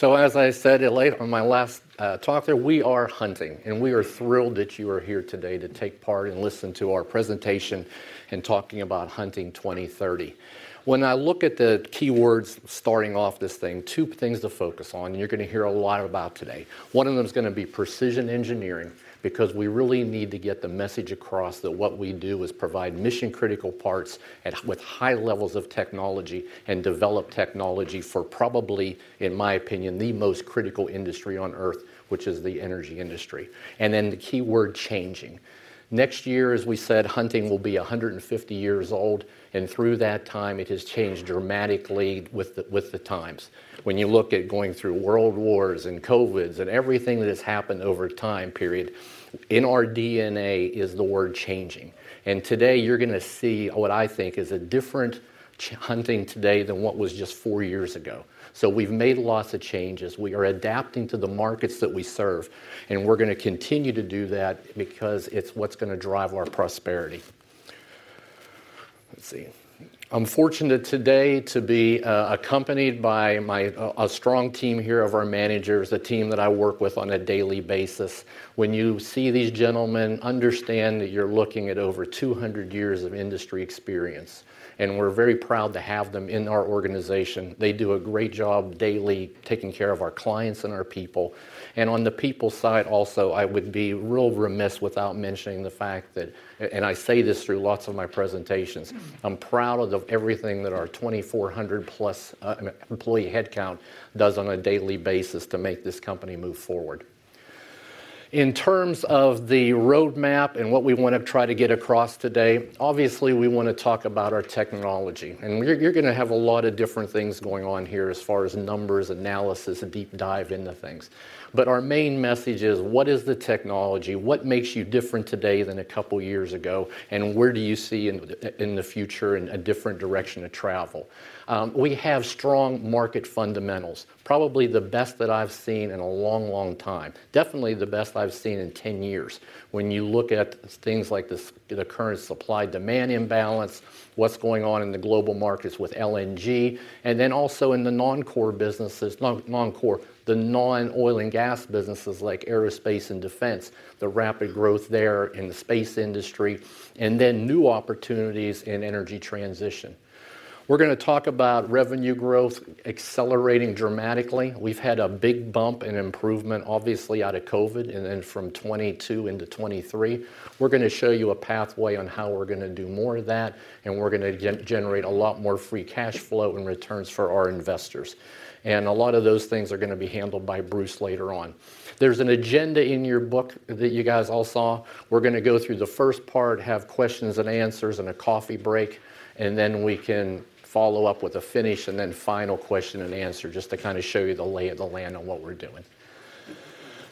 So as I said it late on my last talk there, we are Hunting, and we are thrilled that you are here today to take part and listen to our presentation in talking about Hunting 2030. When I look at the keywords starting off this thing, two things to focus on, you're gonna hear a lot about today. One of them is gonna be precision engineering, because we really need to get the message across that what we do is provide mission-critical parts at, with high levels of technology, and develop technology for probably, in my opinion, the most critical industry on Earth, which is the energy industry. And then the keyword changing. Next year, as we said, Hunting will be 150 years old, and through that time, it has changed dramatically with the times. When you look at going through world wars and COVIDs, and everything that has happened over time period, in our DNA is the world changing. Today you're gonna see what I think is a different Hunting today than what was just 4 years ago. So we've made lots of changes. We are adapting to the markets that we serve, and we're gonna continue to do that because it's what's gonna drive our prosperity. Let's see. I'm fortunate today to be accompanied by my strong team here of our managers, a team that I work with on a daily basis. When you see these gentlemen, understand that you're looking at over 200 years of industry experience, and we're very proud to have them in our organization. They do a great job daily, taking care of our clients and our people. On the people side also, I would be real remiss without mentioning the fact that, and I say this through lots of my presentations, I'm proud of the everything that our 2,400+ employee headcount does on a daily basis to make this company move forward. In terms of the roadmap and what we want to try to get across today, obviously, we want to talk about our technology, and you're, you're gonna have a lot of different things going on here as far as numbers, analysis, and deep dive into things. Our main message is, what is the technology? What makes you different today than a couple of years ago? And where do you see in the future in a different direction of travel? We have strong market fundamentals. Probably the best that I've seen in a long, long time. Definitely the best I've seen in 10 years. When you look at things like the current supply-demand imbalance, what's going on in the global markets with LNG, and then also in the non-core businesses, the non-oil and gas businesses like aerospace and defense, the rapid growth there in the space industry, and then new opportunities in energy transition. We're gonna talk about revenue growth accelerating dramatically. We've had a big bump in improvement, obviously, out of COVID, and then from 2022 into 2023. We're gonna show you a pathway on how we're gonna do more of that, and we're gonna generate a lot more free cash flow and returns for our investors. And a lot of those things are gonna be handled by Bruce later on. There's an agenda in your book that you guys all saw. We're gonna go through the first part, have questions and answers and a coffee break, and then we can follow up with a finish, and then final question and answer, just to kind of show you the lay of the land on what we're doing.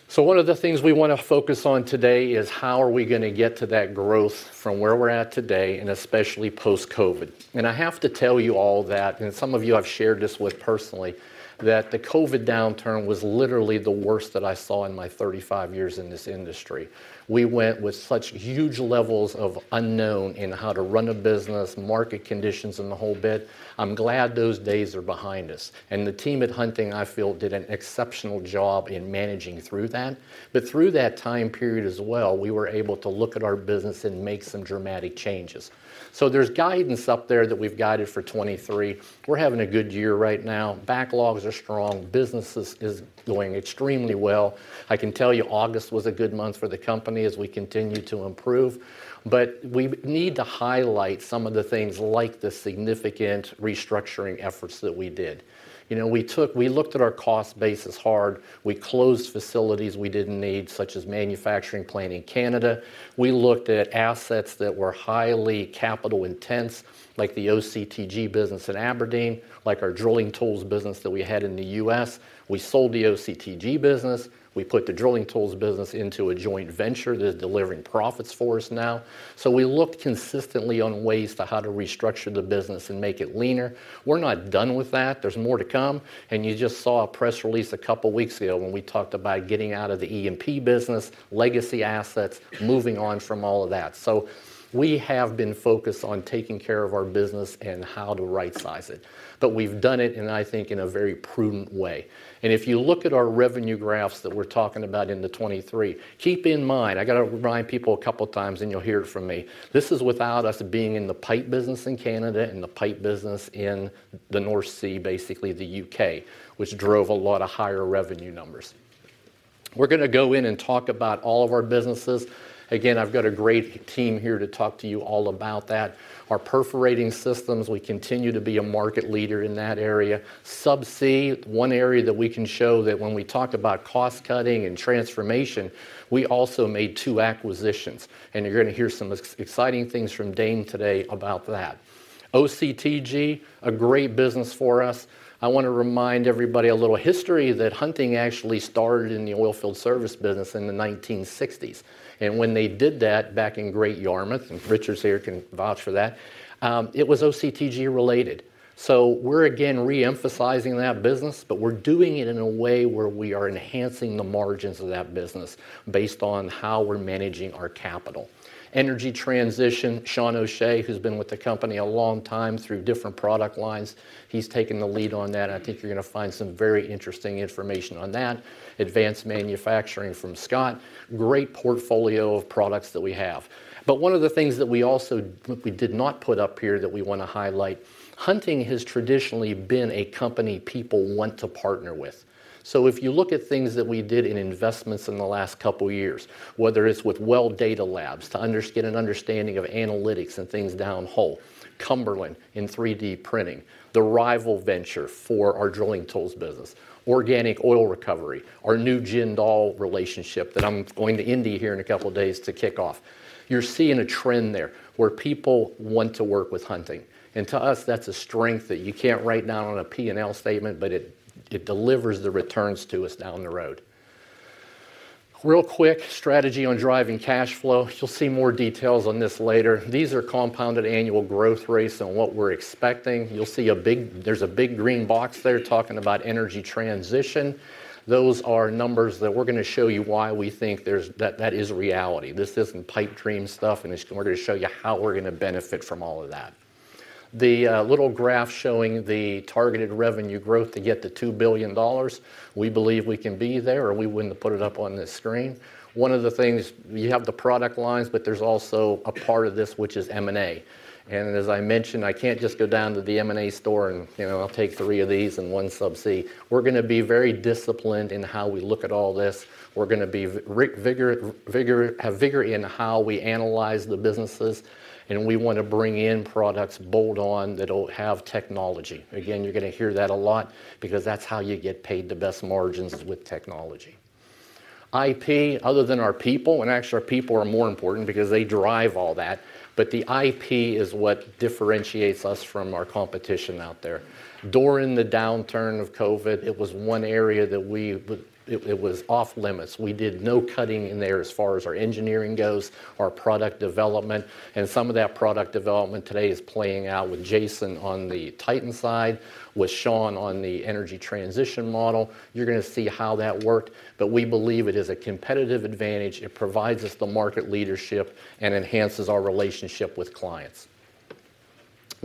So one of the things we wanna focus on today is how are we gonna get to that growth from where we're at today, and especially post-COVID. And I have to tell you all that, and some of you I've shared this with personally, that the COVID downturn was literally the worst that I saw in my 35 years in this industry. We went with such huge levels of unknown in how to run a business, market conditions, and the whole bit. I'm glad those days are behind us, and the team at Hunting, I feel, did an exceptional job in managing through that. But through that time period as well, we were able to look at our business and make some dramatic changes. So there's guidance up there that we've guided for 2023. We're having a good year right now. Backlogs are strong, business is, is going extremely well. I can tell you, August was a good month for the company as we continue to improve, but we need to highlight some of the things like the significant restructuring efforts that we did. You know, we took, we looked at our cost basis hard. We closed facilities we didn't need, such as manufacturing plant in Canada. We looked at assets that were highly capital intense, like the OCTG business in Aberdeen, like our drilling tools business that we had in the U.S. We sold the OCTG business. We put the drilling tools business into a joint venture that is delivering profits for us now. So we looked consistently on ways to how to restructure the business and make it leaner. We're not done with that. There's more to come, and you just saw a press release a couple weeks ago when we talked about getting out of the E&P business, legacy assets, moving on from all of that. So we have been focused on taking care of our business and how to rightsize it, but we've done it, and I think in a very prudent way. If you look at our revenue graphs that we're talking about in the 2023, keep in mind, I gotta remind people a couple of times, and you'll hear it from me, this is without us being in the pipe business in Canada and the pipe business in the North Sea, basically the UK, which drove a lot of higher revenue numbers. We're gonna go in and talk about all of our businesses. Again, I've got a great team here to talk to you all about that. Our perforating systems, we continue to be a market leader in that area. Subsea, one area that we can show that when we talk about cost-cutting and transformation, we also made two acquisitions, and you're gonna hear some exciting things from Dane today about that. OCTG, a great business for us. I want to remind everybody a little history, that Hunting actually started in the oilfield service business in the 1960s, and when they did that back in Great Yarmouth, and Richard here can vouch for that, it was OCTG related. So we're again re-emphasizing that business, but we're doing it in a way where we are enhancing the margins of that business based on how we're managing our capital. Energy transition, Sean O'Shea, who's been with the company a long time through different product lines, he's taking the lead on that. I think you're gonna find some very interesting information on that. Advanced manufacturing from Scott, great portfolio of products that we have. But one of the things that we also, we did not put up here that we want to highlight, Hunting has traditionally been a company people want to partner with.. So if you look at things that we did in investments in the last couple of years, whether it's with Well Data Labs to get an understanding of analytics and things downhole, Cumberland in 3D printing, the joint venture for our drilling tools business, Organic Oil Recovery our new Jindal relationship that I'm going to India here in a couple of days to kick off. You're seeing a trend there where people want to work with Hunting, and to us, that's a strength that you can't write down on a P&L statement, but it, it delivers the returns to us down the road. Real quick, strategy on driving cash flow. You'll see more details on this later. These are compounded annual growth rates on what we're expecting. You'll see a big, there's a big green box there talking about energy transition. Those are numbers that we're gonna show you why we think there's that, that is a reality. This isn't pipe dream stuff, and we're gonna show you how we're gonna benefit from all of that. The little graph showing the targeted revenue growth to get to $2 billion, we believe we can be there, or we wouldn't have put it up on this screen. One of the things, you have the product lines, but there's also a part of this, which is M&A. As I mentioned, I can't just go down to the M&A store and, you know, I'll take three of these and OneSubsea. We're gonna be very disciplined in how we look at all this. We're gonna be vigorous in how we analyze the businesses, and we want to bring in products bolt-on that'll have technology. Again, you're gonna hear that a lot because that's how you get paid the best margins with technology. IP, other than our people, and actually, our people are more important because they derive all that, but the IP is what differentiates us from our competition out there. During the downturn of COVID, it was one area that we it was off-limits. We did no cutting in there as far as our engineering goes, our product development, and some of that product development today is playing out with Jason on the Titan side, with Sean on the energy transition model. You're gonna hear how that worked, but we believe it is a competitive advantage, it provides us the market leadership, and enhances our relationship with clients.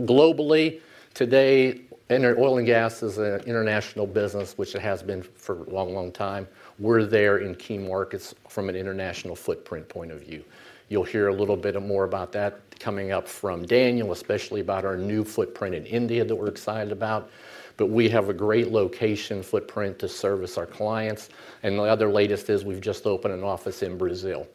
Globally, today, international oil and gas is an international business, which it has been for a long, long time. We're there in teamwork. It's from an international footprint point of view. You'll hear a little bit more about that coming up from Daniel, especially about our new footprint in India that we're excited about. But we have a great location footprint to service our clients, and the other latest is we've just opened an office in Brazil.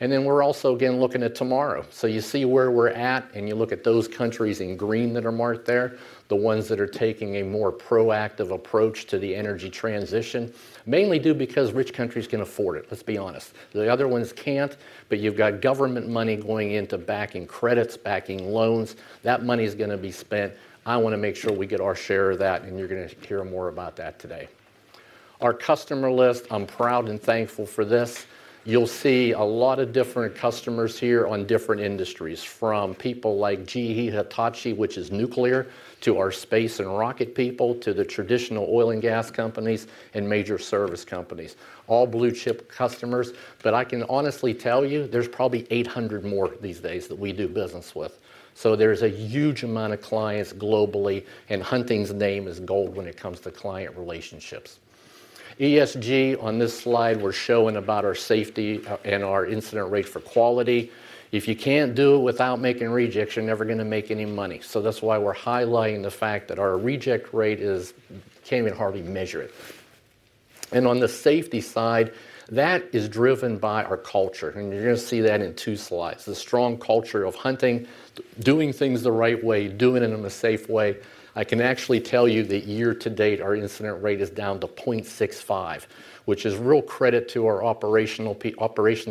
And then we're also again looking at tomorrow. So you see where we're at, and you look at those countries in green that are marked there, the ones that are taking a more proactive approach to the energy transition, mainly due because rich countries can afford it. Let's be honest. The other ones can't, but you've got government money going into backing credits, backing loans. That money is gonna be spent. I wanna make sure we get our share of that, and you're gonna hear more about that today. Our customer list, I'm proud and thankful for this. You'll see a lot of different customers here on different industries, from people like GE Hitachi, which is nuclear, to our space and rocket people, to the traditional oil and gas companies, and major service companies. All blue chip customers, but I can honestly tell you, there's probably 800 more these days that we do business with. So there's a huge amount of clients globally, and Hunting's name is gold when it comes to client relationships. ESG, on this slide, we're showing about our safety, and our incident rate for quality. If you can't do it without making rejects, you're never gonna make any money. So that's why we're highlighting the fact that our reject rate is, can't even hardly measure it. On the safety side, that is driven by our culture, and you're gonna see that in two slides. The strong culture of Hunting, doing things the right way, doing it in a safe way. I can actually tell you that year to date, our incident rate is down to 0.65, which is real credit to our operations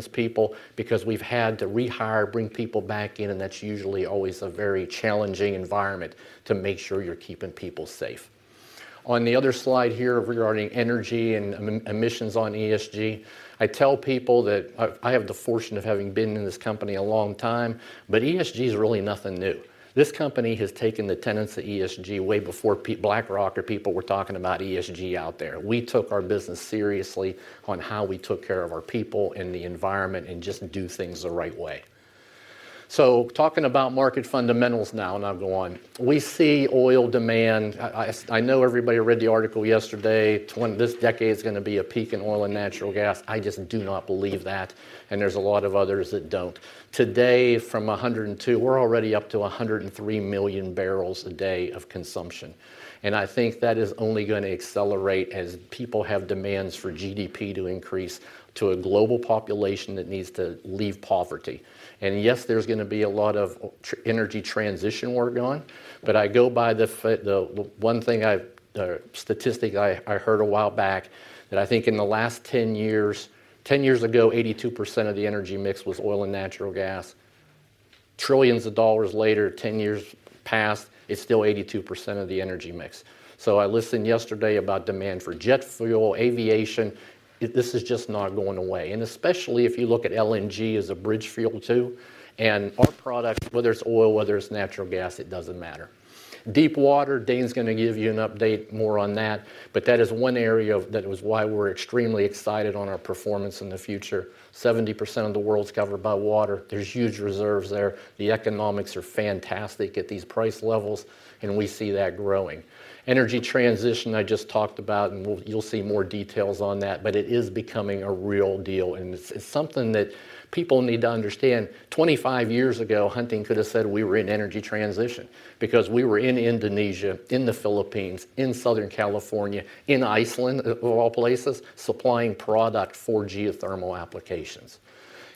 people, because we've had to rehire, bring people back in, and that's usually always a very challenging environment to make sure you're keeping people safe. On the other slide here, regarding energy and emissions on ESG, I tell people that I have the fortune of having been in this company a long time, but ESG is really nothing new. This company has taken the tenets of ESG way before BlackRock or people were talking about ESG out there. We took our business seriously on how we took care of our people and the environment and just do things the right way. So talking about market fundamentals now, and I'll go on. We see oil demand. I know everybody read the article yesterday; this decade is gonna be a peak in oil and natural gas. I just do not believe that, and there's a lot of others that don't. Today, from 102, we're already up to 103 million barrels a day of consumption, and I think that is only gonna accelerate as people have demands for GDP to increase to a global population that needs to leave poverty. Yes, there's gonna be a lot of energy transition work done, but I go by the fact, well, one thing: a statistic I heard a while back, that I think in the last 10 years, 10 years ago, 82% of the energy mix was oil and natural gas. Trillions of dollars later, 10 years past, it's still 82% of the energy mix. So I listened yesterday about demand for jet fuel, aviation. This is just not going away, and especially if you look at LNG as a bridge fuel, too. And our product, whether it's oil, whether it's natural gas, it doesn't matter. deepwater, Dane's gonna give you an update more on that, but that is one area that is why we're extremely excited on our performance in the future. 70% of the world's covered by water. There's huge reserves there. The economics are fantastic at these price levels, and we see that growing. Energy transition, I just talked about, and we'll, you'll see more details on that, but it is becoming a real deal, and it's, it's something that people need to understand. 25 years ago, Hunting could have said we were in energy transition because we were in Indonesia, in the Philippines, in Southern California, in Iceland, of all places, supplying product for geothermal applications.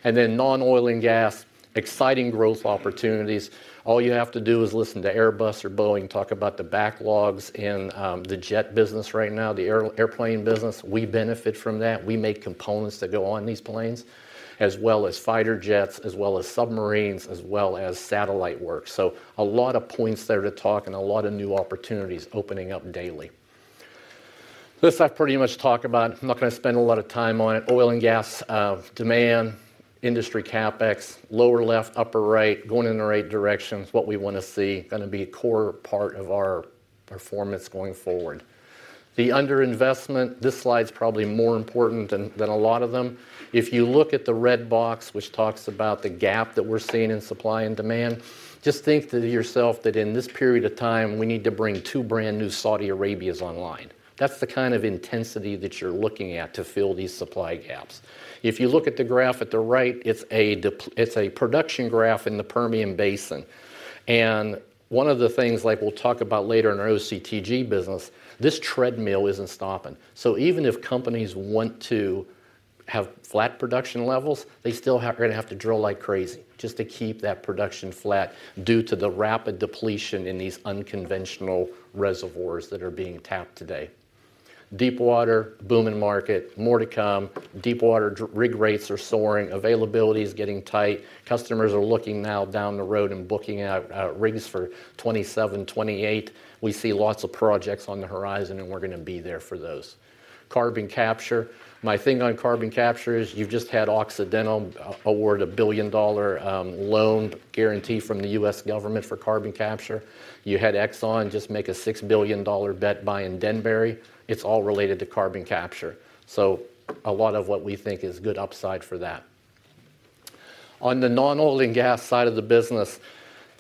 And then non-oil and gas, exciting growth opportunities. All you have to do is listen to Airbus or Boeing talk about the backlogs in the jet business right now, the airplane business. We benefit from that. We make components that go on these planes, as well as fighter jets, as well as submarines, as well as satellite work. So a lot of points there to talk and a lot of new opportunities opening up daily. This I've pretty much talked about. I'm not gonna spend a lot of time on it. Oil and gas demand, industry CapEx, lower left, upper right, going in the right direction, it's what we wanna see, gonna be a core part of our performance going forward. The underinvestment, this slide's probably more important than a lot of them. If you look at the red box, which talks about the gap that we're seeing in supply and demand, just think to yourself that in this period of time, we need to bring two brand-new Saudi Arabias online. That's the kind of intensity that you're looking at to fill these supply gaps. If you look at the graph at the right, it's a production graph in the Permian Basin. One of the things like we'll talk about later in our OCTG business, this treadmill isn't stopping. So even if companies want to have flat production levels, they still gonna have to drill like crazy just to keep that production flat due to the rapid depletion in these unconventional reservoirs that are being tapped today. deepwater, booming market, more to come. deepwater rig rates are soaring, availability is getting tight. Customers are looking now down the road and booking out rigs for 2027, 2028. We see lots of projects on the horizon, and we're gonna be there for those. Carbon capture. My thing on carbon capture is you've just had Occidental award a $1 billion loan guarantee from the U.S. government for carbon capture. You had Exxon just make a $6 billion bet buying Denbury. It's all related to carbon capture, so a lot of what we think is good upside for that. On the non-oil and gas side of the business,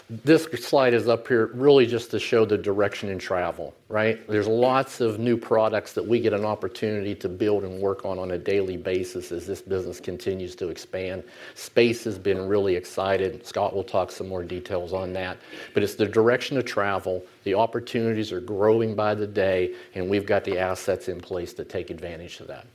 this slide is up here really just to show the direction in travel, right? There's lots of new products that we get an opportunity to build and work on on a daily basis as this business continues to expand. Space has been really excited. Scott will talk some more details on that, but it's the direction of travel, the opportunities are growing by the day, and we've got the assets in place to take advantage of that.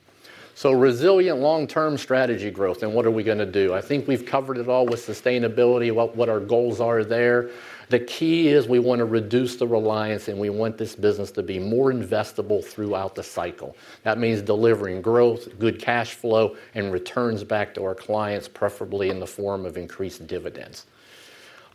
So resilient long-term strategy growth, and what are we gonna do? I think we've covered it all with sustainability, what, what our goals are there. The key is we wanna reduce the reliance, and we want this business to be more investable throughout the cycle. That means delivering growth, good cash flow, and returns back to our clients, preferably in the form of increased dividends.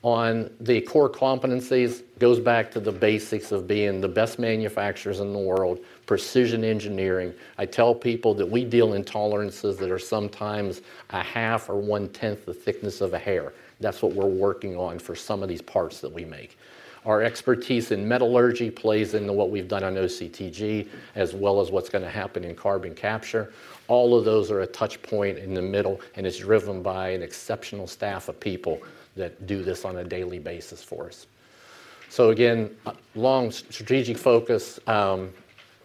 On the core competencies, goes back to the basics of being the best manufacturers in the world, precision engineering. I tell people that we deal in tolerances that are sometimes a half or one-tenth the thickness of a hair. That's what we're working on for some of these parts that we make. Our expertise in metallurgy plays into what we've done on OCTG, as well as what's gonna happen in carbon capture. All of those are a touch point in the middle, and it's driven by an exceptional staff of people that do this on a daily basis for us. So again, long strategic focus,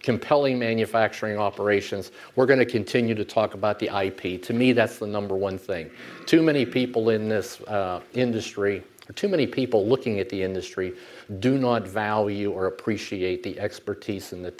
compelling manufacturing operations. We're gonna continue to talk about the IP. To me, that's the number one thing. Too many people in this industry—too many people looking at the industry do not value or appreciate the expertise and the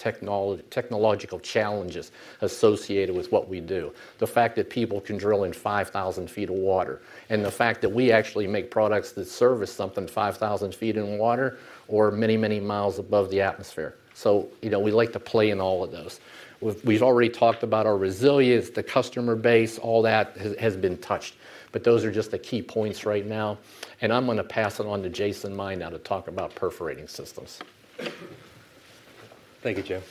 technological challenges associated with what we do. The fact that people can drill in 5,000 feet of water, and the fact that we actually make products that service something 5,000 feet in water or many, many miles above the atmosphere. So, you know, we like to play in all of those. We've, we've already talked about our resilience, the customer base, all that has, has been touched, but those are just the key points right now, and I'm gonna pass it on to Jason Mai now to talk about perforating systems. Thank you, Jim.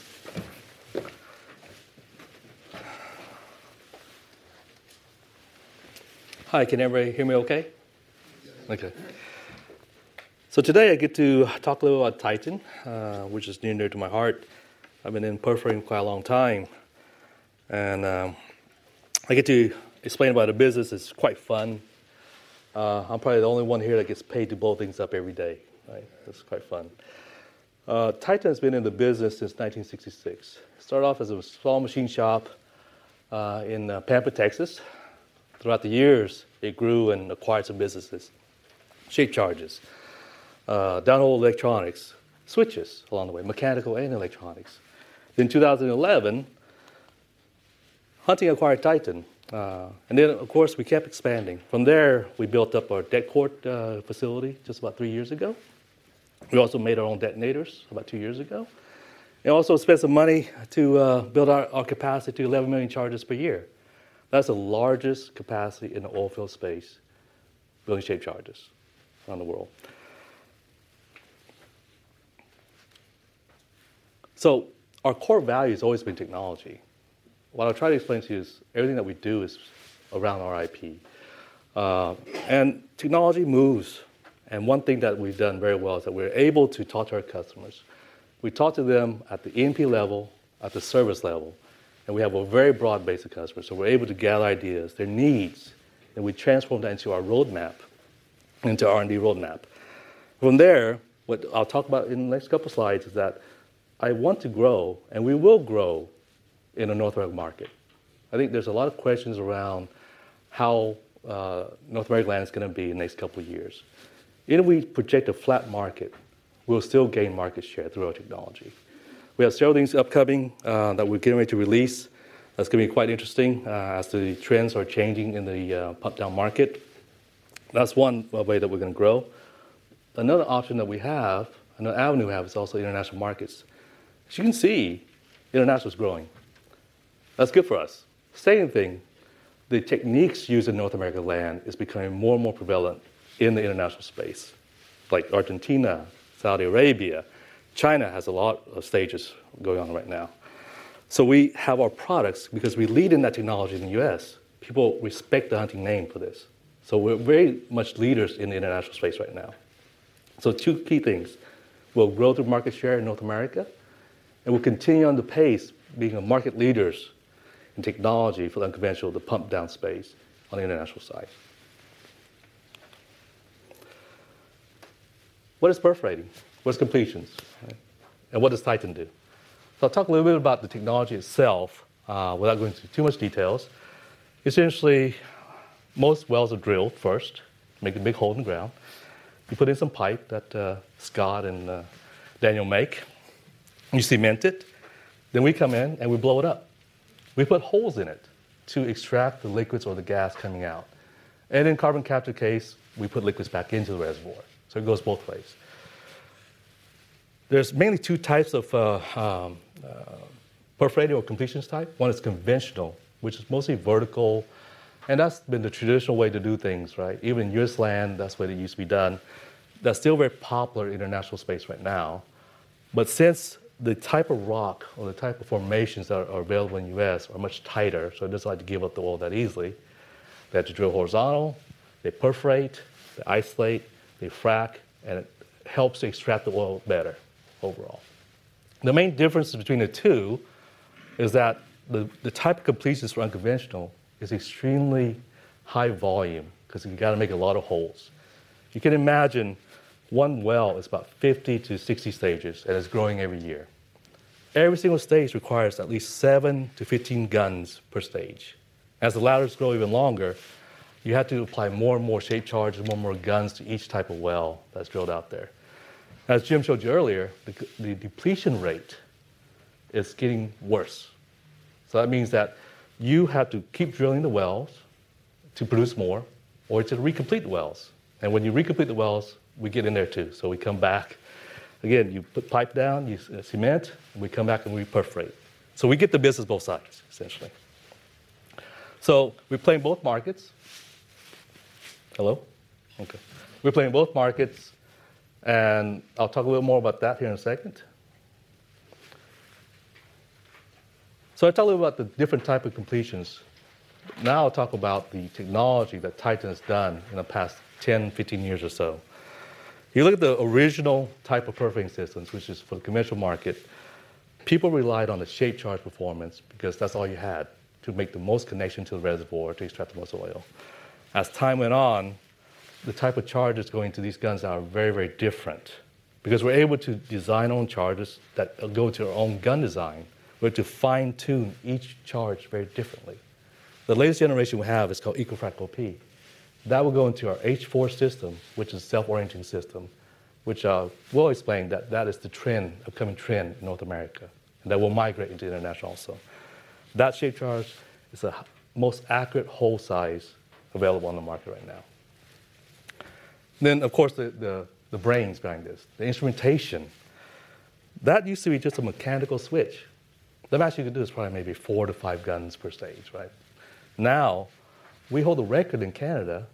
Hi, can everybody hear me okay? Okay. So today I get to talk a little about Titan, which is near and dear to my heart. I've been in perforating quite a long time, and I get to explain about a business that's quite fun. I'm probably the only one here that gets paid to blow things up every day, right? That's quite fun. Titan's been in the business since 1966. Started off as a small machine shop in Pampa, Texas. Throughout the years, it grew and acquired some businesses, shaped charges, downhole electronics, switches along the way, mechanical and electronics. In 2011, Hunting acquired Titan, and then, of course, we kept expanding. From there, we built up our Detcord facility just about three years ago. We also made our own detonators about two years ago, and also spent some money to build our capacity to 11 million charges per year. That's the largest capacity in the oil field space, building shaped charges around the world. So our core value has always been technology. What I'll try to explain to you is everything that we do is around our IP. And technology moves, and one thing that we've done very well is that we're able to talk to our customers. We talk to them at the OEM level, at the service level, and we have a very broad base of customers, so we're able to gather ideas, their needs, and we transform that into our roadmap, into R&D roadmap. From there, what I'll talk about in the next couple slides is that I want to grow, and we will grow in a North American market. I think there's a lot of questions around how North American land is gonna be in the next couple of years. Even if we project a flat market, we'll still gain market share through our technology. We have several things upcoming that we're getting ready to release. That's gonna be quite interesting as the trends are changing in the pump down market. That's one way that we're gonna grow. Another option that we have, another avenue we have, is also international markets. As you can see, international is growing. That's good for us. Same thing, the techniques used in North American land is becoming more and more prevalent in the international space, like Argentina, Saudi Arabia. China has a lot of stages going on right now. So we have our products because we lead in that technology in the U.S., people respect the Hunting name for this. So we're very much leaders in the international space right now. So two key things: We'll grow through market share in North America, and we'll continue on the pace being a market leaders in technology for the unconventional, the pump down space on the international side. What is perforating? What's completions? And what does Titan do? So I'll talk a little bit about the technology itself, without going into too much details. Essentially, most wells are drilled first, make a big hole in the ground. You put in some pipe that, Scott and, Daniel make, you cement it, then we come in, and we blow it up. We put holes in it to extract the liquids or the gas coming out. In carbon capture case, we put liquids back into the reservoir, so it goes both ways. There's mainly two types of perforating or completions type. One is conventional, which is mostly vertical, and that's been the traditional way to do things, right? Even in U.S. land, that's the way it used to be done. That's still very popular in international space right now. But since the type of rock or the type of formations that are available in U.S. are much tighter, so they don't like to give up the oil that easily, they have to drill horizontal, they perforate, they isolate, they frac, and it helps to extract the oil better overall. The main difference between the two is that the type of completions for unconventional is extremely high volume because you got to make a lot of holes. You can imagine one well is about 50-60 stages, and it's growing every year. Every single stage requires at least 7-15 guns per stage. As the laterals grow even longer, you have to apply more and more shaped charge and more and more guns to each type of well that's drilled out there. As Jim showed you earlier, the depletion rate is getting worse. So that means that you have to keep drilling the wells to produce more or to recomplete the wells. And when you recomplete the wells, we get in there, too. So we come back. Again, you put pipe down, you cement, and we come back, and we perforate. So we get the business both sides, essentially. So we play in both markets. Hello? Okay. We play in both markets, and I'll talk a little more about that here in a second. So I told you about the different type of completions. Now, I'll talk about the technology that Titan has done in the past 10, 15 years or so. You look at the original type of perforating systems, which is for the conventional market, people relied on the shaped charge performance because that's all you had to make the most connection to the reservoir to extract the most oil. As time went on, the type of charges going to these guns are very, very different because we're able to design own charges that go to our own gun design. We have to fine-tune each charge very differently. The latest generation we have is called Eco-Frac GHP. That will go into our H-4 system, which is self-orienting system, which we'll explain that that is the trend, upcoming trend in North America, that will migrate into international also. That shaped charge is the most accurate hole size available on the market right now. Then, of course, the brains behind this, the instrumentation. That used to be just a mechanical switch. The maximum you could do is probably maybe 4-5 guns per stage, right? Now, we hold the record in Canada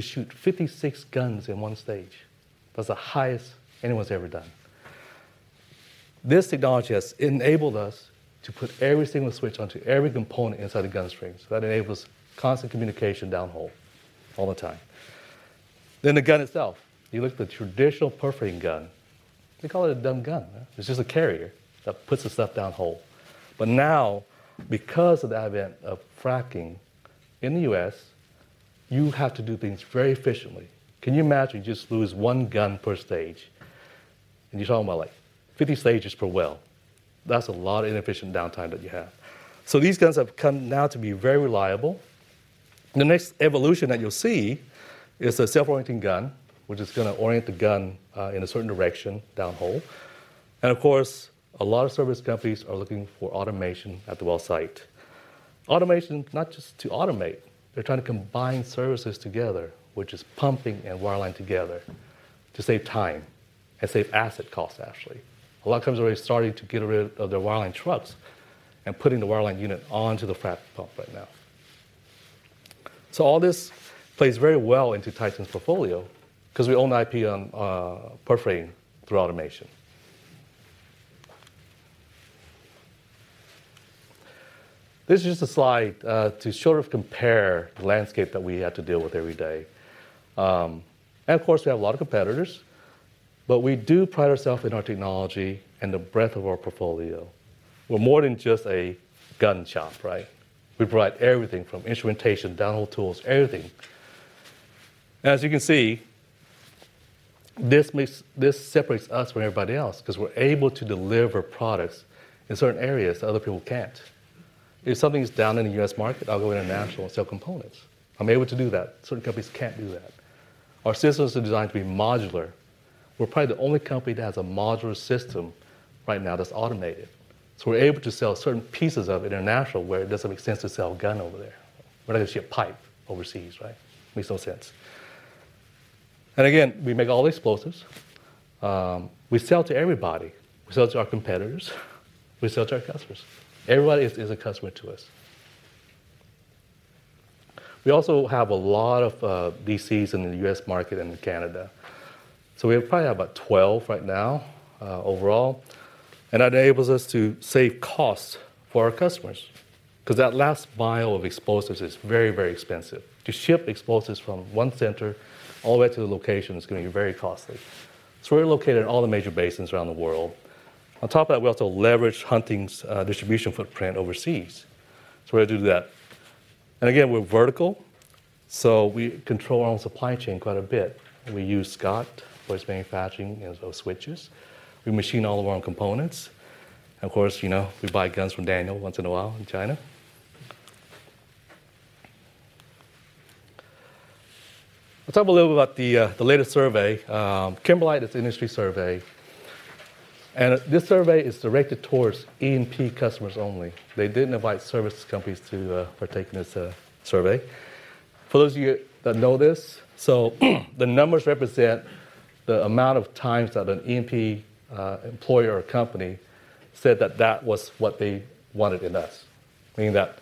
to shoot 56 guns in one stage. That's the highest anyone's ever done. This technology has enabled us to put every single switch onto every component inside the gun stream, so that enables constant communication downhole all the time. Then the gun itself, you look at the traditional perforating gun, they call it a dumb gun, huh? It's just a carrier that puts the stuff down hole. But now, because of the advent of fracing in the US, you have to do things very efficiently. Can you imagine you just lose one gun per stage, and you're talking about, like, 50 stages per well? That's a lot of inefficient downtime that you have. So these guns have come now to be very reliable. The next evolution that you'll see is a self-orienting gun, which is gonna orient the gun in a certain direction downhole. And of course, a lot of service companies are looking for automation at the well site. Automation, not just to automate, they're trying to combine services together, which is pumping and wireline together to save time and save asset costs, actually. A lot of companies are already starting to get rid of their wireline trucks and putting the wireline unit onto the frac pump right now. So all this plays very well into Titan's portfolio, 'cause we own IP on perforating through automation. This is just a slide to sort of compare the landscape that we have to deal with every day. And of course, we have a lot of competitors, but we do pride ourselves in our technology and the breadth of our portfolio. We're more than just a gun shop, right? We provide everything from instrumentation, downhole tools, everything. As you can see, this makes, this separates us from everybody else, 'cause we're able to deliver products in certain areas that other people can't. If something's down in the U.S. market, I'll go international and sell components. I'm able to do that. Certain companies can't do that. Our systems are designed to be modular. We're probably the only company that has a modular system right now that's automated, so we're able to sell certain pieces of it international, where it doesn't make sense to sell a gun over there. We're not gonna ship a pipe overseas, right? Makes no sense. And again, we make all the explosives. We sell to everybody. We sell to our competitors, we sell to our customers. Everybody is, is a customer to us. We also have a lot of DCs in the U.S. market and Canada. So we probably have about 12 right now, overall, and that enables us to save costs for our customers, 'cause that last mile of explosives is very, very expensive. To ship explosives from one center all the way to the location is gonna be very costly. So we're located in all the major basins around the world. On top of that, we also leverage Hunting's distribution footprint overseas. So we're gonna do that. And again, we're vertical, so we control our own supply chain quite a bit. We use Scott for his manufacturing, as well, switches. We machine all of our own components, and of course, you know, we buy guns from Daniel once in a while in China. Let's talk a little bit about the latest survey. Kimberlite, it's an industry survey, and this survey is directed towards E&P customers only. They didn't invite services companies to partake in this survey. For those of you that know this, so the numbers represent the amount of times that an E&P employer or company said that that was what they wanted in us. Meaning that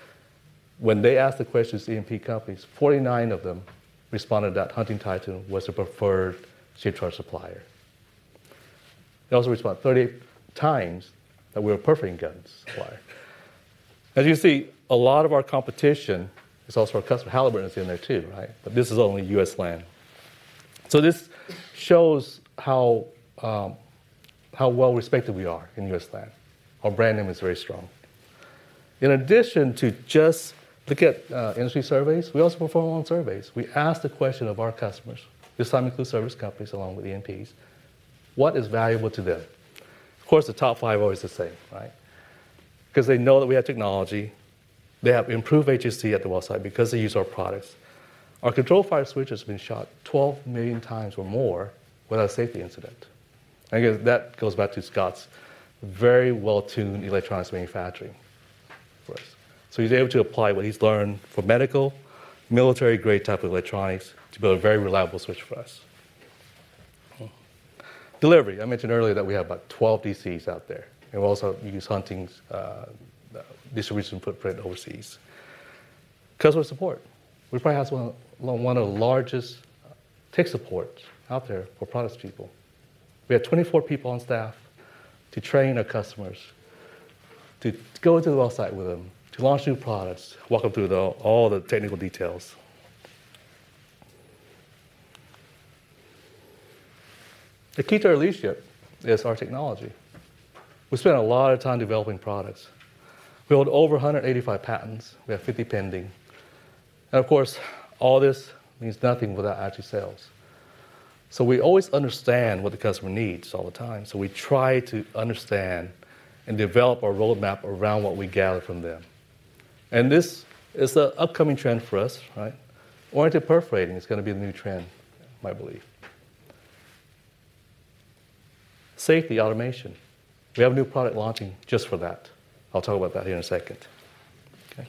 when they asked the questions to E&P companies, 49 of them responded that Hunting Titan was the preferred shaped charge supplier. They also responded 38 times that we're a perforating gun supplier. As you can see, a lot of our competition is also our customer. Halliburton is in there, too, right? But this is only U.S. land. So this shows how well-respected we are in U.S. land. Our brand name is very strong. In addition to just looking at industry surveys, we also perform our own surveys. We ask the question of our customers, this time include service companies along with E&Ps, what is valuable to them? Of course, the top five are always the same, right? 'Cause they know that we have technology. They have improved HSE at the well site because they use our products. Our ControlFire switch has been shot 12 million times or more without a safety incident. Again, that goes back to Scott's very well-tuned electronics manufacturing for us. So he's able to apply what he's learned from medical, military-grade type of electronics to build a very reliable switch for us. Delivery, I mentioned earlier that we have about 12 DCs out there. And we also use Hunting's distribution footprint overseas. Customer support. We probably have one of the largest tech support out there for products people. We have 24 people on staff to train our customers, to go to the well site with them, to launch new products, walk them through all the technical details. The key to our leadership is our technology. We spend a lot of time developing products. We hold over 185 patents, we have 50 pending. Of course, all this means nothing without actual sales. We always understand what the customer needs all the time, so we try to understand and develop our roadmap around what we gather from them. This is the upcoming trend for us, right? Oriented perforating is gonna be the new trend, my belief. Safety automation. We have a new product launching just for that. I'll talk about that here in a second. Okay.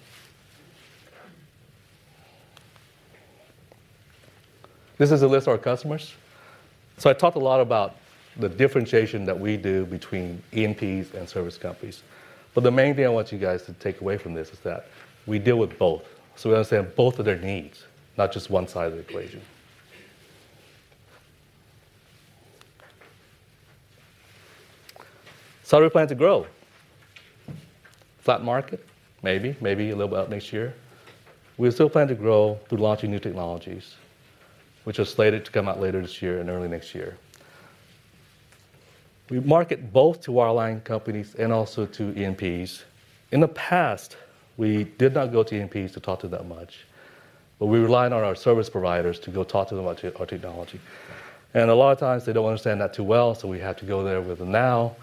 This is a list of our customers. I talked a lot about the differentiation that we do between E&Ps and service companies, but the main thing I want you guys to take away from this is that we deal with both. We understand both of their needs, not just one side of the equation. How do we plan to grow? Flat market, maybe. Maybe a little bit up next year. We still plan to grow through launching new technologies, which are slated to come out later this year and early next year. We market both to wireline companies and also to E&Ps. In the past, we did not go to E&Ps to talk to them much, but we relied on our service providers to go talk to them about our technology. A lot of times, they don't understand that too well, so we have to go there with them now.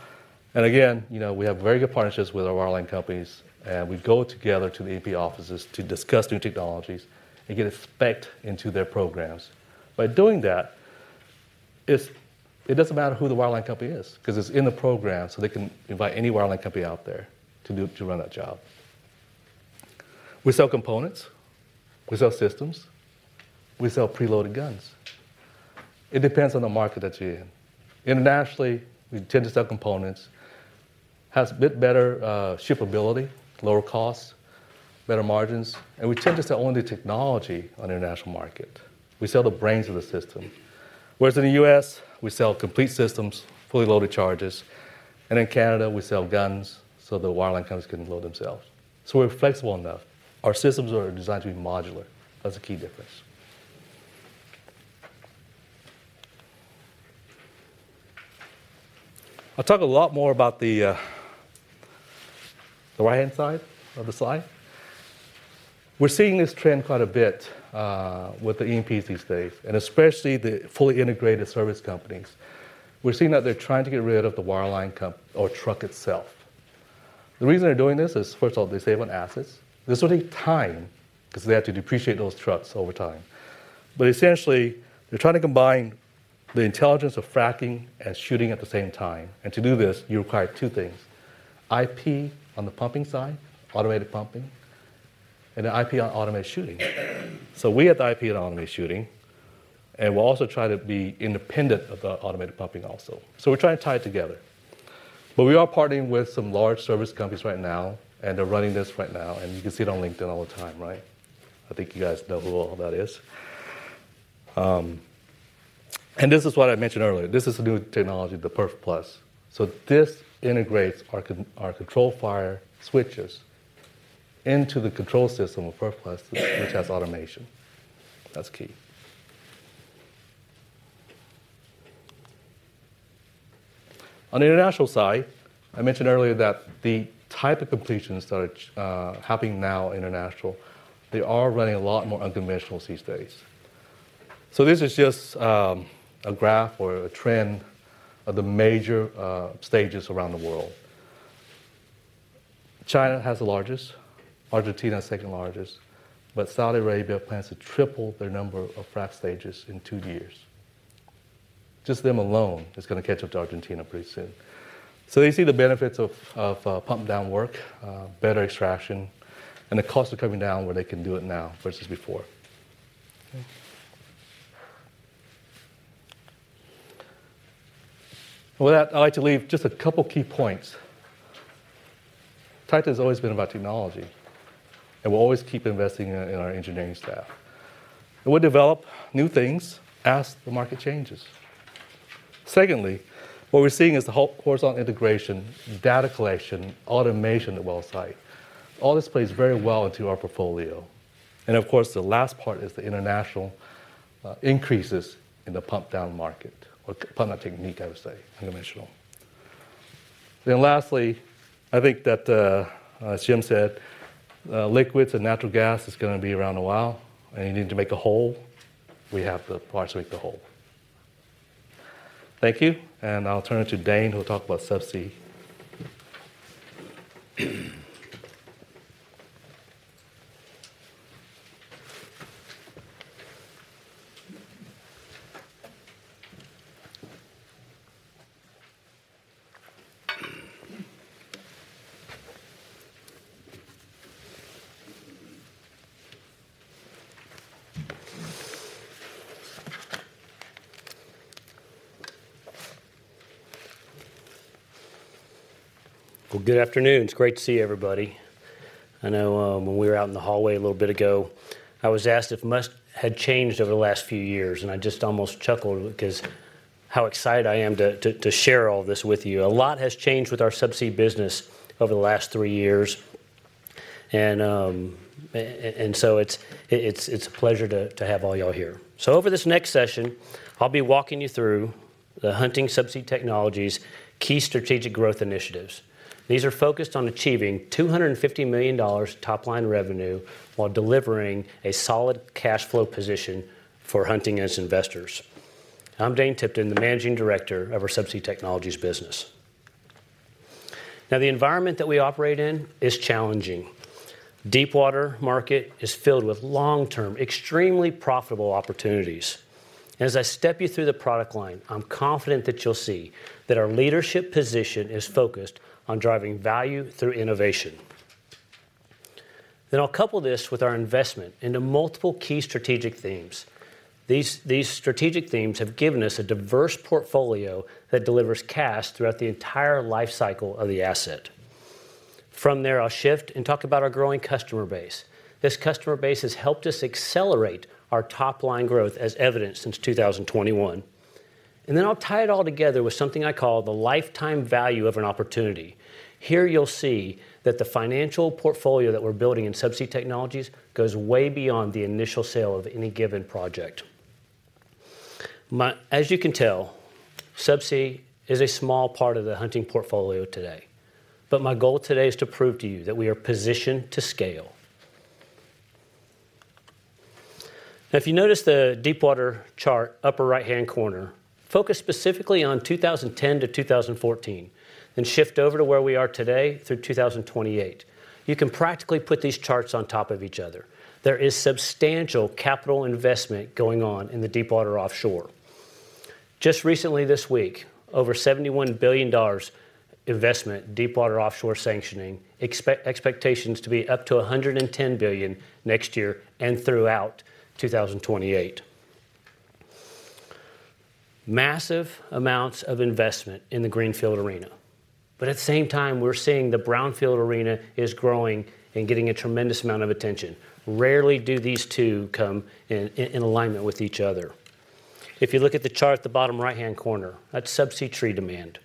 Again, you know, we have very good partnerships with our wireline companies, and we go together to the E&P offices to discuss new technologies and get it spec-ed into their programs. By doing that, it doesn't matter who the wireline company is, 'cause it's in the program, so they can invite any wireline company out there to do, to run that job. We sell components, we sell systems, we sell preloaded guns. It depends on the market that you're in. Internationally, we tend to sell components. Has a bit better shippability, lower costs, better margins, and we tend to sell only technology on the international market. We sell the brains of the system, whereas in the US, we sell complete systems, fully loaded charges, and in Canada, we sell guns, so the wireline companies can load themselves. So we're flexible enough. Our systems are designed to be modular. That's the key difference. I'll talk a lot more about the the right-hand side of the slide. We're seeing this trend quite a bit with the E&Ps these days, and especially the fully integrated service companies. We're seeing that they're trying to get rid of the wireline comp- or truck itself. The reason they're doing this is, first of all, they save on assets. This will take time, 'cause they have to depreciate those trucks over time. But essentially, they're trying to combine the intelligence of fracing and shooting at the same time, and to do this, you require two things: IP on the pumping side, automated pumping, and an IP on automated shooting. So we have the IP on automated shooting, and we're also trying to be independent of the automated pumping also. So we're trying to tie it together. But we are partnering with some large service companies right now, and they're running this right now, and you can see it on LinkedIn all the time, right? I think you guys know who all that is. And this is what I mentioned earlier. This is the new technology, the PerfX. So this integrates our ControlFire switches into the control system of PerfX, which has automation. That's key. On the international side, I mentioned earlier that the type of completions that are happening now international, they are running a lot more unconventional these days. So this is just a graph or a trend of the major stages around the world. China has the largest, Argentina is second largest, but Saudi Arabia plans to triple their number of frac stages in two years. Just them alone is gonna catch up to Argentina pretty soon. So they see the benefits of pump down work, better extraction, and the cost of coming down where they can do it now versus before. Okay. With that, I'd like to leave just a couple key points. Titan has always been about technology, and we'll always keep investing in our engineering staff. We'll develop new things as the market changes. Secondly, what we're seeing is the whole horizontal integration, data collection, automation at well site. All this plays very well into our portfolio. And of course, the last part is the international increases in the pump down market, or pumping technique, I would say, unconventional. Lastly, I think that, as Jim said, liquids and natural gas is gonna be around a while, and you need to make a hole. We have the parts to make the hole. Thank you, and I'll turn it to Dane, who will talk about subsea. Well, good afternoon. It's great to see everybody. I know when we were out in the hallway a little bit ago, I was asked if much had changed over the last few years, and I just almost chuckled because how excited I am to share all this with you. A lot has changed with our subsea business over the last three years, and so it's a pleasure to have all y'all here. So over this next session, I'll be walking you through the Hunting Subsea Technologies' key strategic growth initiatives. These are focused on achieving $250 million top-line revenue while delivering a solid cash flow position for Hunting and its investors. I'm Dane Tipton, the Managing Director of our Subsea Technologies business. Now, the environment that we operate in is challenging. Deepwater market is filled with long-term, extremely profitable opportunities. As I step you through the product line, I'm confident that you'll see that our leadership position is focused on driving value through innovation. Then I'll couple this with our investment into multiple key strategic themes. These strategic themes have given us a diverse portfolio that delivers cash throughout the entire life cycle of the asset. From there, I'll shift and talk about our growing customer base. This customer base has helped us accelerate our top-line growth, as evidenced since 2021. Then I'll tie it all together with something I call the lifetime value of an opportunity. Here, you'll see that the financial portfolio that we're building in Subsea Technologies goes way beyond the initial sale of any given project. As you can tell, Subsea is a small part of the Hunting portfolio today, but my goal today is to prove to you that we are positioned to scale. Now, if you notice the deepwater chart, upper right-hand corner, focus specifically on 2010 to 2014, then shift over to where we are today through 2028. You can practically put these charts on top of each other. There is substantial capital investment going on in the deepwater offshore. Just recently this week, over $71 billion investment, deepwater offshore sanctioning, expectations to be up to $110 billion next year and throughout 2028. Massive amounts of investment in the greenfield arena. But at the same time, we're seeing the brownfield arena is growing and getting a tremendous amount of attention. Rarely do these two come in alignment with each other. If you look at the chart at the bottom right-hand corner, that's subsea tree demand.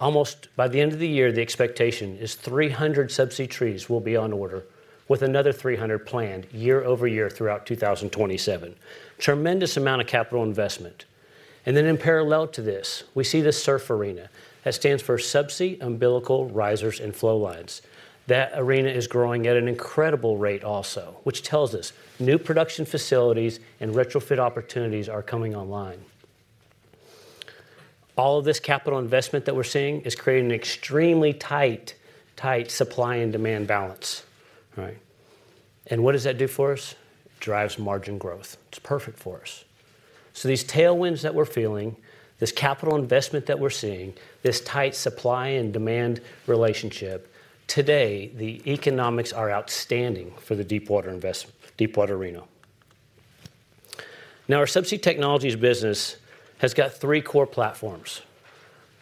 Almost by the end of the year, the expectation is 300 subsea trees will be on order, with another 300 planned year over year throughout 2027. Tremendous amount of capital investment. And then in parallel to this, we see the SURF arena. That stands for subsea, umbilical, risers, and flowlines. That arena is growing at an incredible rate also, which tells us new production facilities and retrofit opportunities are coming online. All of this capital investment that we're seeing is creating an extremely tight, tight supply and demand balance, right? And what does that do for us? Drives margin growth. It's perfect for us. So these tailwinds that we're feeling, this capital investment that we're seeing, this tight supply and demand relationship, today, the economics are outstanding for the deepwater arena. Now, our subsea technologies business has got three core platforms.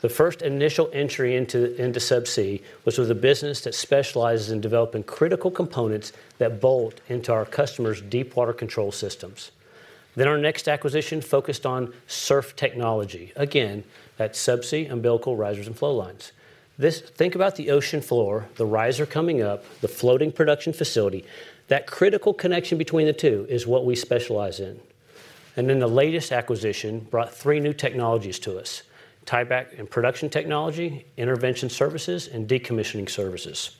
The first initial entry into, into subsea, which was a business that specializes in developing critical components that bolt into our customers' deepwater control systems. Then our next acquisition focused on SURF technology. Again, that's subsea, umbilical, risers, and flowlines. This. Think about the ocean floor, the riser coming up, the floating production facility. That critical connection between the two is what we specialize in. And then the latest acquisition brought three new technologies to us: tieback and production technology, intervention services, and decommissioning services.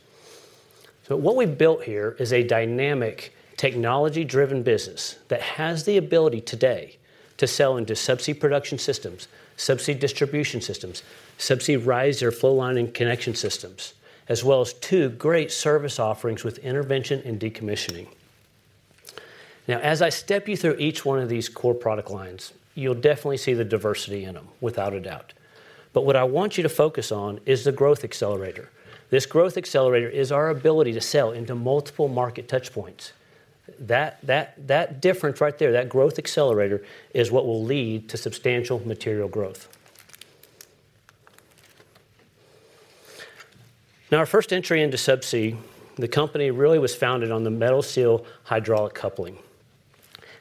So what we've built here is a dynamic, technology-driven business that has the ability today to sell into subsea production systems, subsea distribution systems, subsea riser and flow line and connection systems, as well as two great service offerings with intervention and decommissioning. Now, as I step you through each one of these core product lines, you'll definitely see the diversity in them, without a doubt. But what I want you to focus on is the growth accelerator. This growth accelerator is our ability to sell into multiple market touchpoints. That difference right there, that growth accelerator, is what will lead to substantial material growth. Now, our first entry into subsea, the company really was founded on the MetalSeal hydraulic coupling.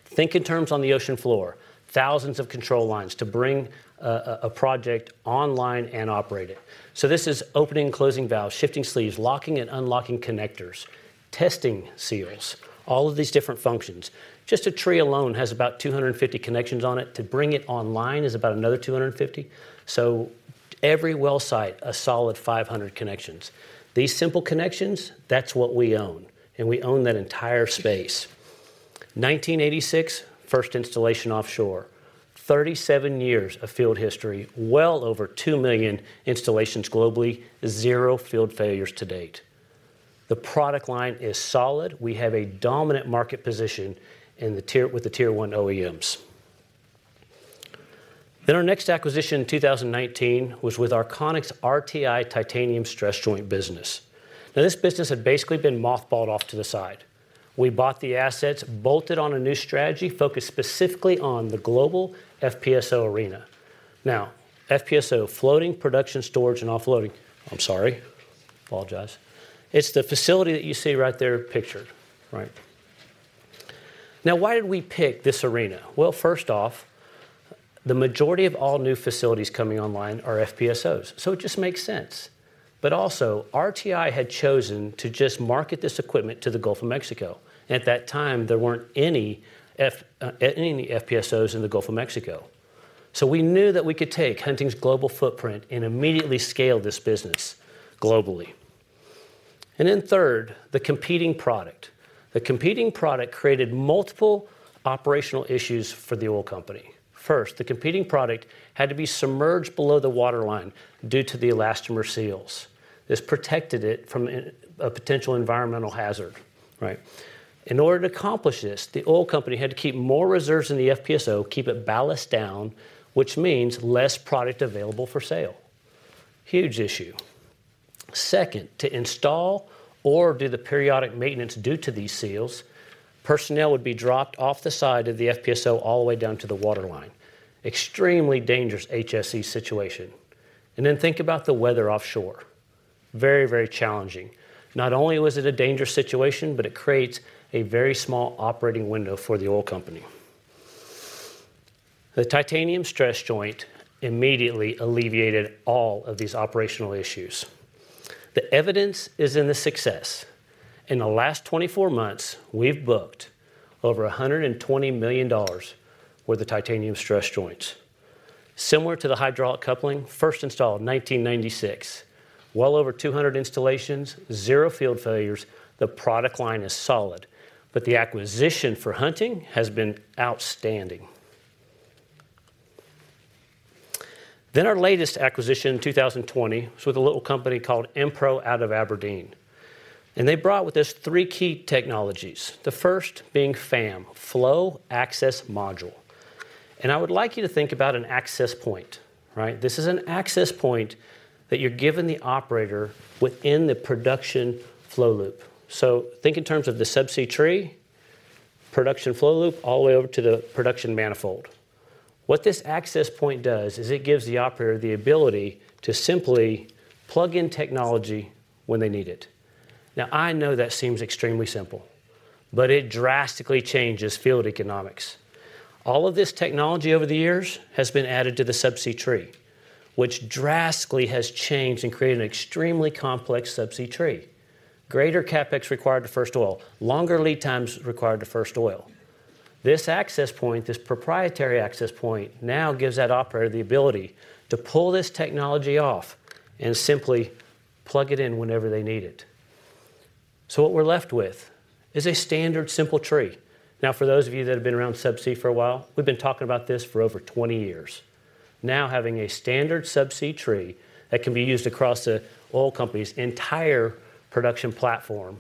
Think in terms of the ocean floor, thousands of control lines to bring a project online and operate it. So this is opening and closing valves, shifting sleeves, locking and unlocking connectors, testing seals, all of these different functions. Just a tree alone has about 250 connections on it. To bring it online is about another 250. So every well site, a solid 500 connections. These simple connections, that's what we own, and we own that entire space. 1986, first installation offshore. 37 years of field history, well over 2 million installations globally, 0 field failures to date. The product line is solid. We have a dominant market position in the Tier 1 OEMs. Then our next acquisition in 2019 was with Arconic's RTI titanium stress joint business. Now, this business had basically been mothballed off to the side. We bought the assets, bolted on a new strategy, focused specifically on the global FPSO arena. Now, FPSO, floating production storage and offloading. I'm sorry. Apologize. It's the facility that you see right there pictured, right? Now, why did we pick this arena? Well, first off, the majority of all new facilities coming online are FPSOs, so it just makes sense. But also, RTI had chosen to just market this equipment to the Gulf of Mexico. At that time, there weren't any FPSOs in the Gulf of Mexico. So we knew that we could take Hunting's global footprint and immediately scale this business globally. And then third, the competing product. The competing product created multiple operational issues for the oil company. First, the competing product had to be submerged below the waterline due to the elastomer seals. This protected it from a potential environmental hazard, right? In order to accomplish this, the oil company had to keep more reserves in the FPSO, keep it ballast down, which means less product available for sale. Huge issue. Second, to install or do the periodic maintenance due to these seals, personnel would be dropped off the side of the FPSO all the way down to the waterline. Extremely dangerous HSE situation. And then think about the weather offshore. Very, very challenging. Not only was it a dangerous situation, but it creates a very small operating window for the oil company. The titanium stress joint immediately alleviated all of these operational issues. The evidence is in the success. In the last 24 months, we've booked over $120 million with the titanium stress joints. Similar to the hydraulic coupling, first installed in 1996. Well over 200 installations, 0 field failures, the product line is solid, but the acquisition for Hunting has been outstanding. Then our latest acquisition in 2020 was with a little company called Enpro, out of Aberdeen. And they brought with us three key technologies. The first being FAM, Flow Access Module. And I would like you to think about an access point, right? This is an access point that you're giving the operator within the production flow loop. So think in terms of the subsea tree, production flow loop, all the way over to the production manifold. What this access point does is it gives the operator the ability to simply plug in technology when they need it. Now, I know that seems extremely simple, but it drastically changes field economics. All of this technology over the years has been added to the subsea tree, which drastically has changed and created an extremely complex subsea tree. Greater CapEx required to first oil, longer lead times required to first oil. This access point, this proprietary access point, now gives that operator the ability to pull this technology off and simply plug it in whenever they need it. So what we're left with is a standard, simple tree. Now, for those of you that have been around subsea for a while, we've been talking about this for over 20 years. Now, having a standard subsea tree that can be used across the oil company's entire production platform,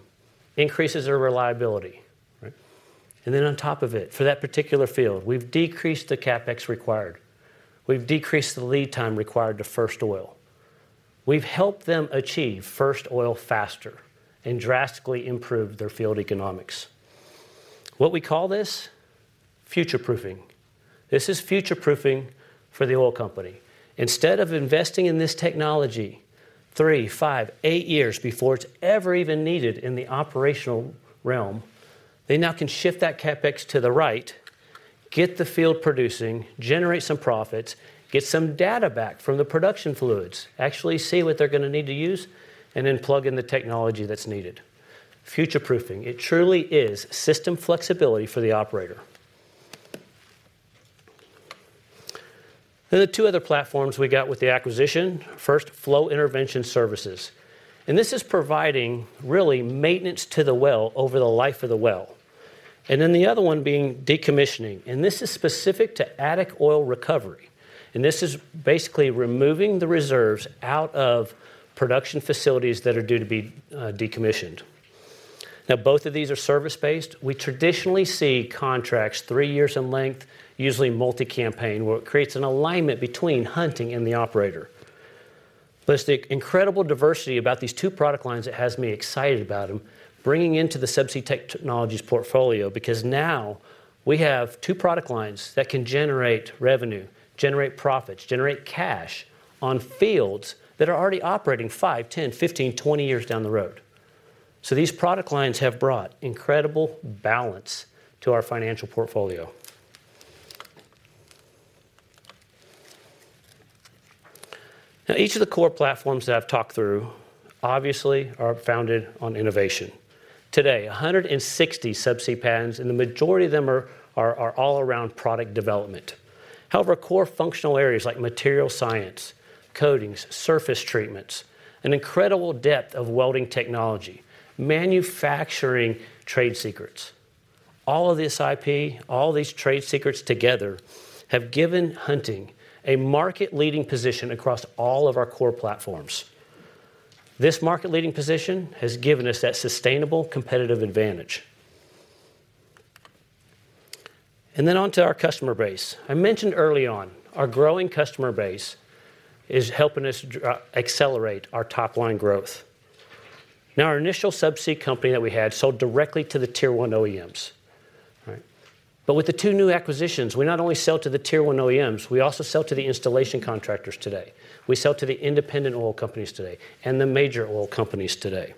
increases their reliability, right? And then on top of it, for that particular field, we've decreased the CapEx required. We've decreased the lead time required to first oil. We've helped them achieve first oil faster and drastically improved their field economics. What we call this? Future-proofing. This is future-proofing for the oil company. Instead of investing in this technology three, five, eight years before it's ever even needed in the operational realm, they now can shift that CapEx to the right, get the field producing, generate some profits, get some data back from the production fluids, actually see what they're gonna need to use, and then plug in the technology that's needed. Future-proofing. It truly is system flexibility for the operator. Then the two other platforms we got with the acquisition, first, Flow Intervention Services. And this is providing, really, maintenance to the well over the life of the well. And then the other one being decommissioning, and this is specific to attic oil recovery. This is basically removing the reserves out of production facilities that are due to be decommissioned. Now, both of these are service-based. We traditionally see contracts three years in length, usually multi-campaign, where it creates an alignment between Hunting and the operator. But it's the incredible diversity about these two product lines that has me excited about them, bringing into the subsea technologies portfolio, because now we have two product lines that can generate revenue, generate profits, generate cash on fields that are already operating five, 10, 15, 20 years down the road. These product lines have brought incredible balance to our financial portfolio. Now, each of the core platforms that I've talked through, obviously, are founded on innovation. Today, 160 subsea patents, and the majority of them are all around product development. However, core functional areas like material science, coatings, surface treatments, an incredible depth of welding technology, manufacturing trade secrets, all of this IP, all these trade secrets together, have given Hunting a market-leading position across all of our core platforms. This market-leading position has given us that sustainable competitive advantage. And then on to our customer base. I mentioned early on, our growing customer base is helping us accelerate our top-line growth. Now, our initial subsea company that we had sold directly to the Tier 1 OEMs, right? But with the two new acquisitions, we not only sell to the Tier 1 OEMs, we also sell to the installation contractors today, we sell to the independent oil companies today, and the major oil companies today.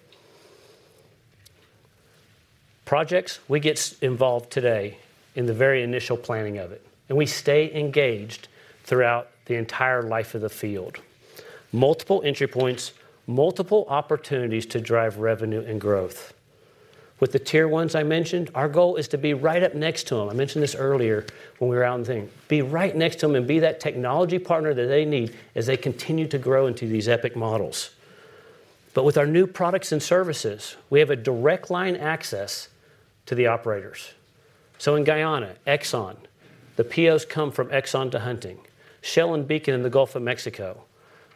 Projects, we get involved today in the very initial planning of it, and we stay engaged throughout the entire life of the field. Multiple entry points, multiple opportunities to drive revenue and growth. With the Tier 1s I mentioned, our goal is to be right up next to them. I mentioned this earlier when we were out and thing. Be right next to them and be that technology partner that they need as they continue to grow into these EPIC models. But with our new products and services, we have a direct line access to the operators. So in Guyana, Exxon, the POs come from Exxon to Hunting. Shell and Beacon in the Gulf of Mexico,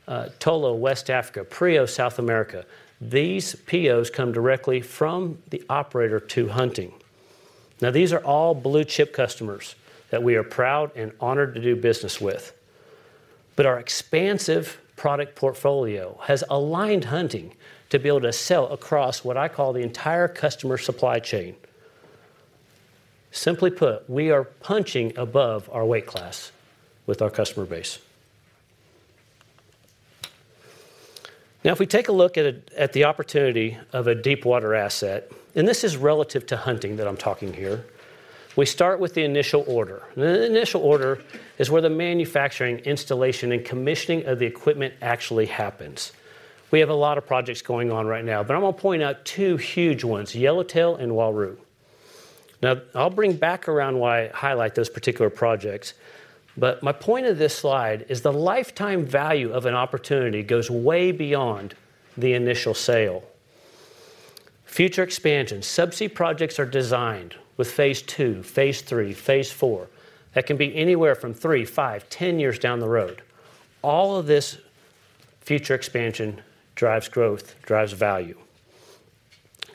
Tullow, West Africa, Prio, South America, these POs come directly from the operator to Hunting. Now, these are all blue-chip customers that we are proud and honored to do business with. But our expansive product portfolio has aligned Hunting to be able to sell across what I call the entire customer supply chain. Simply put, we are punching above our weight class with our customer base. Now, if we take a look at the opportunity of a deepwater asset, and this is relative to Hunting that I'm talking here, we start with the initial order. And the initial order is where the manufacturing, installation, and commissioning of the equipment actually happens. We have a lot of projects going on right now, but I'm gonna point out two huge ones, Yellowtail and Uaru. Now, I'll bring back around why I highlight those particular projects, but my point of this slide is the lifetime value of an opportunity goes way beyond the initial sale.. Future expansion. Subsea projects are designed with phase two, phase three, phase four. That can be anywhere from 3, 5, 10 years down the road. All of this future expansion drives growth, drives value.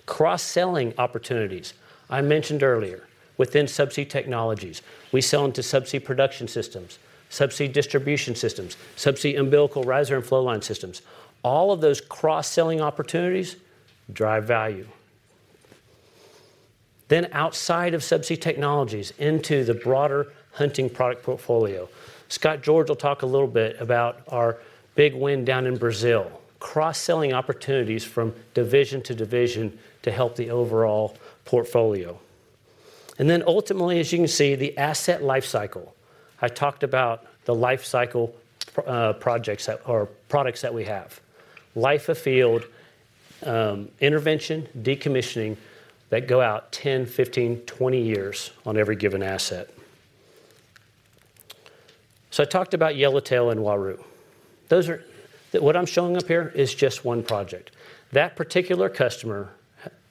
Cross-selling opportunities, I mentioned earlier, within Subsea Technologies, we sell into subsea production systems, subsea distribution systems, subsea umbilical, riser, and flowline systems. All of those cross-selling opportunities drive value. Then outside of Subsea Technologies, into the broader Hunting product portfolio, Scott George will talk a little bit about our big win down in Brazil. Cross-selling opportunities from division to division to help the overall portfolio. And then ultimately, as you can see, the asset life cycle. I talked about the life cycle, projects that. or products that we have. Life of field, intervention, decommissioning, that go out 10, 15, 20 years on every given asset. So I talked about Yellowtail and Uaru. Those are- What I'm showing up here is just one project. That particular customer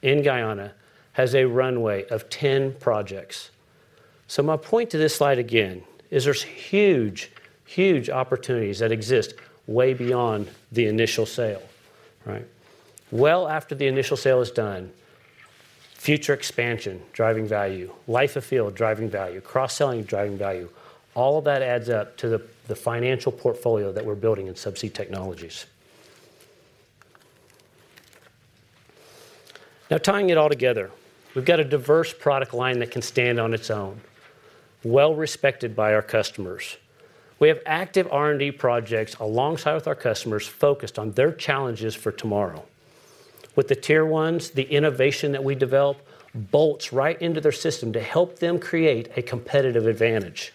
in Guyana has a runway of 10 projects. So my point to this slide again, is there's huge, huge opportunities that exist way beyond the initial sale, right? Well after the initial sale is done, future expansion, driving value, life of field, driving value, cross-selling, driving value, all of that adds up to the, the financial portfolio that we're building in Subsea Technologies. Now, tying it all together, we've got a diverse product line that can stand on its own, well-respected by our customers. We have active R&D projects alongside with our customers, focused on their challenges for tomorrow. With the Tier 1s, the innovation that we develop bolts right into their system to help them create a competitive advantage.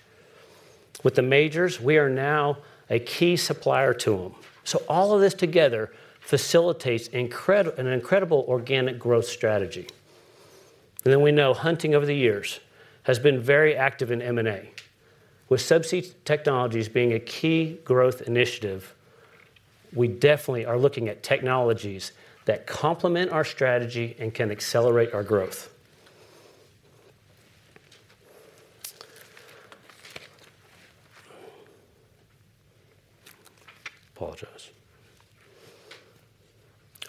With the majors, we are now a key supplier to them. So all of this together facilitates an incredible organic growth strategy. And then we know Hunting, over the years, has been very active in M&A. With Subsea Technologies being a key growth initiative, we definitely are looking at technologies that complement our strategy and can accelerate our growth. Apologize.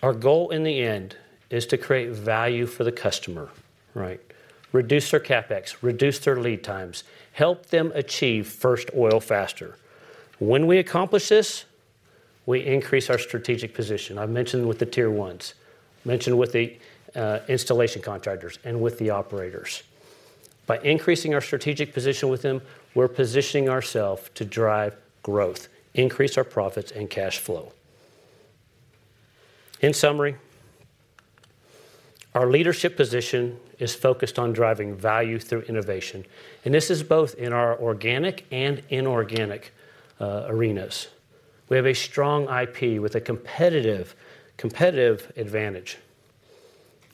Our goal, in the end, is to create value for the customer, right? Reduce their CapEx, reduce their lead times, help them achieve first oil faster. When we accomplish this, we increase our strategic position. I've mentioned with the Tier 1s, mentioned with the installation contractors and with the operators. By increasing our strategic position with them, we're positioning ourself to drive growth, increase our profits and cash flow. In summary, our leadership position is focused on driving value through innovation, and this is both in our organic and inorganic arenas. We have a strong IP with a competitive, competitive advantage.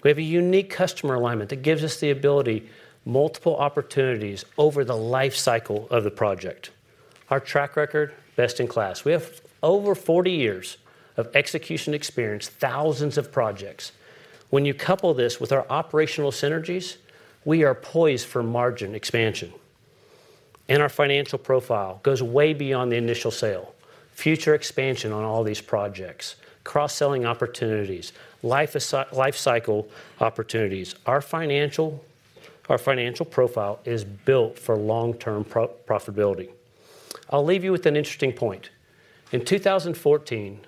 We have a unique customer alignment that gives us the ability, multiple opportunities over the life cycle of the project. Our track record, best in class. We have over 40 years of execution experience, thousands of projects. When you couple this with our operational synergies, we are poised for margin expansion, and our financial profile goes way beyond the initial sale. Future expansion on all these projects, cross-selling opportunities, life cycle opportunities. Our financial profile is built for long-term profitability. I'll leave you with an interesting point. In 2014,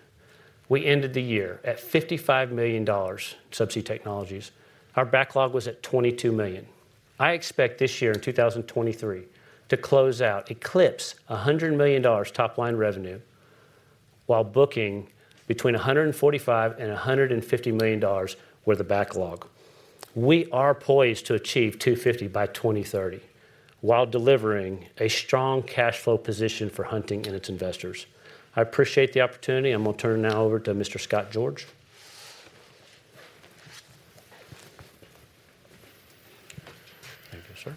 we ended the year at $55 million, Subsea Technologies. Our backlog was at $22 million. I expect this year, in 2023, to close out, eclipse $100 million top-line revenue, while booking between $145 million and $150 million worth of backlog. We are poised to achieve 250 by 2030, while delivering a strong cash flow position for Hunting and its investors. I appreciate the opportunity. I'm gonna turn it now over to Mr. Scott George. Thank you, sir.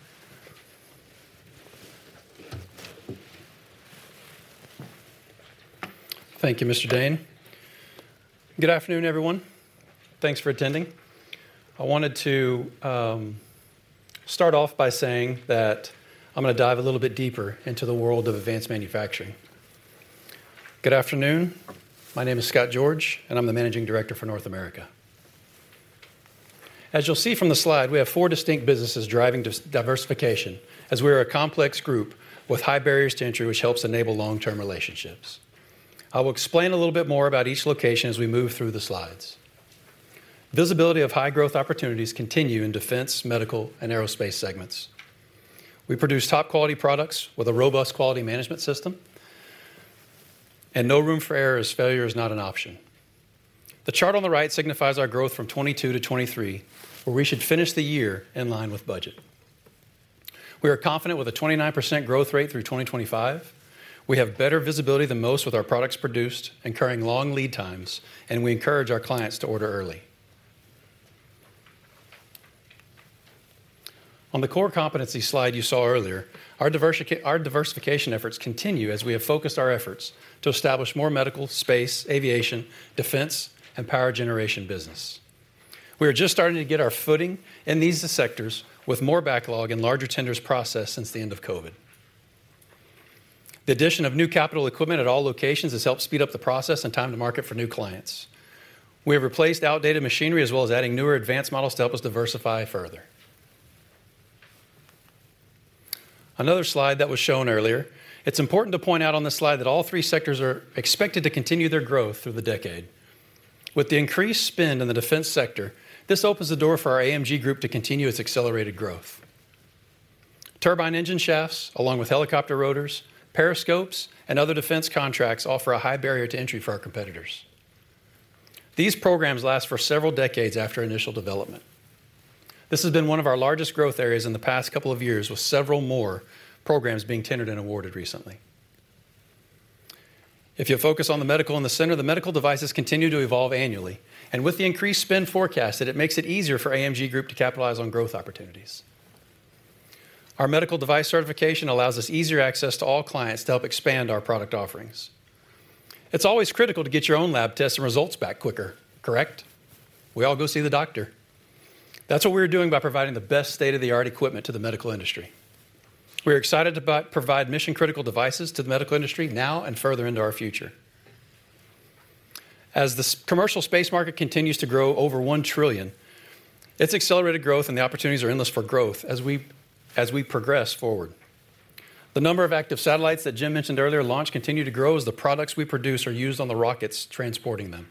Thank you, Mr. Dane. Good afternoon, everyone. Thanks for attending. I wanted to start off by saying that I'm gonna dive a little bit deeper into the world of advanced manufacturing. Good afternoon. My name is Scott George, and I'm the Managing Director for North America. As you'll see from the slide, we have four distinct businesses driving diversification, as we are a complex group with high barriers to entry, which helps enable long-term relationships. I will explain a little bit more about each location as we move through the slides. Visibility of high-growth opportunities continue in defense, medical, and aerospace segments. We produce top-quality products with a robust quality management system, and no room for error, as failure is not an option. The chart on the right signifies our growth from 2022 to 2023, where we should finish the year in line with budget. We are confident with a 29% growth rate through 2025. We have better visibility than most with our products produced, incurring long lead times, and we encourage our clients to order early.. On the core competency slide you saw earlier, our diversification efforts continue as we have focused our efforts to establish more medical, space, aviation, defense, and power generation business. We are just starting to get our footing in these sectors with more backlog and larger tenders processed since the end of COVID. The addition of new capital equipment at all locations has helped speed up the process and time to market for new clients. We have replaced outdated machinery as well as adding newer advanced models to help us diversify further. Another slide that was shown earlier, it's important to point out on this slide that all three sectors are expected to continue their growth through the decade. With the increased spend in the defense sector, this opens the door for our AMG Group to continue its accelerated growth. Turbine engine shafts, along with helicopter rotors, periscopes, and other defense contracts, offer a high barrier to entry for our competitors. These programs last for several decades after initial development. This has been one of our largest growth areas in the past couple of years, with several more programs being tendered and awarded recently. If you focus on the medical in the center, the medical devices continue to evolve annually, and with the increased spend forecasted, it makes it easier for AMG Group to capitalize on growth opportunities. Our medical device certification allows us easier access to all clients to help expand our product offerings. It's always critical to get your own lab tests and results back quicker, correct? We all go see the doctor. That's what we're doing by providing the best state-of-the-art equipment to the medical industry. We are excited to provide mission-critical devices to the medical industry now and further into our future. As the commercial space market continues to grow over $1 trillion, its accelerated growth and the opportunities are endless for growth as we, as we progress forward. The number of active satellites that Jim mentioned earlier launched continue to grow as the products we produce are used on the rockets transporting them.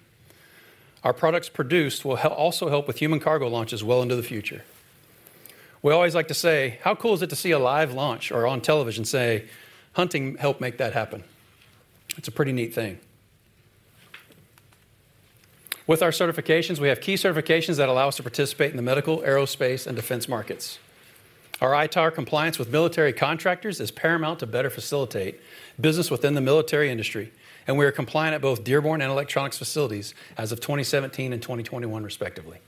Our products produced will also help with human cargo launches well into the future. We always like to say, "How cool is it to see a live launch or on television say, 'Hunting helped make that happen?'" It's a pretty neat thing. With our certifications, we have key certifications that allow us to participate in the medical, aerospace, and defense markets. Our ITAR compliance with military contractors is paramount to better facilitate business within the military industry, and we are compliant at both Dearborn and Electronics facilities as of 2017 and 2021, respectively.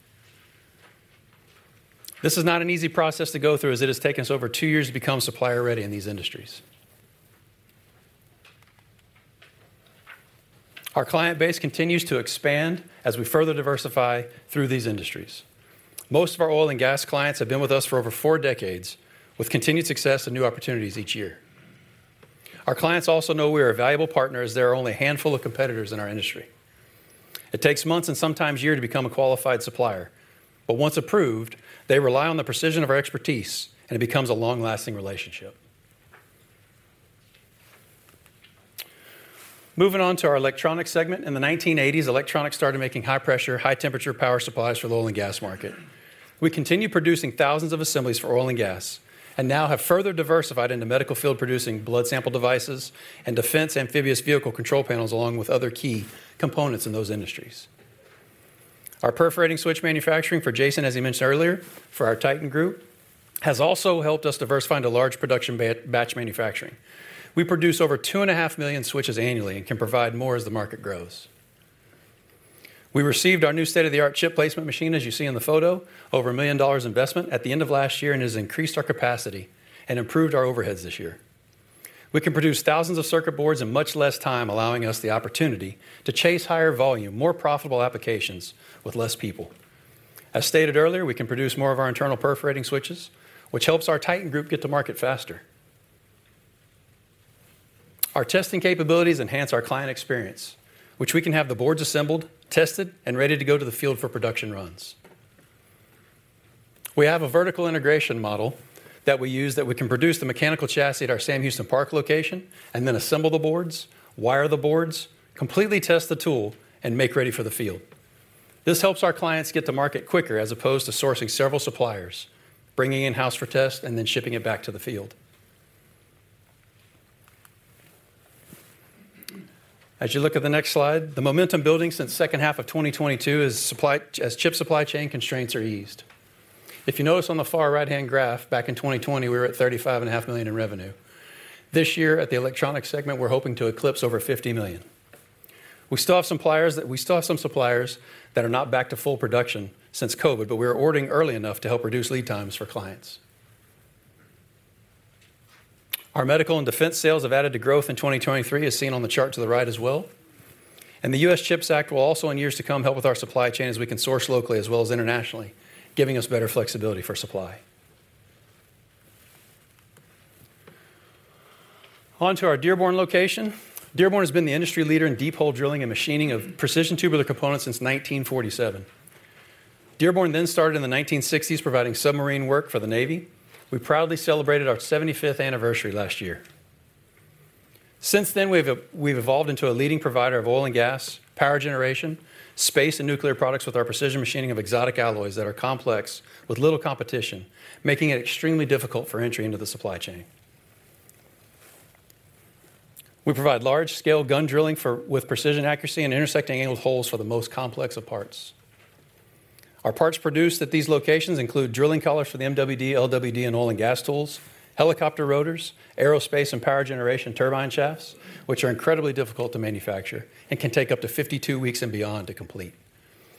This is not an easy process to go through, as it has taken us over two years to become supplier-ready in these industries. Our client base continues to expand as we further diversify through these industries. Most of our oil and gas clients have been with us for over four decades, with continued success and new opportunities each year. Our clients also know we are a valuable partner, as there are only a handful of competitors in our industry. It takes months and sometimes a year to become a qualified supplier, but once approved, they rely on the precision of our expertise, and it becomes a long-lasting relationship. Moving on to our Electronics segment. In the 1980s, electronics started making high-pressure, high-temperature power supplies for the oil and gas market. We continue producing thousands of assemblies for oil and gas, and now have further diversified into medical field, producing blood sample devices and defense amphibious vehicle control panels, along with other key components in those industries. Our perforating switch manufacturing for Jason, as he mentioned earlier, for our Titan group, has also helped us diversify into large production batch manufacturing. We produce over 2.5 million switches annually and can provide more as the market grows. We received our new state-of-the-art chip placement machine, as you see in the photo, over $1 million investment at the end of last year, and has increased our capacity and improved our overheads this year. We can produce thousands of circuit boards in much less time, allowing us the opportunity to chase higher volume, more profitable applications with less people. As stated earlier, we can produce more of our internal perforating switches, which helps our Titan group get to market faster. Our testing capabilities enhance our client experience, which we can have the boards assembled, tested, and ready to go to the field for production runs. We have a vertical integration model that we use, that we can produce the mechanical chassis at our Sam Houston Parkway location and then assemble the boards, wire the boards, completely test the tool, and make ready for the field. This helps our clients get to market quicker, as opposed to sourcing several suppliers, bringing in-house for test, and then shipping it back to the field. As you look at the next slide, the momentum building since second half of 2022 is supply—as chip supply chain constraints are eased. If you notice on the far right-hand graph, back in 2020, we were at $35.5 million in revenue. This year, at the electronic segment, we're hoping to eclipse over $50 million. We still have some suppliers that are not back to full production since COVID, but we are ordering early enough to help reduce lead times for clients. Our medical and defense sales have added to growth in 2023, as seen on the chart to the right as well. The U.S. CHIPS Act will also, in years to come, help with our supply chain as we can source locally as well as internationally, giving us better flexibility for supply. On to our Dearborn location. Dearborn has been the industry leader in deep hole drilling and machining of precision tubular components since 1947. Dearborn then started in the 1960s, providing submarine work for the Navy. We proudly celebrated our 75th anniversary last year. Since then, we've evolved into a leading provider of oil and gas, power generation, space and nuclear products with our precision machining of exotic alloys that are complex, with little competition, making it extremely difficult for entry into the supply chain. We provide large-scale gun drilling for with precision accuracy and intersecting angled holes for the most complex of parts. Our parts produced at these locations include drilling collars for the MWD, LWD, and oil and gas tools, helicopter rotors, aerospace and power generation turbine shafts, which are incredibly difficult to manufacture and can take up to 52 weeks and beyond to complete,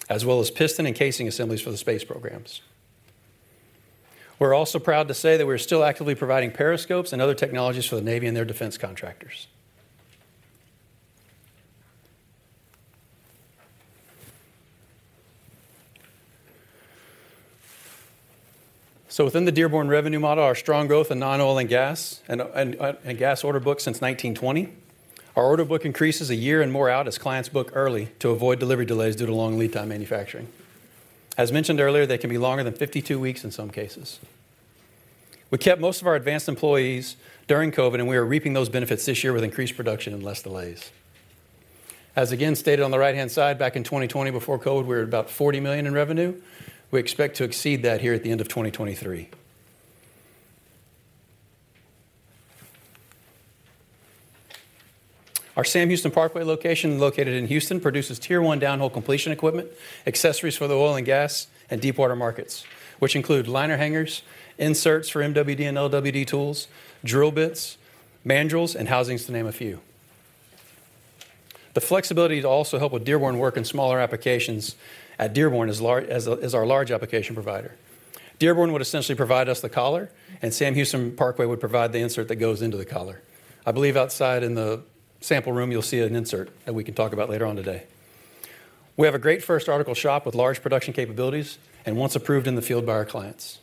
as well as piston and casing assemblies for the space programs. We're also proud to say that we're still actively providing periscopes and other technologies for the Navy and their defense contractors. Within the Dearborn revenue model, our strong growth in non-oil and gas order book since 1920. Our order book increases a year and more out as clients book early to avoid delivery delays due to long lead time manufacturing. As mentioned earlier, they can be longer than 52 weeks in some cases. We kept most of our advanced employees during COVID, and we are reaping those benefits this year with increased production and less delays. As again stated on the right-hand side, back in 2020, before COVID, we were at about $40 million in revenue. We expect to exceed that here at the end of 2023. Our Sam Houston Parkway location, located in Houston, produces Tier 1 downhole completion equipment, accessories for the oil and gas, and deepwater markets, which include liner hangers, inserts for MWD and LWD tools, drill bits, mandrels, and housings, to name a few. The flexibility to also help with Dearborn work in smaller applications at Dearborn is large, is a, is our large application provider. Dearborn would essentially provide us the collar, and Sam Houston Parkway would provide the insert that goes into the collar. I believe outside in the sample room, you'll see an insert that we can talk about later on today. We have a great first article shop with large production capabilities, and once approved in the field by our clients.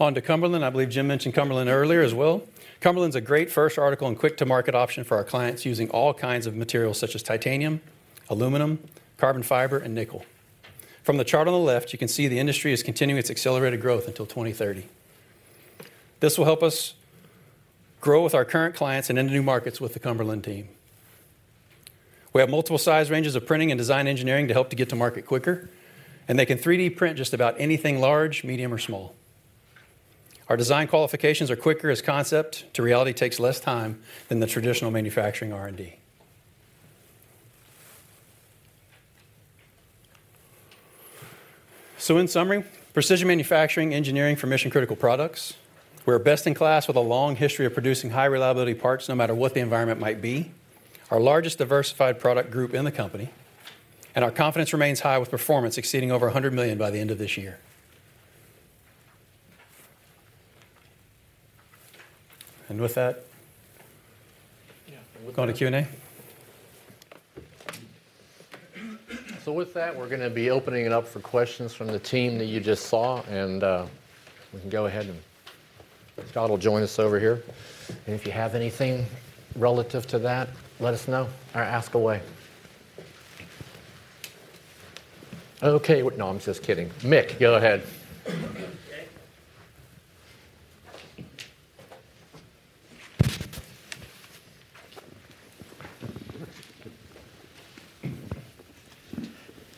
On to Cumberland. I believe Jim mentioned Cumberland earlier as well. Cumberland's a great first article and quick-to-market option for our clients using all kinds of materials, such as titanium, aluminum, carbon fiber, and nickel. From the chart on the left, you can see the industry is continuing its accelerated growth until 2030. This will help us grow with our current clients and into new markets with the Cumberland team. We have multiple size ranges of printing and design engineering to help to get to market quicker, and they can 3D print just about anything large, medium, or small. Our design qualifications are quicker, as concept to reality takes less time than the traditional manufacturing R&D. So in summary, precision manufacturing engineering for mission-critical products. We're best in class with a long history of producing high-reliability parts, no matter what the environment might be, our largest diversified product group in the company, and our confidence remains high, with performance exceeding over $100 million by the end of this year. And with that, we'll go to Q&A? So with that, we're gonna be opening it up for questions from the team that you just saw, and we can go ahead, and Scott will join us over here. And if you have anything relative to that, let us know or ask away. Okay, no, I'm just kidding. Mick, go ahead.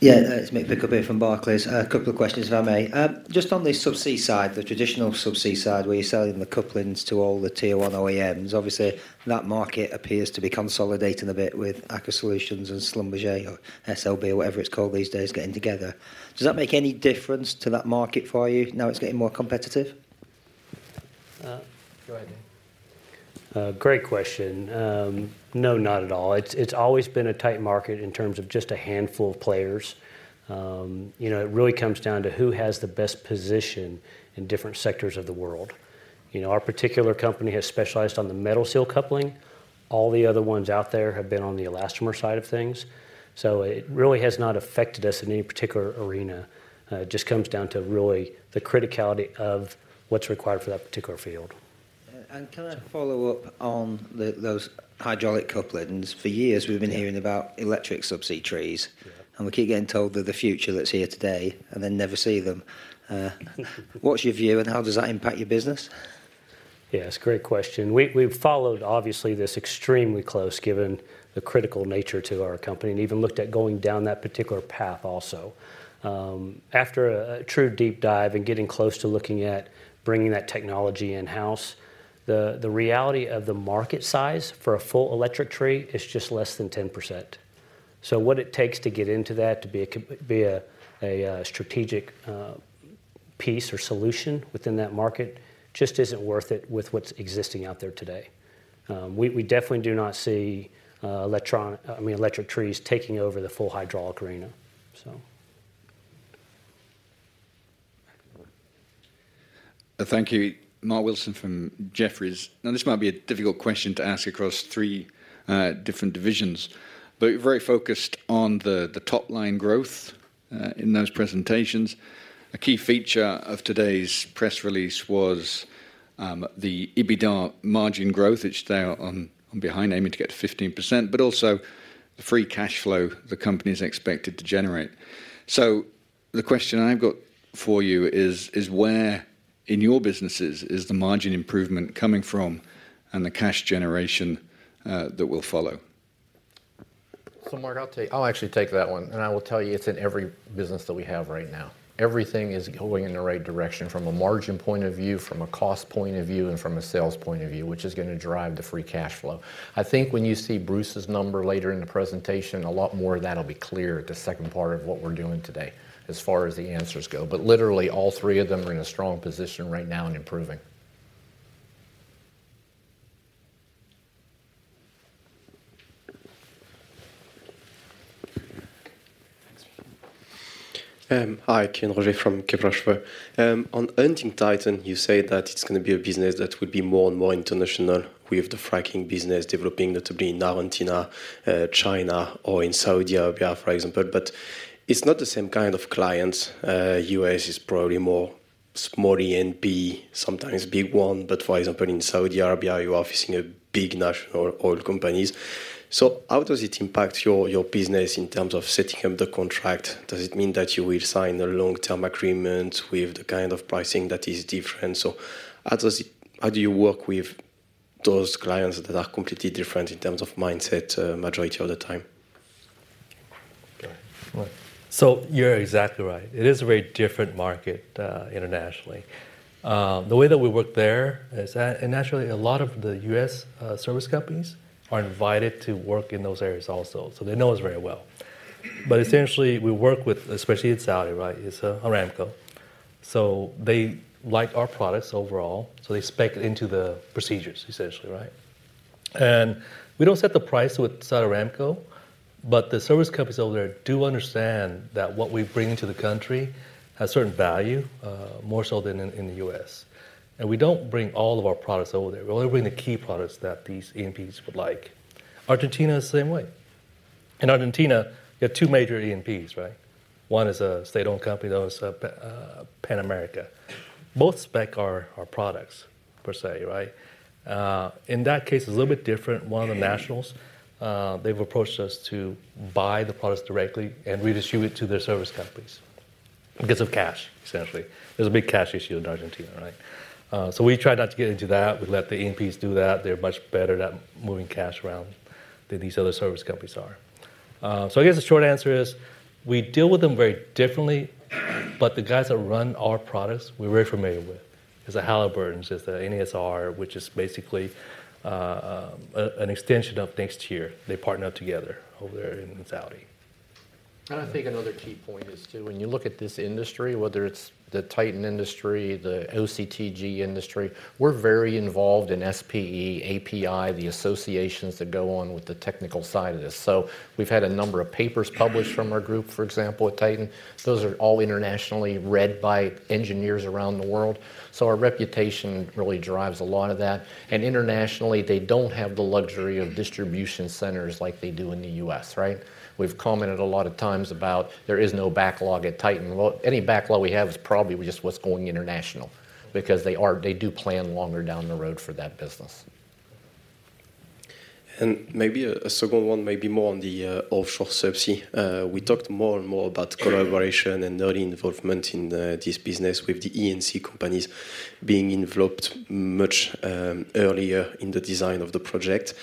Yeah, it's Mick Pickup here from Barclays. A couple of questions, if I may. Just on the subsea side, the traditional subsea side, where you're selling the couplings to all the Tier 1 OEMs, obviously, that market appears to be consolidating a bit with Aker Solutions and Schlumberger, or SLB, or whatever it's called these days, getting together. Does that make any difference to that market for you now it's getting more competitive? Go ahead, Jim. Great question. No, not at all. It's always been a tight market in terms of just a handful of players. You know, it really comes down to who has the best position in different sectors of the world. You know, our particular company has specialized on the MetalSeal coupling. All the other ones out there have been on the elastomer side of things, so it really has not affected us in any particular arena. It just comes down to really the criticality of what's required for that particular field. Can I follow up on the, those hydraulic couplings? For years we've been hearing about electric subsea trees. We keep getting told they're the future that's here today and then never see them. What's your view, and how does that impact your business? Yeah, it's a great question. We've followed, obviously, this extremely close, given the critical nature to our company, and even looked at going down that particular path also. After a true deep dive and getting close to looking at bringing that technology in-house, the reality of the market size for a full electric tree is just less than 10%. So what it takes to get into that to be a strategic piece or solution within that market just isn't worth it with what's existing out there today. We definitely do not see electric subsea trees taking over the full hydraulic arena, so. Thank you. Thank you. Mark Wilson from Jefferies. Now, this might be a difficult question to ask across three different divisions, but you're very focused on the top-line growth in those presentations. A key feature of today's press release was the EBITDA margin growth, which they are aiming to get to 15%, but also the free cash flow the company is expected to generate. So the question I've got for you is where in your businesses is the margin improvement coming from and the cash generation that will follow? So, Mark, I'll take. I'll actually take that one, and I will tell you it's in every business that we have right now. Everything is going in the right direction from a margin point of view, from a cost point of view, and from a sales point of view, which is gonna drive the free cash flow. I think when you see Bruce's number later in the presentation, a lot more of that'll be clear at the second part of what we're doing today, as far as the answers go. But literally, all three of them are in a strong position right now and improving. Hi, Kevin Roger from Kepler Cheuvreux. On Hunting Titan, you say that it's gonna be a business that would be more and more international with the fracing business developing, notably in Argentina, China, or in Saudi Arabia, for example. But it's not the same kind of clients. US is probably more small E&P, sometimes big one, but for example, in Saudi Arabia, you are facing a big national oil companies. So how does it impact your, your business in terms of setting up the contract? Does it mean that you will sign a long-term agreement with the kind of pricing that is different? So how does it-- how do you work with those clients that are completely different in terms of mindset, majority of the time? Go ahead. Well, so you're exactly right. It is a very different market, internationally. The way that we work there is that—and actually, a lot of the U.S. service companies are invited to work in those areas also, so they know us very well. But essentially, we work with, especially in Saudi, right, it's Aramco. So they like our products overall, so they spec it into the procedures, essentially, right? And we don't set the price with Saudi Aramco, but the service companies over there do understand that what we bring to the country has certain value, more so than in the U.S. And we don't bring all of our products over there. We only bring the key products that these NOCs would like. Argentina is the same way. In Argentina, you have two major NOCs, right? One is a state-owned company, the other is Pan American. Both spec our products, per se, right? In that case, it's a little bit different. One of the nationals, they've approached us to buy the products directly and redistribute to their service companies because of cash, essentially. There's a big cash issue in Argentina, right? So we try not to get into that. We let the E&Ps do that. They're much better at moving cash around than these other service companies are. So I guess the short answer is, we deal with them very differently, but the guys that run our products, we're very familiar with. It's the Halliburton, it's the NESR, which is basically an extension of NexTier. They partner up together over there in Saudi. I think another key point is, too, when you look at this industry, whether it's the Titan industry, the OCTG industry, we're very involved in SPE, API, the associations that go on with the technical side of this. So we've had a number of papers published from our group, for example, at Titan. Those are all internationally read by engineers around the world, so our reputation really drives a lot of that. Internationally, they don't have the luxury of distribution centers like they do in the U.S., right? We've commented a lot of times about there is no backlog at Titan. Well, any backlog we have is probably just what's going international because they are—they do plan longer down the road for that business. Maybe a second one, maybe more on the offshore subsea. We talked more and more about collaboration and early involvement in this business, with the EPC companies being involved much earlier in the design of the project.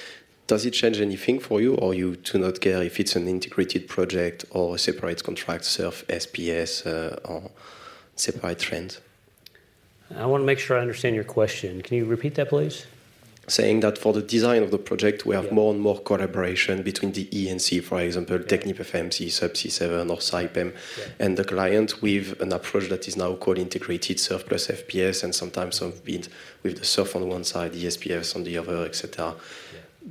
Does it change anything for you, or you do not care if it's an integrated project or a separate contract, SURF, SPS, or separate tree? I wanna make sure I understand your question. Can you repeat that, please? Saying that for the design of the project we have more and more collaboration between the EPC, for example, TechnipFMC, Subsea 7, or Saipem. The client with an approach that is now called integrated SURF plus SPS, and sometimes a bit with the SURF on one side, the SPS on the other, et cetera.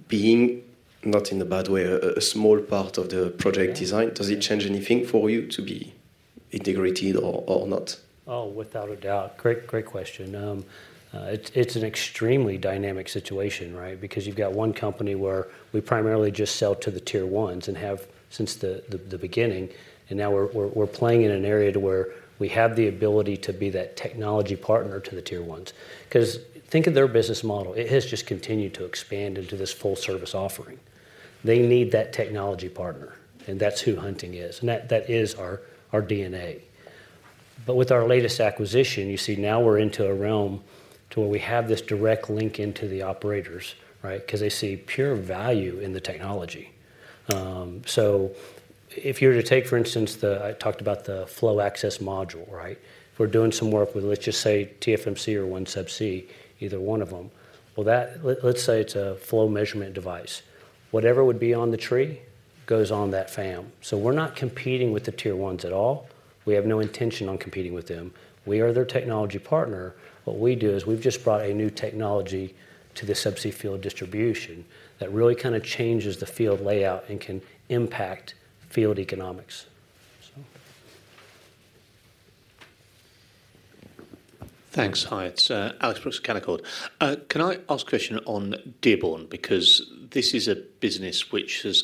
Being, not in a bad way, a small part of the project design does it change anything for you to be integrated or not? Oh, without a doubt. Great, great question. It's an extremely dynamic situation, right? Because you've got one company where we primarily just sell to the Tier 1s and have since the beginning, and now we're playing in an area to where we have the ability to be that technology partner to the Tier 1s. 'Cause think of their business model. It has just continued to expand into this full service offering. They need that technology partner, and that's who Hunting is, and that is our DNA. But with our latest acquisition, you see now we're into a realm to where we have this direct link into the operators, right? 'Cause they see pure value in the technology. So if you were to take, for instance, the Flow Access Module I talked about, right? We're doing some work with, let's just say, TechnipFMC or OneSubsea, either one of them. Well, let's say it's a flow measurement device. Whatever would be on the tree goes on that FAM. So we're not competing with the Tier 1s at all. We have no intention on competing with them. We are their technology partner. What we do is we've just brought a new technology to the subsea field distribution that really kinda changes the field layout and can impact field economics, so. Thanks. Hi, it's Alex Brooks, Canaccord. Can I ask a question on Dearborn? Because this is a business which has,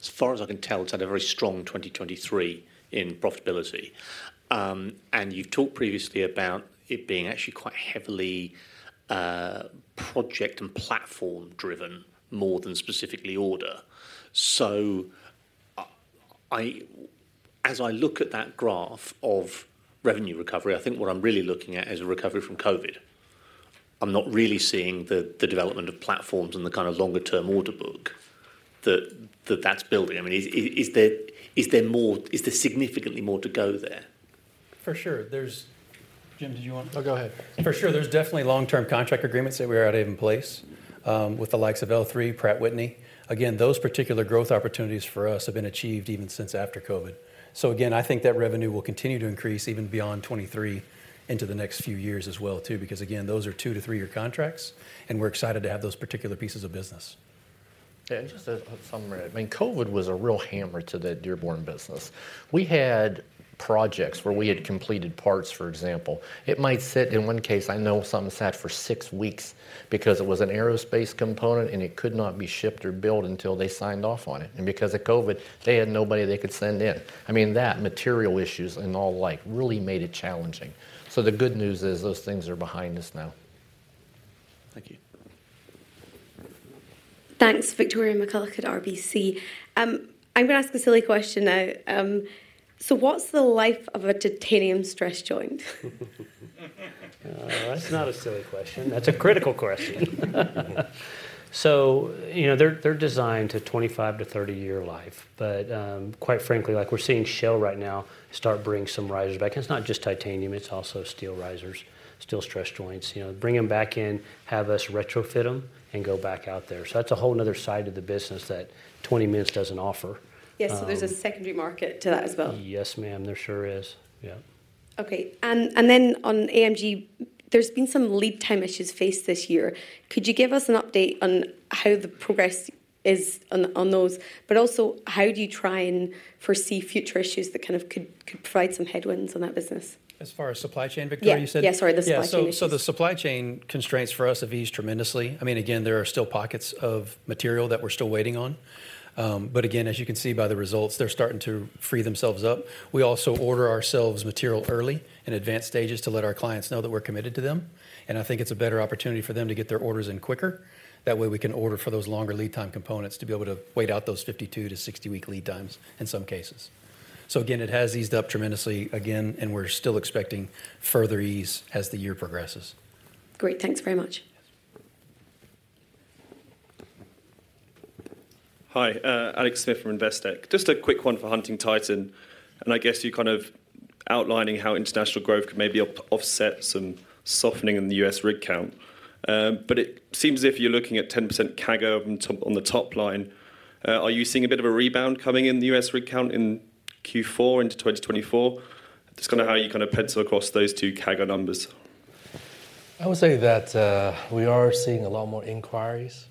as far as I can tell, it's had a very strong 2023 in profitability. You've talked previously about it being actually quite heavily project and platform-driven more than specifically order. So, as I look at that graph of revenue recovery, I think what I'm really looking at is a recovery from COVID. I'm not really seeing the development of platforms and the kind of longer-term order book that's building. I mean, is there significantly more to go there? For sure, there's. Jim, did you want. No, go ahead. For sure, there's definitely long-term contract agreements that we already have in place. With the likes of L3, Pratt & Whitney. Again, those particular growth opportunities for us have been achieved even since after COVID. So again, I think that revenue will continue to increase even beyond 2023 into the next few years as well, too, because, again, those are two to three year contracts, and we're excited to have those particular pieces of business. Yeah, and just as a summary, I mean, COVID was a real hammer to the Dearborn business. We had projects where we had completed parts, for example. It might sit. In one case, I know something sat for six weeks because it was an aerospace component, and it could not be shipped or built until they signed off on it, and because of COVID, they had nobody they could send in. I mean, that, material issues, and all the like, really made it challenging. So the good news is, those things are behind us now. Thank you. Thanks. Victoria McCulloch at RBC. I'm gonna ask a silly question now. So what's the life of a titanium stress joint? That's not a silly question. That's a critical question. So, you know, they're, they're designed to 25- to 30-year life. But, quite frankly, like we're seeing Shell right now start bringing some risers back. It's not just titanium; it's also steel risers, steel stress joints. You know, bring them back in, have us retrofit them, and go back out there. So that's a whole another side of the business that 20 minutes doesn't offer. Yes, so there's a secondary market to that as well? Yes, ma'am, there sure is. Yeah. Okay, and then on AMG, there's been some lead time issues faced this year. Could you give us an update on how the progress is on those? But also, how do you try and foresee future issues that kind of could provide some headwinds on that business? As far as supply chain, Victoria, you said? Yeah. Yeah, sorry, the supply chain issues. Yeah, so, so the supply chain constraints for us have eased tremendously. I mean, again, there are still pockets of material that we're still waiting on. But again, as you can see by the results, they're starting to free themselves up. We also order ourselves material early, in advanced stages, to let our clients know that we're committed to them, and I think it's a better opportunity for them to get their orders in quicker. That way, we can order for those longer lead time components to be able to wait out those 52-60-week lead times in some cases. So again, it has eased up tremendously again, and we're still expecting further ease as the year progresses. Great. Thanks very much. Hi, Alex Smith from Investec. Just a quick one for Hunting Titan, and I guess you're kind of outlining how international growth could maybe offset some softening in the U.S. rig count. But it seems as if you're looking at 10% CAGR up on top, on the top line. Are you seeing a bit of a rebound coming in the U.S. rig count in Q4 into 2024? Just kind of how you kind of pencil across those two CAGR numbers. I would say that we are seeing a lot more inquiries.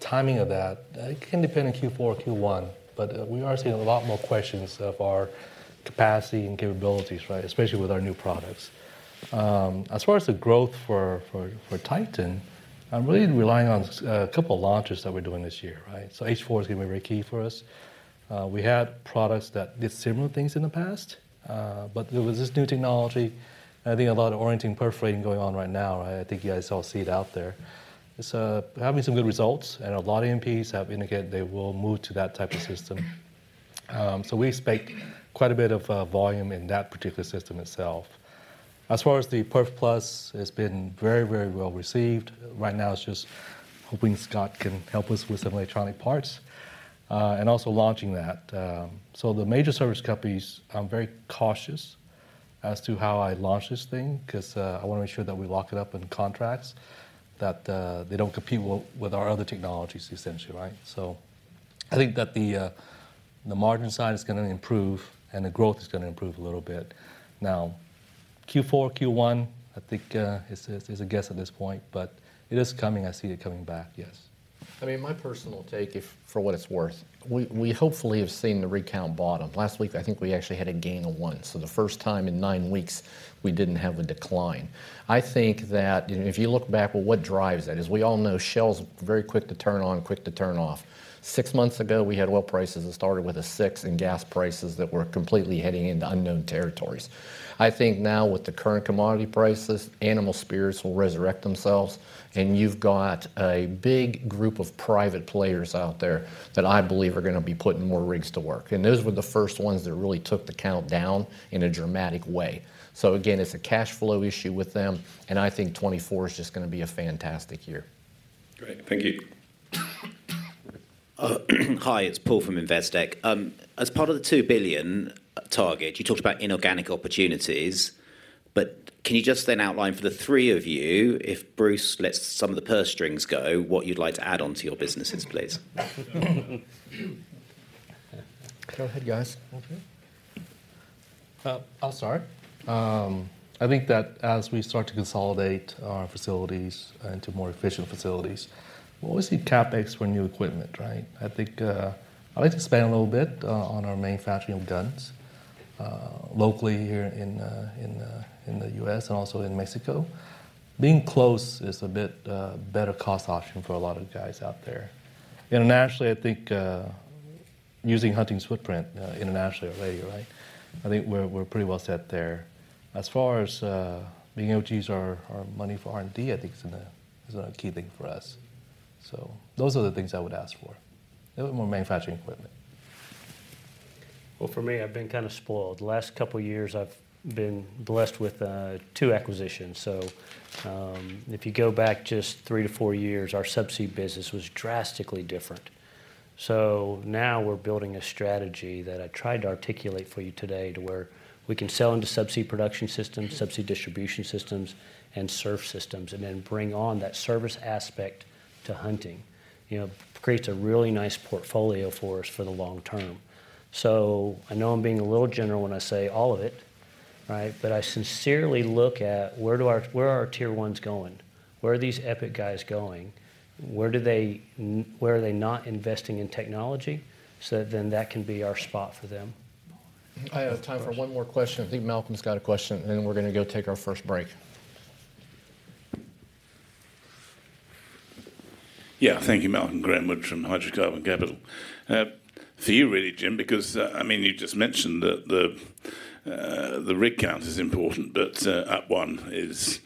Timing of that, it can depend on Q4 or Q1, but we are seeing a lot more questions of our capacity and capabilities, right? Especially with our new products. As far as the growth for Titan, I'm really relying on a couple launches that we're doing this year, right? So H-4 is gonna be very key for us. We had products that did similar things in the past, but with this new technology, I think a lot of orienting perforating going on right now, right? I think you guys all see it out there. It's having some good results, and a lot of MPs have indicated they will move to that type of system. So we expect quite a bit of volume in that particular system itself. As far as the PerfX, it's been very, very well received. Right now, it's just hoping Scott can help us with some electronic parts and also launching that. The major service companies, I'm very cautious as to how I launch this thing 'cause I wanna make sure that we lock it up in contracts, that they don't compete with our other technologies, essentially, right? So I think that the margin side is gonna improve, and the growth is gonna improve a little bit. Now, Q4, Q1, I think is a guess at this point, but it is coming. I see it coming back, yes. I mean, my personal take, if, for what it's worth, we, we hopefully have seen the rig count bottom. Last week, I think we actually had a gain of one, so the first time in nine weeks we didn't have a decline. I think that, you know, if you look back, well, what drives that? As we all know, Shell's very quick to turn on, quick to turn off. Six months ago, we had oil prices that started with a six and gas prices that were completely heading into unknown territories. I think now, with the current commodity prices, animal spirits will resurrect themselves, and you've got a big group of private players out there that I believe are gonna be putting more rigs to work, and those were the first ones that really took the count down in a dramatic way. Again, it's a cash flow issue with them, and I think 2024 is just gonna be a fantastic year. Great. Thank you. Hi, it's Paul from Investec. As part of the $2 billion target, you talked about inorganic opportunities, but can you just then outline for the three of you, if Bruce lets some of the purse strings go, what you'd like to add on to your businesses, please? Go ahead, guys. Okay. I'll start. I think that as we start to consolidate our facilities into more efficient facilities, we'll see CapEx for new equipment, right? I think, I'd like to expand a little bit, on our manufacturing of guns, locally here in, in the U.S. and also in Mexico. Being close is a bit, better cost option for a lot of guys out there. Internationally, I think, using Hunting's footprint, internationally already, right? I think we're, we're pretty well set there. As far as, being able to use our, our money for R&D, I think is a, is a key thing for us. So those are the things I would ask for. A little more manufacturing equipment. Well, for me, I've been kind of spoiled. The last couple of years, I've been blessed with two acquisitions. So, if you go back just three to four years, our Subsea business was drastically different. So now we're building a strategy that I tried to articulate for you today to where we can sell into subsea production systems, subsea distribution systems, and surf systems, and then bring on that service aspect to Hunting. You know, creates a really nice portfolio for us for the long term. So I know I'm being a little general when I say all of it, right? But I sincerely look at where do our—where are our Tier 1s going? Where are these Epic guys going? Where do they n—where are they not investing in technology? So that then that can be our spot for them. I have time for one more question. I think Malcolm's got a question, and then we're gonna go take our first break. Yeah. Thank you, Malcolm Graham-Wood from Hydrocarbon Capital. For you really, Jim, because I mean, you just mentioned that the rig count is important, but at one is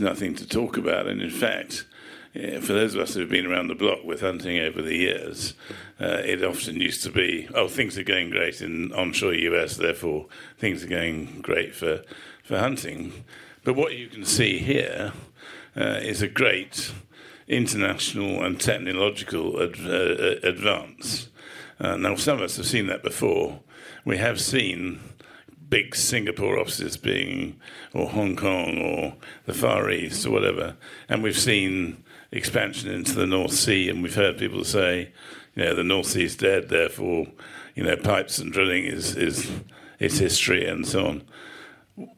nothing to talk about. And in fact, for those of us who have been around the block with Hunting over the years, it often used to be, "Oh, things are going great in onshore US, therefore, things are going great for Hunting." But what you can see here is a great international and technological advance. Now, some of us have seen that before. We have seen big Singapore offices being. or Hong Kong or the Far East or whatever, and we've seen expansion into the North Sea, and we've heard people say, "Yeah, the North Sea is dead, therefore, you know, pipes and drilling is, it's history," and so on.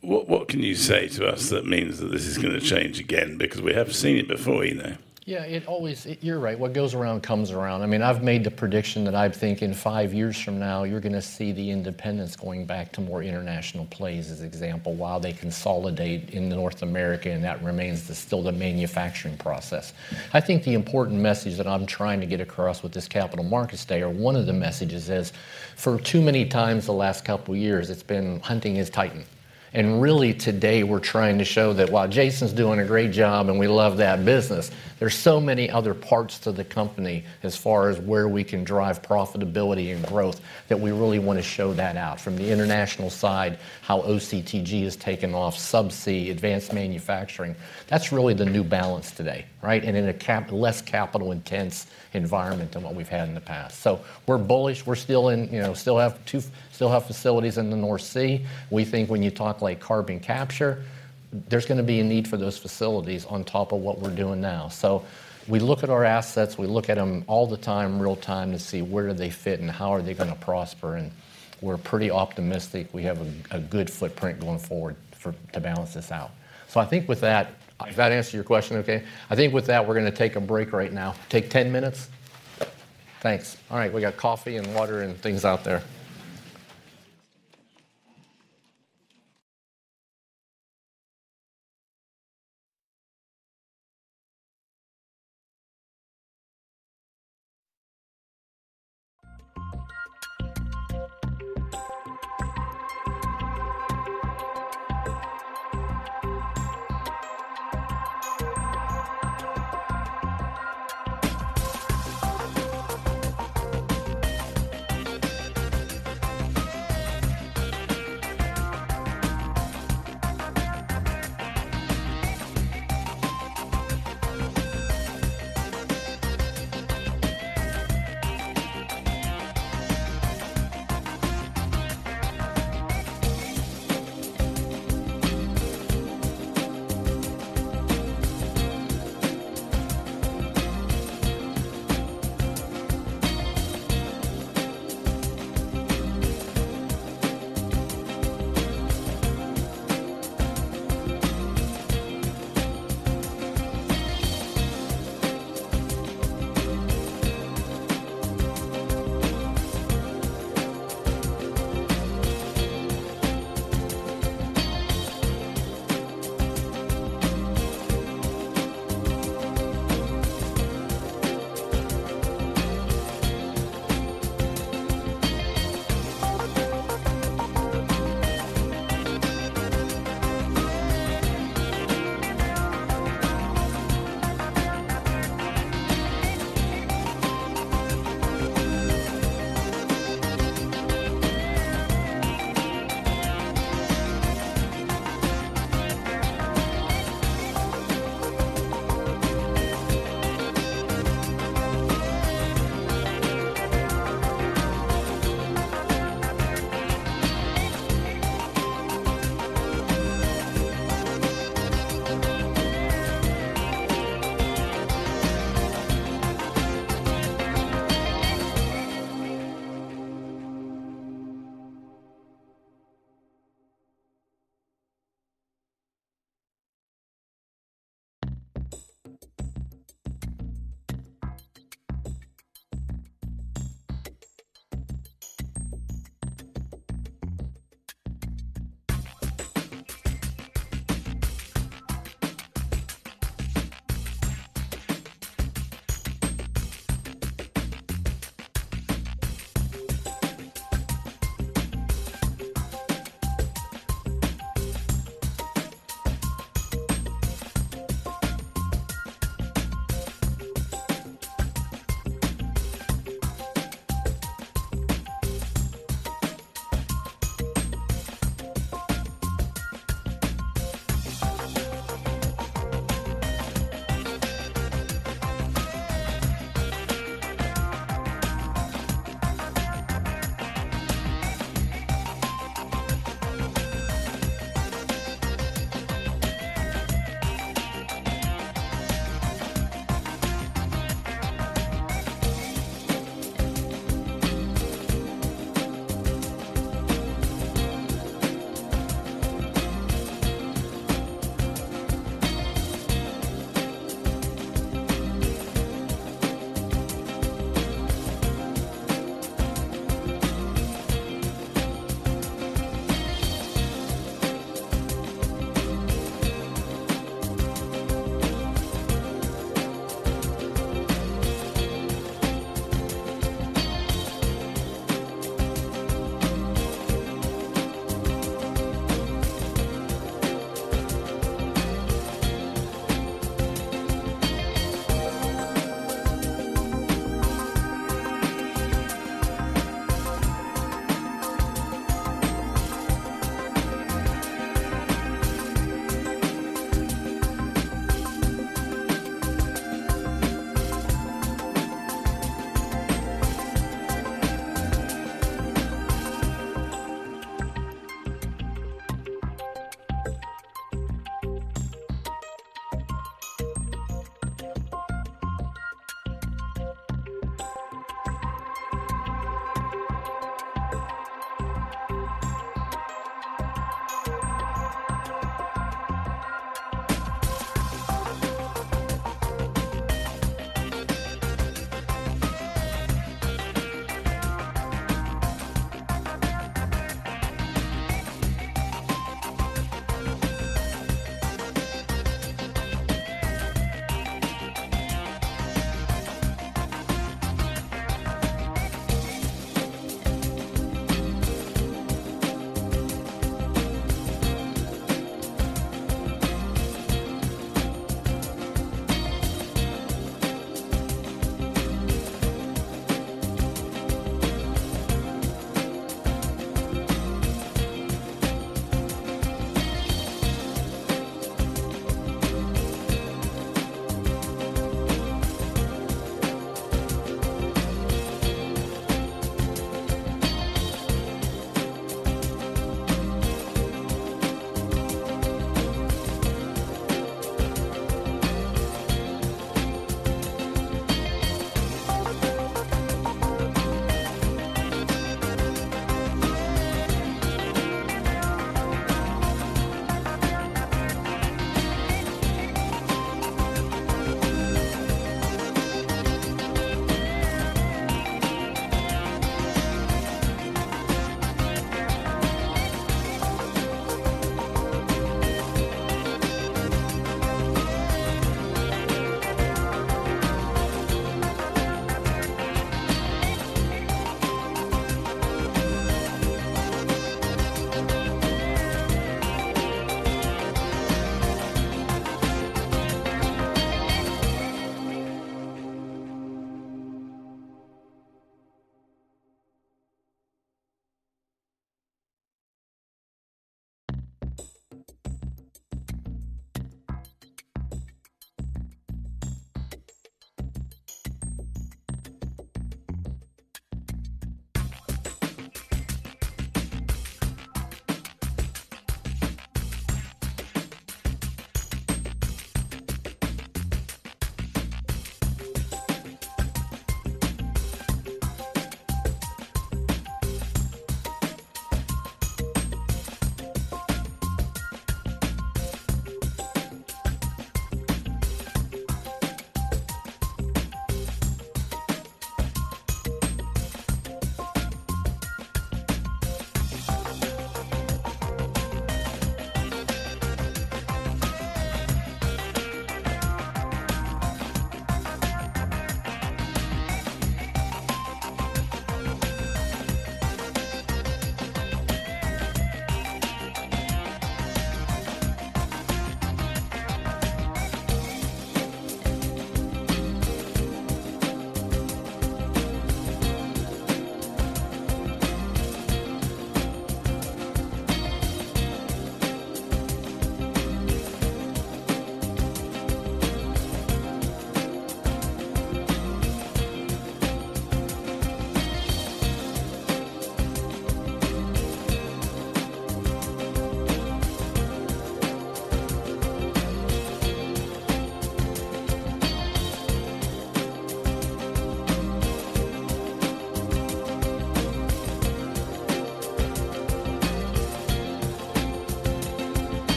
What, what can you say to us that means that this is gonna change again? Because we have seen it before, you know. Yeah, it always, you're right. What goes around comes around. I mean, I've made the prediction that I think in five years from now, you're gonna see the independents going back to more international plays, as example, while they consolidate in North America, and that remains the still the manufacturing process. I think the important message that I'm trying to get across with this Capital Markets Day, or one of the messages is, for too many times the last couple of years, it's been Hunting is Titan. And really, today, we're trying to show that while Jason's doing a great job and we love that business, there's so many other parts to the company as far as where we can drive profitability and growth, that we really wanna show that out. From the international side, how OCTG has taken off, subsea, advanced manufacturing, that's really the new balance today, right? in a less capital-intense environment than what we've had in the past. So we're bullish. We're still in, you know, still have two facilities in the North Sea. We think when you talk like carbon capture, there's gonna be a need for those facilities on top of what we're doing now. So we look at our assets, we look at them all the time, real-time, to see where do they fit and how are they gonna prosper, and we're pretty optimistic we have a, a good footprint going forward for, to balance this out. So I think with that, did that answer your question okay? I think with that, we're gonna take a break right now. Take 10 minutes? Thanks. All right, we got coffee and water and things out there.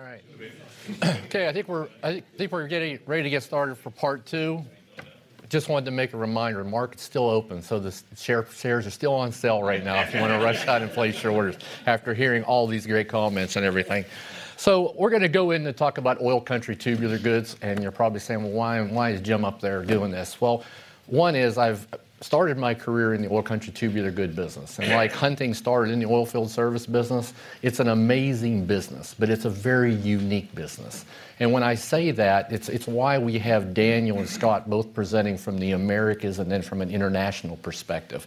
All right. Okay, I think we're getting ready to get started for part two. Just wanted to make a reminder, market's still open, so the shares are still on sale right now if you wanna rush out and place your orders after hearing all these great comments and everything. So we're gonna go in to talk about oil country tubular goods, and you're probably saying, "Well, why is Jim up there doing this?" Well, one is I've started my career in the oil country tubular goods business. And like Hunting started in the oil field service business, it's an amazing business, but it's a very unique business. And when I say that, it's why we have Daniel and Scott both presenting from the Americas and then from an international perspective.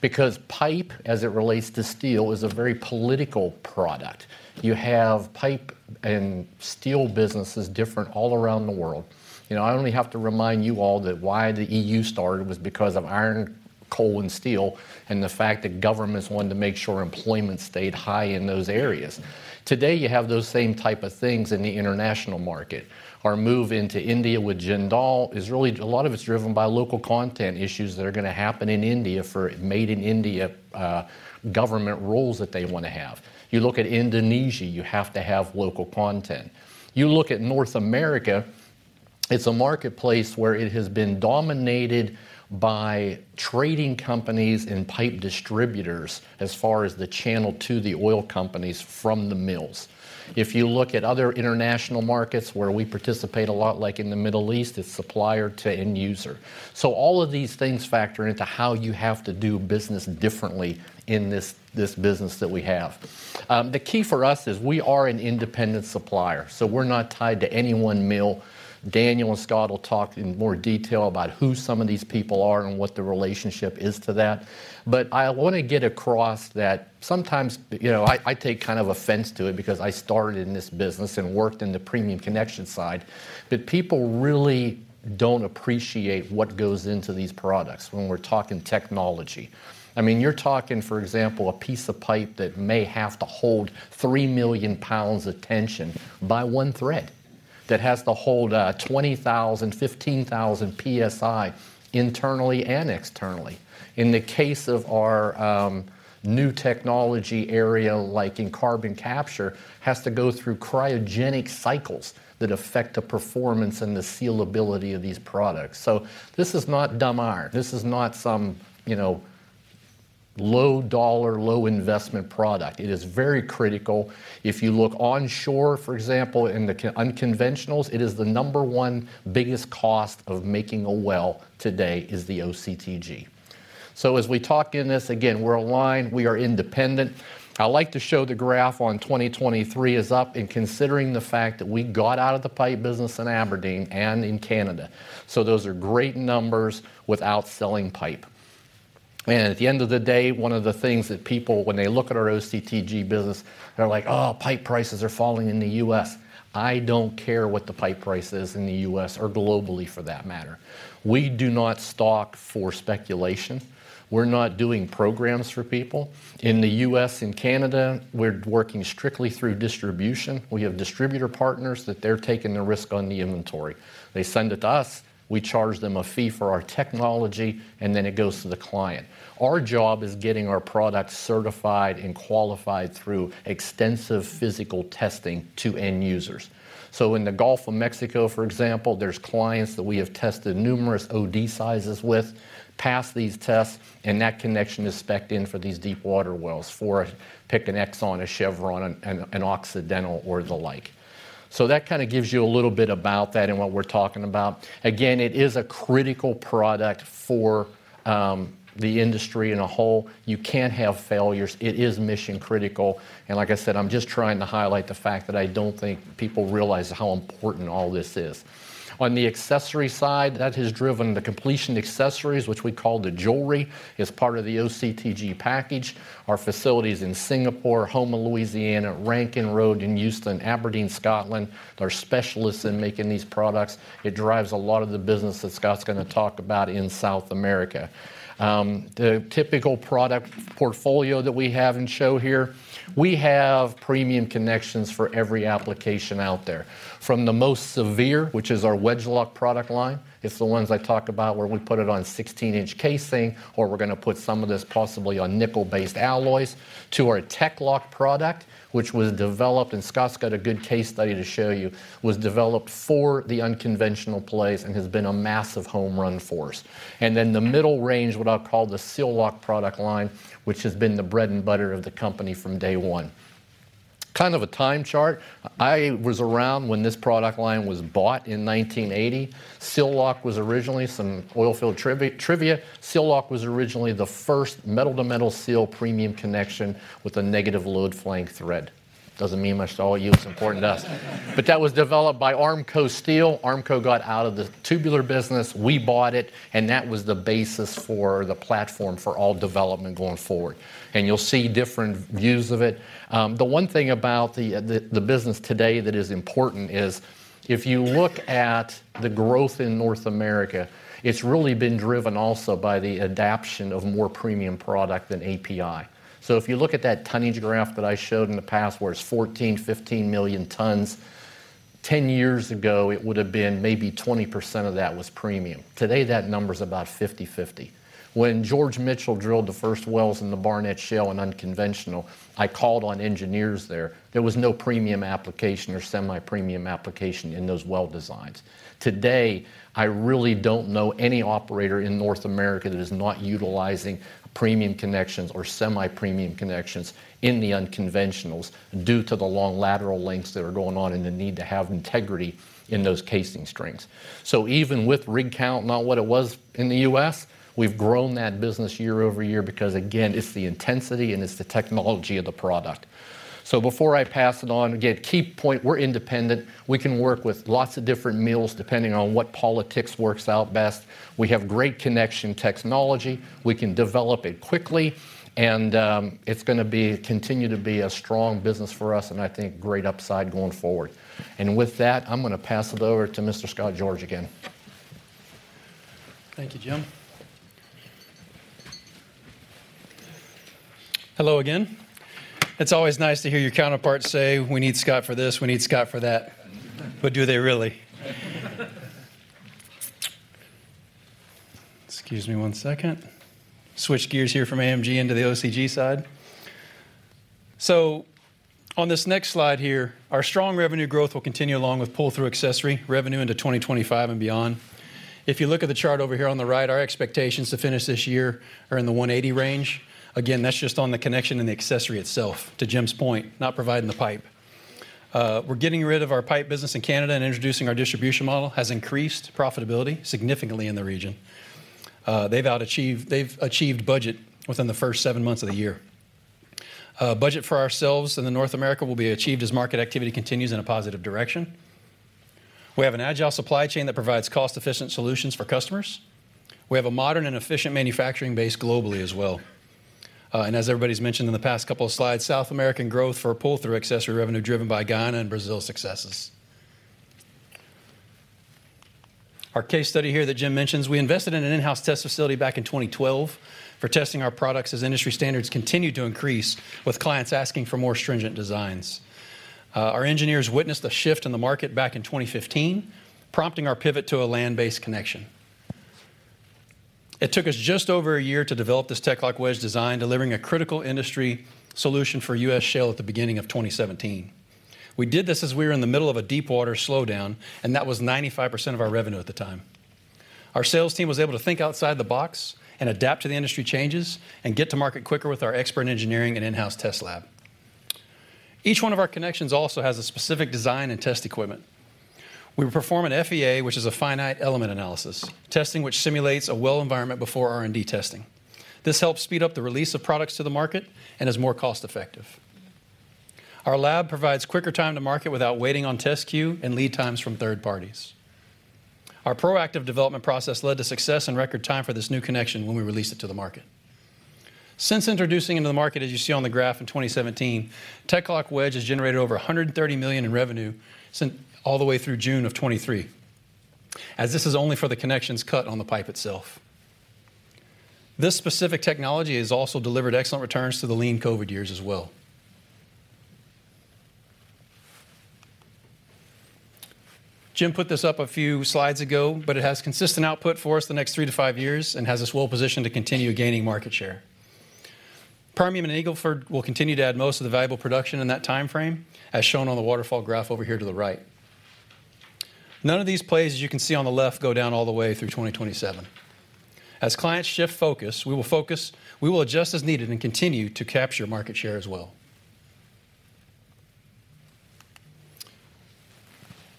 Because pipe, as it relates to steel, is a very political product. You have pipe and steel businesses different all around the world. You know, I only have to remind you all that why the EU started was because of iron, coal, and steel, and the fact that governments wanted to make sure employment stayed high in those areas. Today, you have those same type of things in the international market. Our move into India with Jindal is really. A lot of it's driven by local content issues that are gonna happen in India for made-in-India, government roles that they wanna have. You look at Indonesia, you have to have local content. You look at North America, it's a marketplace where it has been dominated by trading companies and pipe distributors as far as the channel to the oil companies from the mills. If you look at other international markets where we participate a lot, like in the Middle East, it's supplier to end user. So all of these things factor into how you have to do business differently in this business that we have. The key for us is we are an independent supplier, so we're not tied to any one mill. Daniel and Scott will talk in more detail about who some of these people are and what the relationship is to that. But I wanna get across that sometimes, you know, I take kind of offense to it because I started in this business and worked in the premium connection side, that people really don't appreciate what goes into these products when we're talking technology. I mean, you're talking, for example, a piece of pipe that may have to hold 3 million pounds of tension by one thread, that has to hold 20,000, 15,000 PSI internally and externally. In the case of our new technology area, like in carbon capture, has to go through cryogenic cycles that affect the performance and the sealability of these products. So this is not dumb iron. This is not some, you know, low dollar, low investment product. It is very critical. If you look onshore, for example, in the unconventionals, it is the number one biggest cost of making a well today is the OCTG. So as we talk in this, again, we're aligned, we are independent. I like to show the graph on 2023 is up, and considering the fact that we got out of the pipe business in Aberdeen and in Canada, so those are great numbers without selling pipe. At the end of the day, one of the things that people, when they look at our OCTG business, they're like, "Oh, pipe prices are falling in the U.S." I don't care what the pipe price is in the U.S., or globally, for that matter. We do not stock for speculation. We're not doing programs for people. In the U.S. and Canada, we're working strictly through distribution. We have distributor partners that they're taking the risk on the inventory. They send it to us, we charge them a fee for our technology, and then it goes to the client. Our job is getting our products certified and qualified through extensive physical testing to end users. So in the Gulf of Mexico, for example, there's clients that we have tested numerous OD sizes with, passed these tests, and that connection is spec'd in for these deepwater wells, for, pick an Exxon, a Chevron, an, an Occidental, or the like. So that kinda gives you a little bit about that and what we're talking about. Again, it is a critical product for the industry as a whole. You can't have failures. It is mission-critical. And like I said, I'm just trying to highlight the fact that I don't think people realize how important all this is. On the accessory side, that has driven the completion accessories, which we call the jewelry, as part of the OCTG package. Our facilities in Singapore, Houma, Louisiana, Rankin Road in Houston, Aberdeen, Scotland, they're specialists in making these products. It drives a lot of the business that Scott's gonna talk about in South America. The typical product portfolio that we have and show here, we have premium connections for every application out there, from the most severe, which is our Wedge-Lock product line. It's the ones I talked about where we put it on 16-inch casing, or we're gonna put some of this possibly on nickel-based alloys, to our TEC-LOCK product, which was developed, and Scott's got a good case study to show you, was developed for the unconventional plays and has been a massive home run for us. And then the middle range, what I'll call the Seal-Lock product line, which has been the bread and butter of the company from day one. Kind of a time chart. I was around when this product line was bought in 1980. Seal-Lock was originally some oil field trivia. Seal-Lock was originally the first metal-to-metal seal premium connection with a negative load flank thread. Doesn't mean much to all you, it's important to us. But that was developed by Armco Steel. Armco got out of the tubular business, we bought it, and that was the basis for the platform for all development going forward. And you'll see different views of it. The one thing about the business today that is important is, if you look at the growth in North America, it's really been driven also by the adoption of more premium product than API. So if you look at that tonnage graph that I showed in the past, where it's 14-15 million tons 10 years ago, it would have been maybe 20% of that was premium. Today, that number is about 50/50. When George Mitchell drilled the first wells in the Barnett Shale in unconventional, I called on engineers there. There was no premium application or semi-premium application in those well designs. Today, I really don't know any operator in North America that is not utilizing premium connections or semi-premium connections in the unconventionals, due to the long lateral lengths that are going on and the need to have integrity in those casing strings. So even with rig count not what it was in the U.S., we've grown that business year-over-year because, again, it's the intensity and it's the technology of the product. So before I pass it on, again, key point, we're independent. We can work with lots of different mills, depending on what logistics works out best. We have great connection technology. We can develop it quickly, and it's gonna continue to be a strong business for us, and I think great upside going forward. And with that, I'm gonna pass it over to Mr. Scott George again. Thank you, Jim. Hello again. It's always nice to hear your counterpart say, "We need Scott for this, we need Scott for that." But do they really? Excuse me one second. Switch gears here from AM into the OCTG side. On this next slide here, our strong revenue growth will continue, along with pull-through accessory revenue into 2025 and beyond. If you look at the chart over here on the right, our expectations to finish this year are in the $180 range. Again, that's just on the connection and the accessory itself, to Jim's point, not providing the pipe. We're getting rid of our pipe business in Canada and introducing our distribution model has increased profitability significantly in the region. They've achieved budget within the first seven months of the year. Budget for ourselves in North America will be achieved as market activity continues in a positive direction. We have an agile supply chain that provides cost-efficient solutions for customers. We have a modern and efficient manufacturing base globally as well. As everybody's mentioned in the past couple of slides, South American growth for pull-through accessory revenue, driven by Guyana and Brazil successes. Our case study here that Jim mentions, we invested in an in-house test facility back in 2012 for testing our products as industry standards continued to increase, with clients asking for more stringent designs. Our engineers witnessed a shift in the market back in 2015, prompting our pivot to a land-based connection. It took us just over a year to develop this TEC-LOCK Wedge design, delivering a critical industry solution for U.S. shale at the beginning of 2017. We did this as we were in the middle of a deepwater slowdown, and that was 95% of our revenue at the time. Our sales team was able to think outside the box and adapt to the industry changes, and get to market quicker with our expert engineering and in-house test lab. Each one of our connections also has a specific design and test equipment. We perform an FEA, which is a finite element analysis, testing which simulates a well environment before R&D testing. This helps speed up the release of products to the market and is more cost-effective. Our lab provides quicker time to market without waiting on test queue and lead times from third parties. Our proactive development process led to success in record time for this new connection when we released it to the market. Since introducing into the market, as you see on the graph in 2017, TEC-LOCK Wedge has generated over $130 million in revenue all the way through June of 2023, as this is only for the connections cut on the pipe itself. This specific technology has also delivered excellent returns through the lean COVID years as well. Jim put this up a few slides ago, but it has consistent output for us the next 3-5 years and has us well-positioned to continue gaining market share. Permian and Eagle Ford will continue to add most of the valuable production in that timeframe, as shown on the waterfall graph over here to the right. None of these plays, as you can see on the left, go down all the way through 2027. As clients shift focus, we will focus, we will adjust as needed and continue to capture market share as well.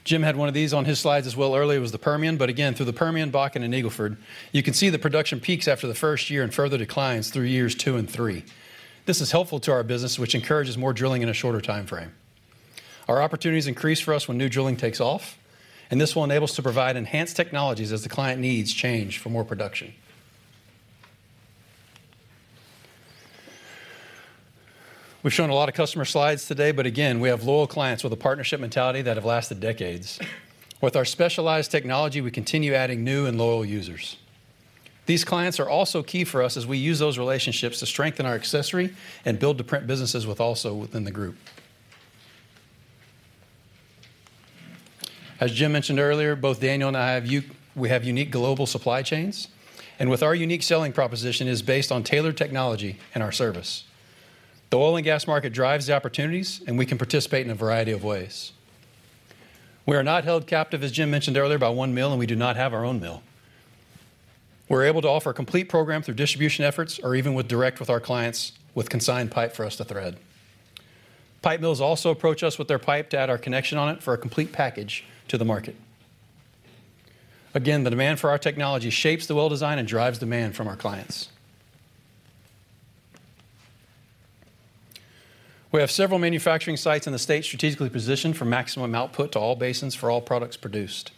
Jim had one of these on his slides as well earlier; it was the Permian. But again, through the Permian, Bakken, and Eagle Ford, you can see the production peaks after the first year and further declines through years two and three. This is helpful to our business, which encourages more drilling in a shorter timeframe. Our opportunities increase for us when new drilling takes off, and this will enable us to provide enhanced technologies as the client needs change for more production. We've shown a lot of customer slides today, but again, we have loyal clients with a partnership mentality that have lasted decades. With our specialized technology, we continue adding new and loyal users. These clients are also key for us as we use those relationships to strengthen our accessory and build-to-print businesses with also within the group. As Jim mentioned earlier, both Daniel and I have unique global supply chains, and our unique selling proposition is based on tailored technology and our service. The oil and gas market drives the opportunities, and we can participate in a variety of ways. We are not held captive, as Jim mentioned earlier, by one mill, and we do not have our own mill. We're able to offer a complete program through distribution efforts or even with direct with our clients with consigned pipe for us to thread. Pipe mills also approach us with their pipe to add our connection on it for a complete package to the market. Again, the demand for our technology shapes the well design and drives demand from our clients. We have several manufacturing sites in the state strategically positioned for maximum output to all basins for all products produced.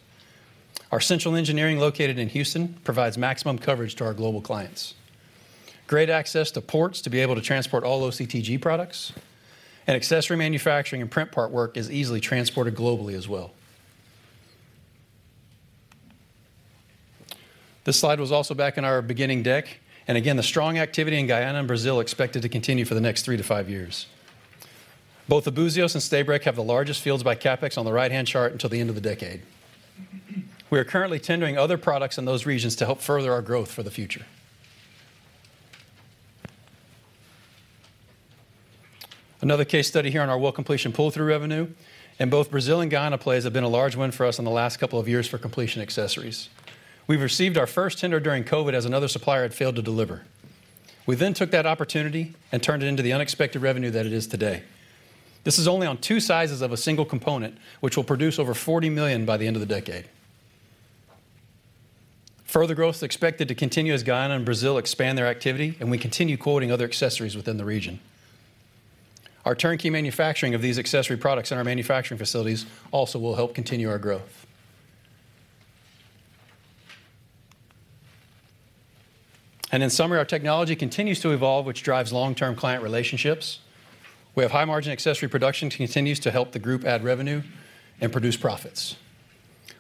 Our central engineering, located in Houston, provides maximum coverage to our global clients. Great access to ports to be able to transport all OCTG products, and accessory manufacturing and print part work is easily transported globally as well. This slide was also back in our beginning deck, and again, the strong activity in Guyana and Brazil expected to continue for the next 3-5 years. Both the Búzios and Stabroek have the largest fields by CapEx on the right-hand chart until the end of the decade. We are currently tendering other products in those regions to help further our growth for the future. Another case study here on our well completion pull-through revenue, and both Brazil and Guyana plays have been a large win for us in the last couple of years for completion accessories. We received our first tender during COVID as another supplier had failed to deliver. We then took that opportunity and turned it into the unexpected revenue that it is today. This is only on 2 sizes of a single component, which will produce over $40 million by the end of the decade. Further growth is expected to continue as Guyana and Brazil expand their activity, and we continue quoting other accessories within the region. Our turnkey manufacturing of these accessory products in our manufacturing facilities also will help continue our growth. In summary, our technology continues to evolve, which drives long-term client relationships. We have high-margin accessory production continues to help the group add revenue and produce profits.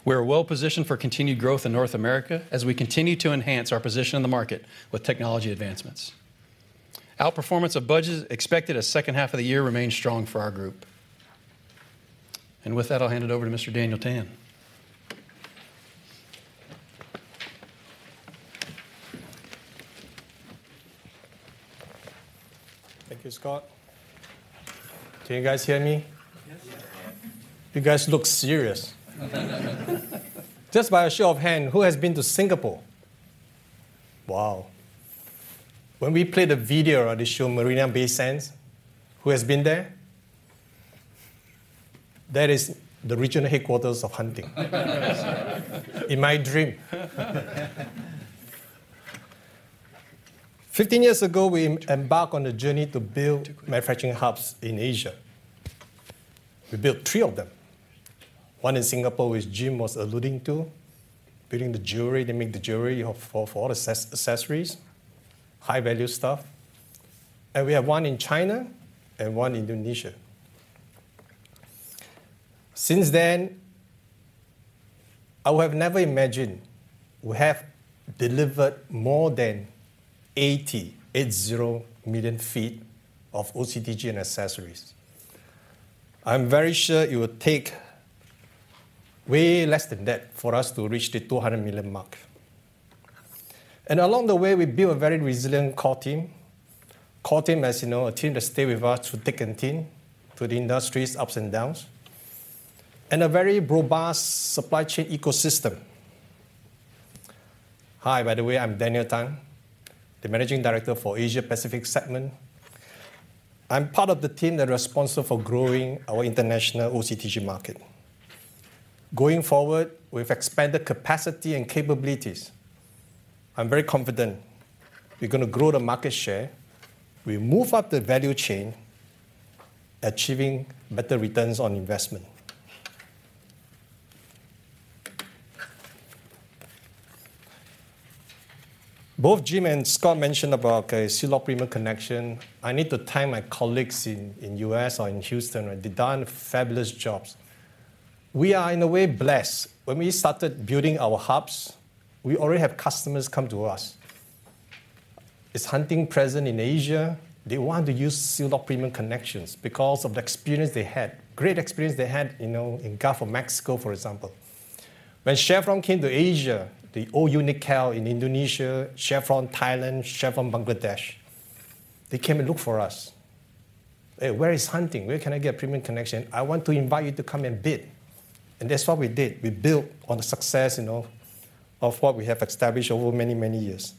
We are well positioned for continued growth in North America as we continue to enhance our position in the market with technology advancements. Outperformance of budget is expected as second half of the year remains strong for our group. With that, I'll hand it over to Mr. Daniel Tan. Thank you, Scott. Can you guys hear me? Yes. Yeah. You guys look serious. Just by a show of hands, who has been to Singapore? Wow! When we played a video at the show, Marina Bay Sands, who has been there? That is the regional headquarters of Hunting. In my dream. 15 years ago, we embark on a journey to build manufacturing hubs in Asia. We built three of them. One in Singapore, which Jim was alluding to, building the jewelry, they make the jewelry of, for, for all accessories, high-value stuff. And we have one in China and one in Indonesia. Since then, I would have never imagined we have delivered more than 880 million feet of OCTG and accessories. I'm very sure it will take way less than that for us to reach the 200 million mark. And along the way, we built a very resilient core team. Core team, as you know, a team that stay with us through thick and thin, through the industry's ups and downs, and a very robust supply chain ecosystem. Hi, by the way, I'm Daniel Tan, the Managing Director for Asia Pacific segment. I'm part of the team that responsible for growing our international OCTG market. Going forward, we've expanded capacity and capabilities. I'm very confident we're gonna grow the market share. We move up the value chain, achieving better returns on investment. Both Jim and Scott mentioned about a sealed premium connection. I need to thank my colleagues in U.S. or in Houston, they've done fabulous jobs. We are, in a way, blessed. When we started building our hubs, we already have customers come to us. Is Hunting present in Asia? They want to use sealed premium connections because of the experience they had, great experience they had, you know, in Gulf of Mexico, for example. When Chevron came to Asia, the Unocal in Indonesia, Chevron Thailand, Chevron Bangladesh, they came and look for us. "Hey, where is Hunting? Where can I get premium connection? I want to invite you to come and bid." And that's what we did. We built on the success, you know, of what we have established over many, many years.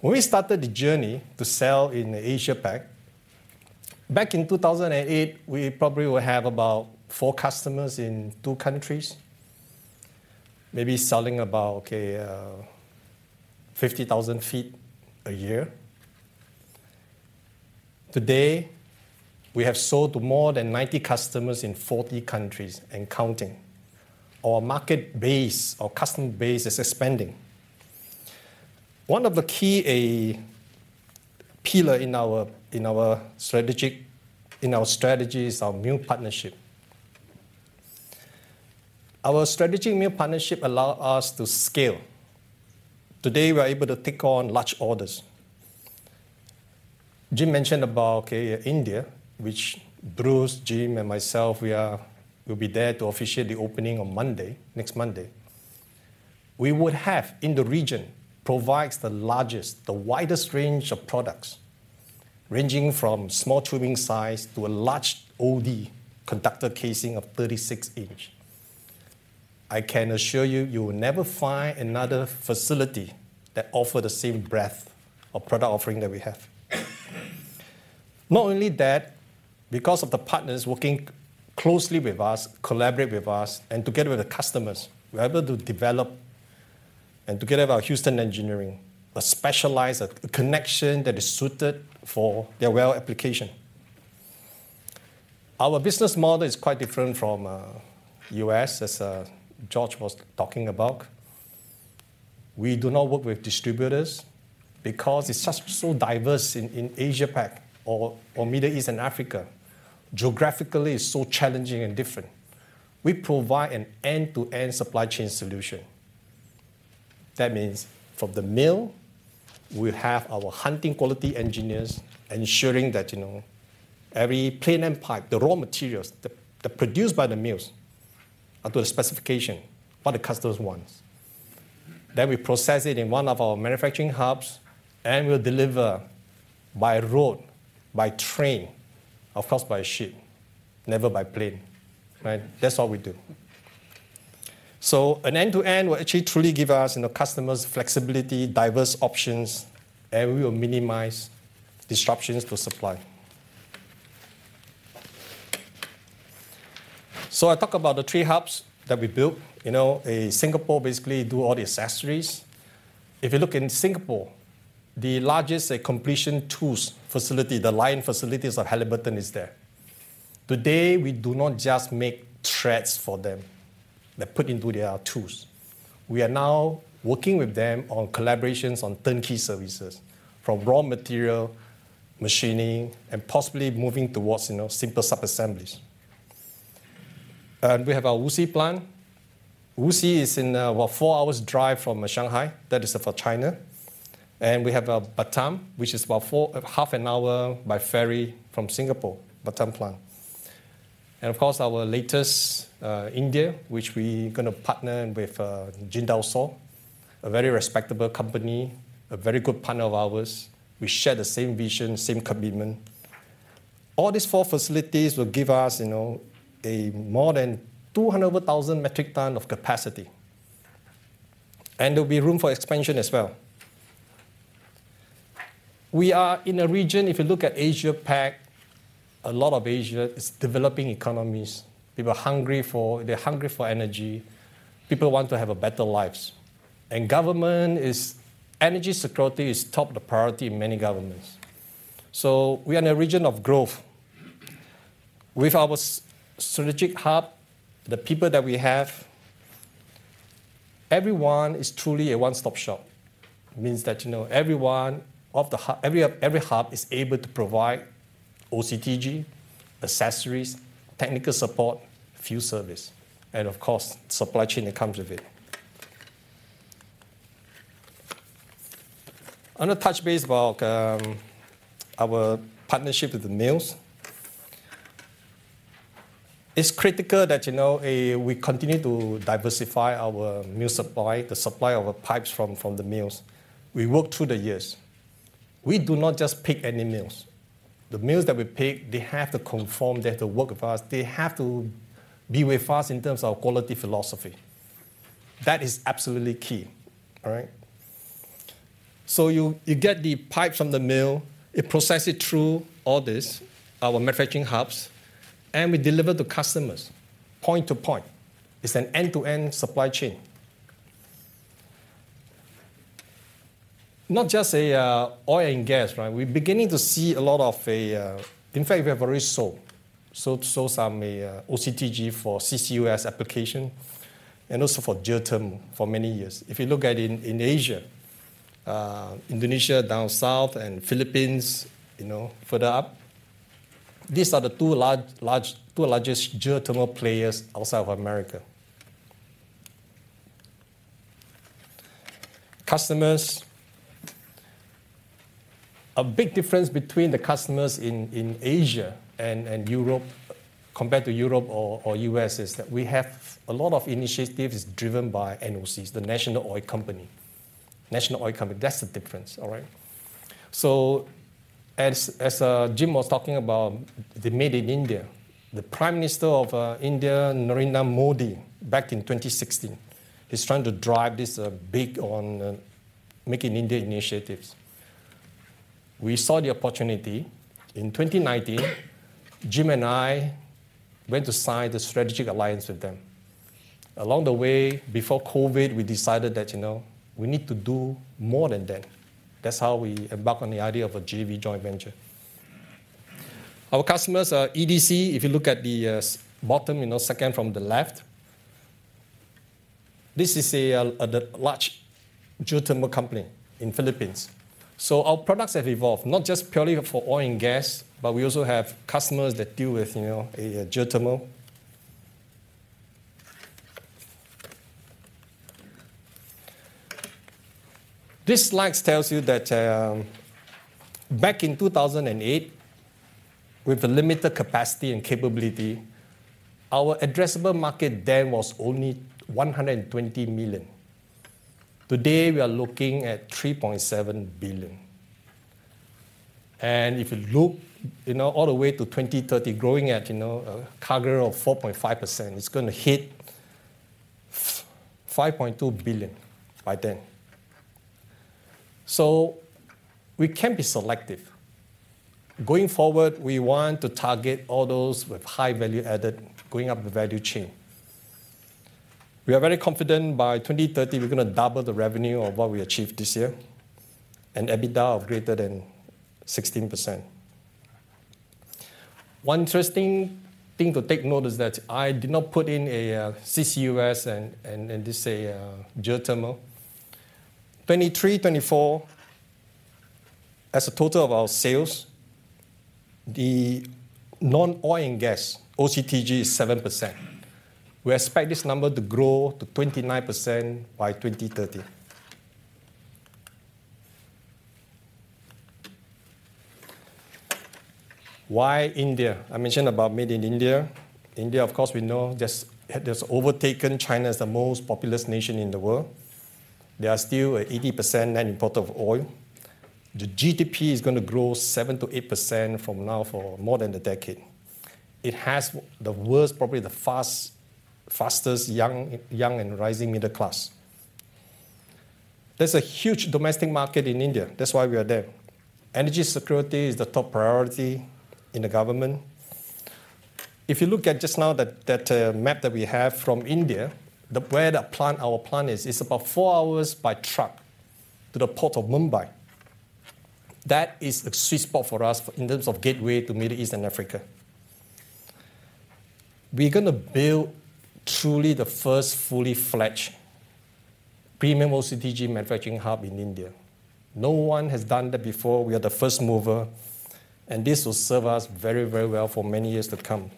When we started the journey to sell in Asia Pac, back in 2008, we probably would have about four customers in two countries, maybe selling about 50,000 feet a year. Today, we have sold to more than 90 customers in 40 countries and counting. Our market base, our customer base is expanding. One of the key pillar in our strategy is our new partnership. Our strategic new partnership allow us to scale. Today, we are able to take on large orders. Jim mentioned about, okay, India, which Bruce, Jim, and myself, we'll be there to officiate the opening on Monday, next Monday. We would have in the region provides the largest, the widest range of products, ranging from small tubing size to a large OD conductor casing of 36-inch. I can assure you, you will never find another facility that offer the same breadth of product offering that we have. Not only that, because of the partners working closely with us, collaborate with us, and together with the customers, we are able to develop, and together with our Houston engineering, a specialized, a connection that is suited for their well application. Our business model is quite different from US, as George was talking about. We do not work with distributors because it's just so diverse in Asia-Pac or Middle East and Africa. Geographically, it's so challenging and different. We provide an end-to-end supply chain solution. That means from the mill, we have our Hunting quality engineers ensuring that, you know, every plain end pipe, the raw materials that produced by the mills, are to the specification what the customers wants. Then we process it in one of our manufacturing hubs, and we'll deliver by road, by train, of course, by ship, never by plane, right? That's what we do. So an end-to-end will actually truly give us and the customers flexibility, diverse options, and we will minimize disruptions to supply. So I talk about the three hubs that we built. You know, Singapore basically do all the accessories. If you look in Singapore, the largest completion tools facility, the line facilities of Halliburton is there. Today, we do not just make threads for them, that put into their tools. We are now working with them on collaborations on turnkey services, from raw material, machining, and possibly moving towards, you know, simple subassemblies. And we have our Wuxi plant. Wuxi is in about 4 hours drive from Shanghai. That is for China. And we have Batam, which is about half an hour by ferry from Singapore, Batam plant. And of course, our latest India, which we gonna partner with Jindal SAW, a very respectable company, a very good partner of ours. We share the same vision, same commitment. All these four facilities will give us, you know, more than 200,000 metric tons of capacity, and there'll be room for expansion as well. We are in a region, if you look at Asia-Pac, a lot of Asia is developing economies. People are hungry for. They're hungry for energy. People want to have a better lives. And government energy security is top the priority in many governments. So we are in a region of growth. With our strategic hub, the people that we have, everyone is truly a one-stop shop. Means that, you know, every hub is able to provide OCTG, accessories, technical support, field service, and of course, supply chain that comes with it. I want to touch base about our partnership with the mills. It's critical that, you know, we continue to diversify our mill supply, the supply of pipes from the mills. We work through the years. We do not just pick any mills. The mills that we pick, they have to conform, they have to work with us, they have to be with us in terms of quality philosophy. That is absolutely key, all right? So you get the pipes from the mill, it process it through all this, our manufacturing hubs, and we deliver to customers, point to point. It's an end-to-end supply chain. Not just oil and gas, right? We're beginning to see a lot of. In fact, we have already sold some OCTG for CCUS application and also for geothermal for many years. If you look at in Asia, Indonesia, down south, and Philippines, you know, further up, these are the two largest geothermal players outside of America. Customers. A big difference between the customers in Asia and Europe compared to Europe or US is that we have a lot of initiatives driven by NOCs, the national oil company. National oil company, that's the difference, all right? So as Jim was talking about the Make in India, the Prime Minister of India, Narendra Modi, back in 2016, he's trying to drive this big on Make in India initiatives. We saw the opportunity. In 2019, Jim and I went to sign the strategic alliance with them. Along the way, before COVID, we decided that, you know, we need to do more than that. That's how we embark on the idea of a JV, joint venture. Our customers are EDC. If you look at the bottom, you know, second from the left, this is the large geothermal company in the Philippines. So our products have evolved, not just purely for oil and gas, but we also have customers that deal with, you know, geothermal. This slides tells you that back in 2008, with a limited capacity and capability, our addressable market then was only $120 million. Today, we are looking at $3.7 billion. And if you look, you know, all the way to 2030, growing at, you know, a CAGR of 4.5%, it's gonna hit 5.2 billion by then. So we can be selective. Going forward, we want to target all those with high value added, going up the value chain. We are very confident by 2030, we're going to double the revenue of what we achieved this year, and EBITDA of greater than 16%. One interesting thing to take note is that I did not put in a, CCUS and, and, and just say, geothermal. 2023, 2024, as a total of our sales, the non-oil and gas, OCTG, is 7%. We expect this number to grow to 29% by 2030. Why India? I mentioned about Made in India. India, of course, we know, that's, has overtaken China as the most populous nation in the world. They are still at 80% net import of oil. The GDP is going to grow 7%-8% from now for more than a decade. It has the world's, probably the fastest, young and rising middle class. There's a huge domestic market in India. That's why we are there. Energy security is the top priority in the government. If you look at just now that map that we have from India, where the plant, our plant is, it's about four hours by truck to the port of Mumbai. That is a sweet spot for us in terms of gateway to Middle East and Africa. We're going to build truly the first fully-fledged premium OCTG manufacturing hub in India. No one has done that before. We are the first mover, and this will serve us very, very well for many years to come.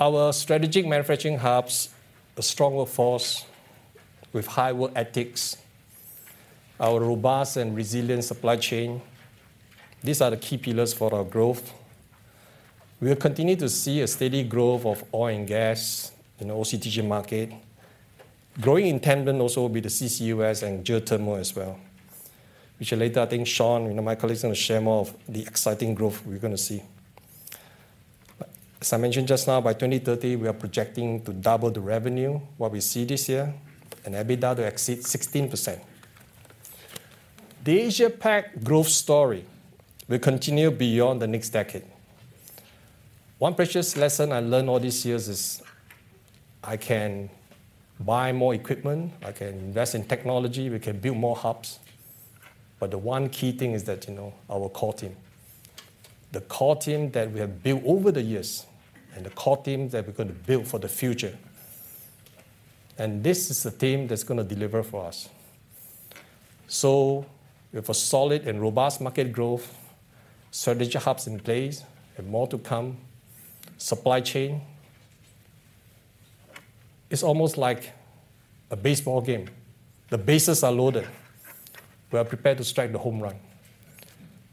Our strategic manufacturing hubs, a stronger force with high work ethics, our robust and resilient supply chain, these are the key pillars for our growth. We will continue to see a steady growth of oil and gas in the OCTG market. Growing in tandem also will be the CCUS and geothermal as well, which later, I think, Sean, you know, my colleague, is going to share more of the exciting growth we're going to see. As I mentioned just now, by 2030, we are projecting to double the revenue, what we see this year, and EBITDA to exceed 16%. The Asia-Pac growth story will continue beyond the next decade. One precious lesson I learned all these years is, I can buy more equipment, I can invest in technology, we can build more hubs, but the one key thing is that, you know, our core team. The core team that we have built over the years, and the core team that we're going to build for the future, and this is the team that's going to deliver for us. So we have a solid and robust market growth, strategic hubs in place and more to come. Supply chain. It's almost like a baseball game. The bases are loaded. We are prepared to strike the home run.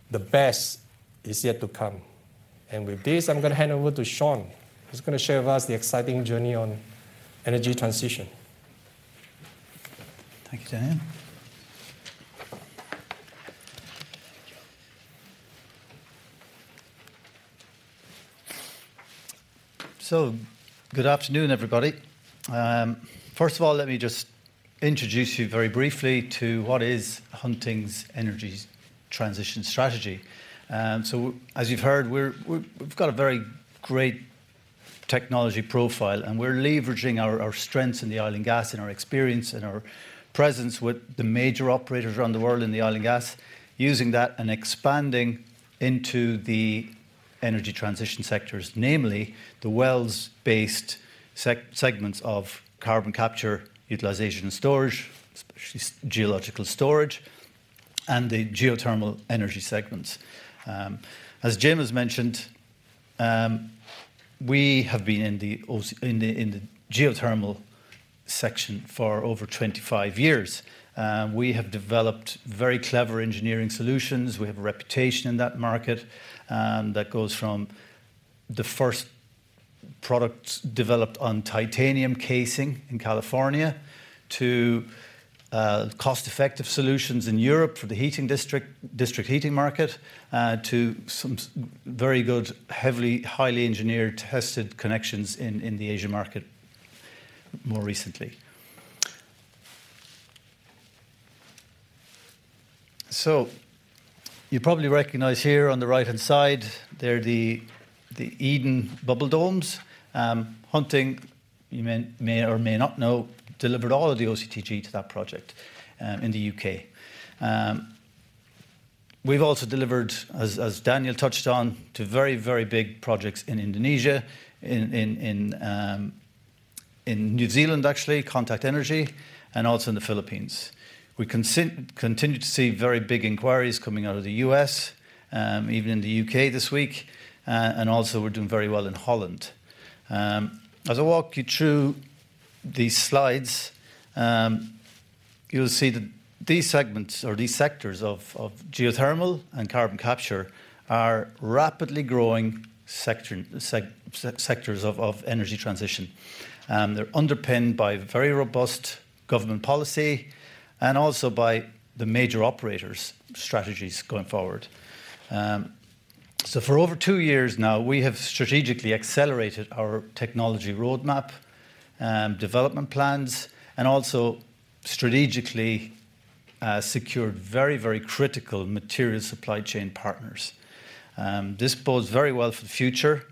The best is yet to come. And with this, I'm going to hand over to Sean, who's going to share with us the exciting journey on energy transition. Thank you, Daniel. Good afternoon, everybody. First of all, let me just introduce you very briefly to what is Hunting's energy transition strategy. So as you've heard, we've got a very great technology profile, and we're leveraging our strengths in the oil and gas, and our experience and our presence with the major operators around the world in the oil and gas, using that and expanding into the energy transition sectors, namely the wells-based segments of carbon capture, utilization and storage, especially geological storage, and the geothermal energy segments. As Jim has mentioned, we have been in the geothermal section for over 25 years. We have developed very clever engineering solutions. We have a reputation in that market that goes from the first products developed on titanium casing in California to cost-effective solutions in Europe for the heating district heating market to some very good, heavily, highly engineered, tested connections in the Asian market more recently. So you probably recognize here on the right-hand side, they're the Eden Project. Hunting, you may or may not know, delivered all of the OCTG to that project in the U.K. We've also delivered, as Daniel touched on, to very, very big projects in Indonesia, in New Zealand, actually, Contact Energy, and also in the Philippines. We continue to see very big inquiries coming out of the U.S., even in the U.K. this week, and also we're doing very well in Holland. As I walk you through these slides, you'll see that these segments or these sectors of geothermal and carbon capture are rapidly growing sectors of energy transition. They're underpinned by very robust government policy and also by the major operators' strategies going forward. So for over two years now, we have strategically accelerated our technology roadmap, development plans, and also strategically secured very, very critical material supply chain partners. This bodes very well for the future.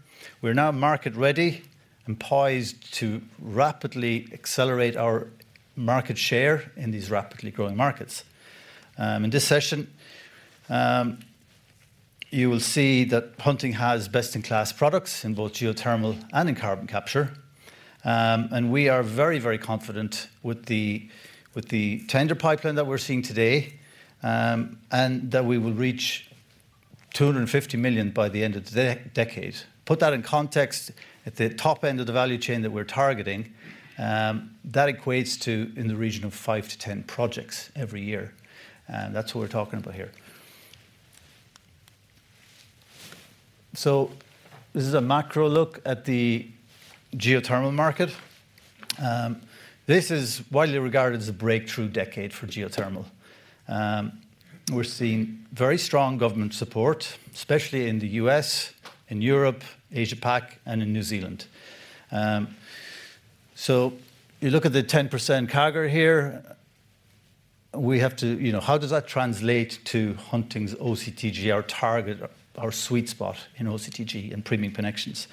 We're now market-ready and poised to rapidly accelerate our market share in these rapidly growing markets. In this session, you will see that Hunting has best-in-class products in both geothermal and in carbon capture. We are very, very confident with the tender pipeline that we're seeing today, and that we will reach $250 million by the end of the decade. Put that in context, at the top end of the value chain that we're targeting, that equates to in the region of 5-10 projects every year, and that's what we're talking about here. So this is a macro look at the geothermal market. This is widely regarded as a breakthrough decade for geothermal. We're seeing very strong government support, especially in the U.S., in Europe, Asia-Pac, and in New Zealand. So you look at the 10% CAGR here, we have to. You know, how does that translate to Hunting's OCTG, our target, our sweet spot in OCTG and premium connections?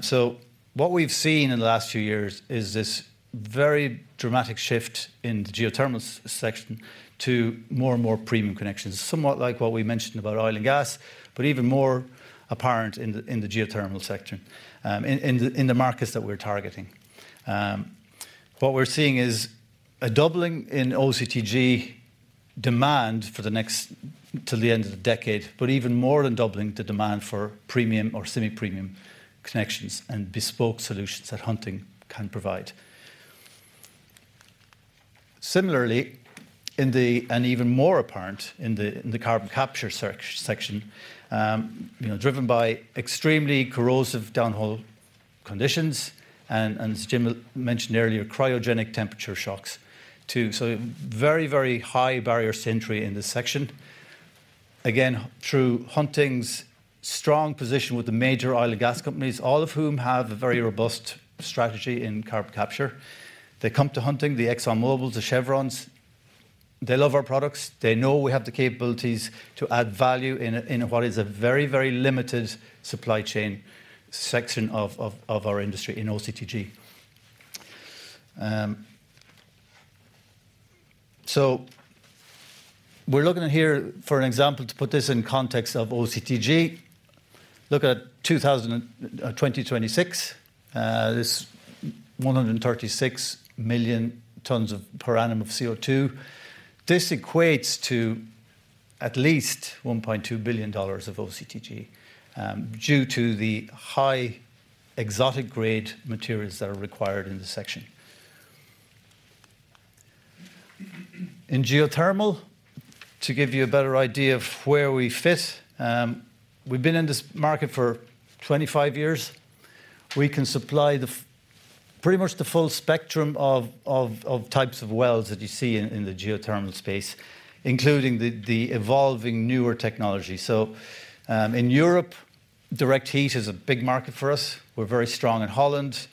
So what we've seen in the last few years is this very dramatic shift in the geothermal section to more and more premium connections. Somewhat like what we mentioned about oil and gas, but even more apparent in the geothermal section, in the markets that we're targeting. What we're seeing is a doubling in OCTG demand for the next till the end of the decade, but even more than doubling the demand for premium or semi-premium connections and bespoke solutions that Hunting can provide. Similarly, and even more apparent in the carbon capture section, you know, driven by extremely corrosive downhole conditions and as Jim mentioned earlier, cryogenic temperature shocks, too. So very, very high barriers to entry in this section. Again, through Hunting's strong position with the major oil and gas companies, all of whom have a very robust strategy in carbon capture. They come to Hunting, the ExxonMobil, the Chevrons. They love our products. They know we have the capabilities to add value in a, in what is a very, very limited supply chain section of, of, of our industry in OCTG. So we're looking at here, for an example, to put this in context of OCTG, look at 2026. This 136 million tons per annum of CO2. This equates to at least $1.2 billion of OCTG, due to the high exotic grade materials that are required in this section. In geothermal, to give you a better idea of where we fit, we've been in this market for 25 years. We can supply pretty much the full spectrum of types of wells that you see in the geothermal space, including the evolving newer technology. So, in Europe, direct heat is a big market for us. We're very strong in Holland,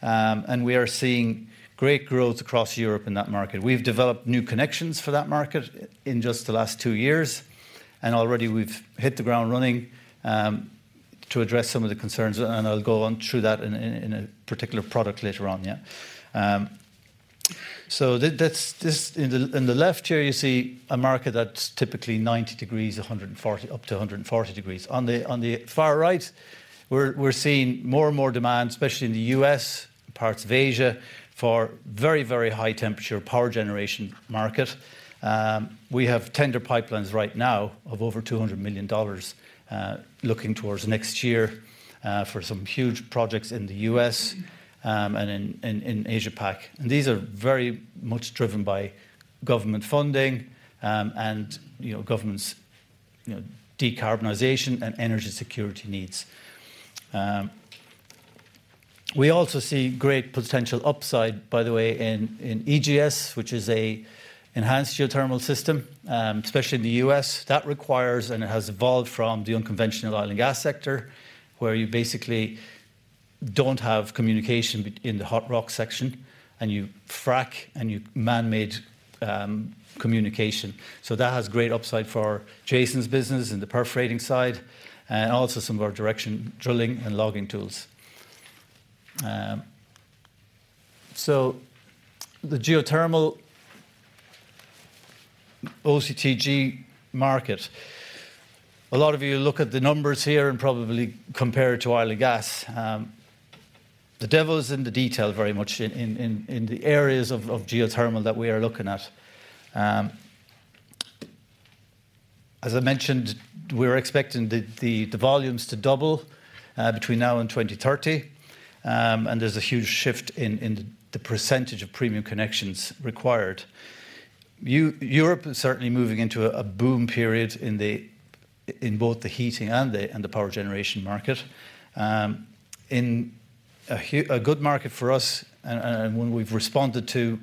and we are seeing great growth across Europe in that market. We've developed new connections for that market in just the last two years, and already we've hit the ground running to address some of the concerns, and I'll go on through that in a particular product later on, yeah. So that's this, in the left here, you see a market that's typically 90 degrees, 140, up to 140 degrees. On the far right, we're seeing more and more demand, especially in the U.S., parts of Asia, for very, very high temperature power generation market. We have tender pipelines right now of over $200 million, looking towards next year, for some huge projects in the U.S., and in Asia-Pac. And these are very much driven by government funding, and, you know, governments', you know, decarbonization and energy security needs. We also see great potential upside, by the way, in EGS, which is a enhanced geothermal system, especially in the U.S. That requires, and it has evolved from the unconventional oil and gas sector, where you basically don't have communication in the hot rock section, and you frac, and you manmade communication. So that has great upside for Jason's business in the perforating side and also some of our direction drilling and logging tools. So the geothermal OCTG market, a lot of you look at the numbers here and probably compare it to oil and gas. The devil is in the detail very much in the areas of geothermal that we are looking at. As I mentioned, we're expecting the volumes to double between now and 2030, and there's a huge shift in the percentage of premium connections required. Europe is certainly moving into a boom period in both the heating and the power generation market. A good market for us, and one we've responded to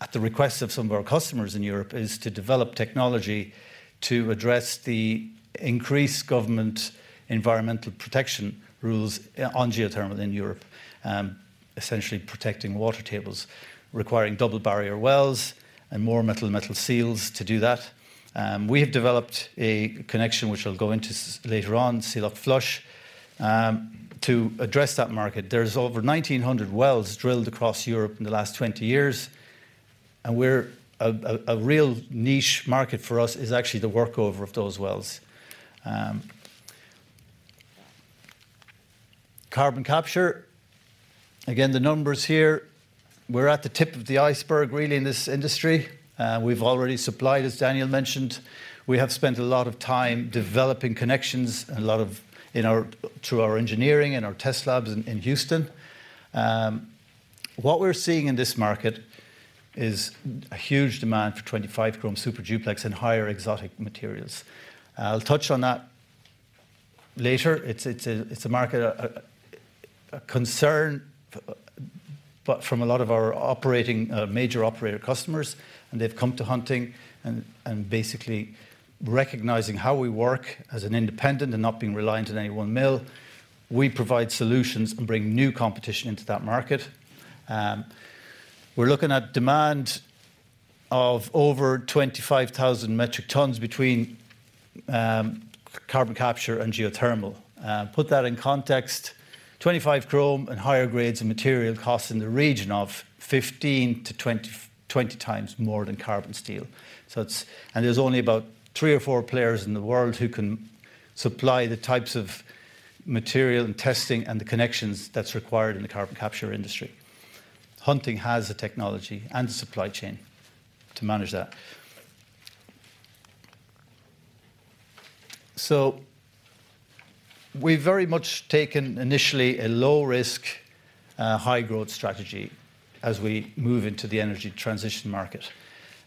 at the request of some of our customers in Europe, is to develop technology to address the increased government environmental protection rules on geothermal in Europe, essentially protecting water tables, requiring double barrier wells and more metal-to-metal seals to do that. We have developed a connection, which I'll go into later on, Seal-Lock Flush, to address that market. There's over 1,900 wells drilled across Europe in the last 20 years, and we're a real niche market for us is actually the workover of those wells. Carbon capture. Again, the numbers here, we're at the tip of the iceberg, really, in this industry. We've already supplied, as Daniel mentioned. We have spent a lot of time developing connections and a lot of, in our, through our engineering and our test labs in Houston. What we're seeing in this market is a huge demand for 25Cr super duplex and higher exotic materials. I'll touch on that later. It's a concern from a lot of our operating major operator customers, and they've come to Hunting and basically recognizing how we work as an independent and not being reliant on any one mill. We provide solutions and bring new competition into that market. We're looking at demand of over 25,000 metric tonnes between carbon capture and geothermal. Put that in context, 25Cr and higher grades of material costs in the region of 15-20 times more than carbon steel. And there's only about three or four players in the world who can supply the types of material and testing and the connections that's required in the carbon capture industry. Hunting has the technology and the supply chain to manage that. So we've very much taken, initially, a low-risk, high-growth strategy as we move into the energy transition market.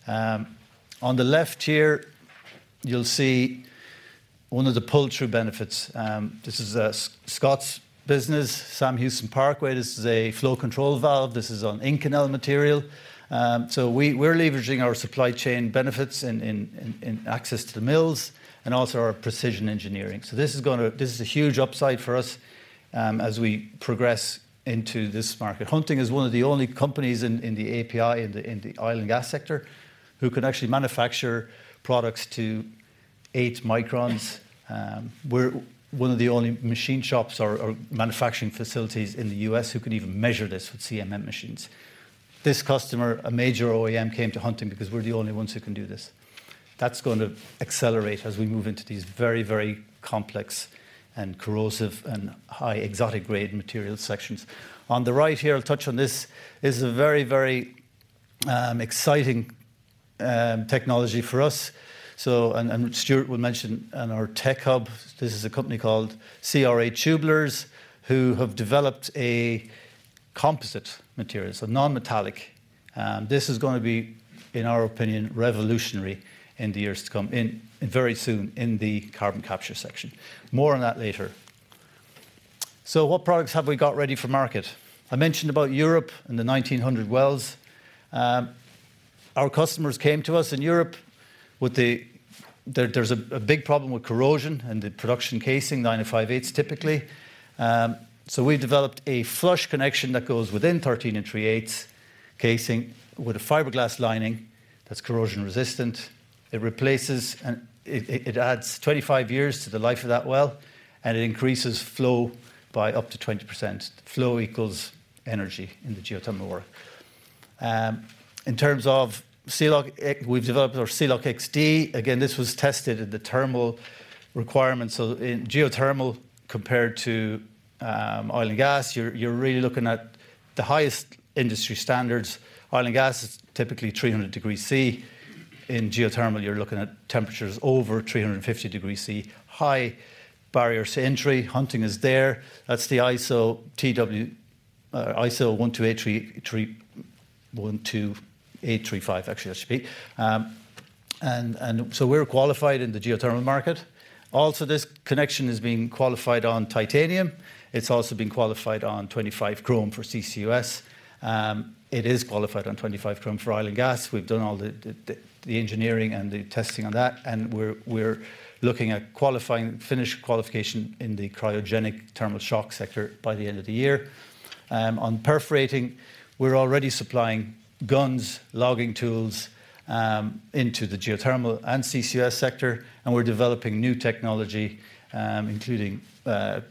On the left here, you'll see one of the pull-through benefits. This is a Subsea business, Sam Houston Parkway. This is a flow control valve. This is on Inconel material. So we, we're leveraging our supply chain benefits in, in, in, in access to the mills and also our precision engineering. So this is gonna- this is a huge upside for us, as we progress into this market. Hunting is one of the only companies in the API, in the oil and gas sector, who can actually manufacture products to 8 microns. We're one of the only machine shops or manufacturing facilities in the U.S. who can even measure this with CMM machines. This customer, a major OEM, came to Hunting because we're the only ones who can do this. That's going to accelerate as we move into these very, very complex and corrosive and high exotic grade material sections. On the right here, I'll touch on this, is a very, very exciting technology for us. So, Stuart will mention in our TEK-HUB, this is a company called CRA Tubulars, who have developed a composite material, so non-metallic. This is going to be, in our opinion, revolutionary in the years to come, very soon in the carbon capture section. More on that later. So what products have we got ready for market? I mentioned about Europe and the 1,900 wells. Our customers came to us in Europe with the big problem with corrosion and the production casing, 9 5/8-inch, typically. So we've developed a flush connection that goes within 13 3/8-inch casing with a fiberglass lining that's corrosion resistant. It replaces and it adds 25 years to the life of that well, and it increases flow by up to 20%. Flow equals energy in the geothermal world. In terms of Seal-Lock, we've developed our Seal-Lock XD. Again, this was tested in the thermal requirements. So in geothermal, compared to oil and gas, you're really looking at the highest industry standards. Oil and gas is typically 300 degrees Celsius. In geothermal, you're looking at temperatures over 350 degrees Celsius. High barriers to entry, Hunting is there. That's the ISO 12835, actually, that should be. And so we're qualified in the geothermal market. Also, this connection has been qualified on titanium. It's also been qualified on 25Cr for CCUS. It is qualified on 25Cr for oil and gas. We've done all the engineering and the testing on that, and we're looking at qualifying, finish qualification in the cryogenic thermal shock sector by the end of the year. On perforating, we're already supplying guns, logging tools, into the geothermal and CCUS sector, and we're developing new technology, including,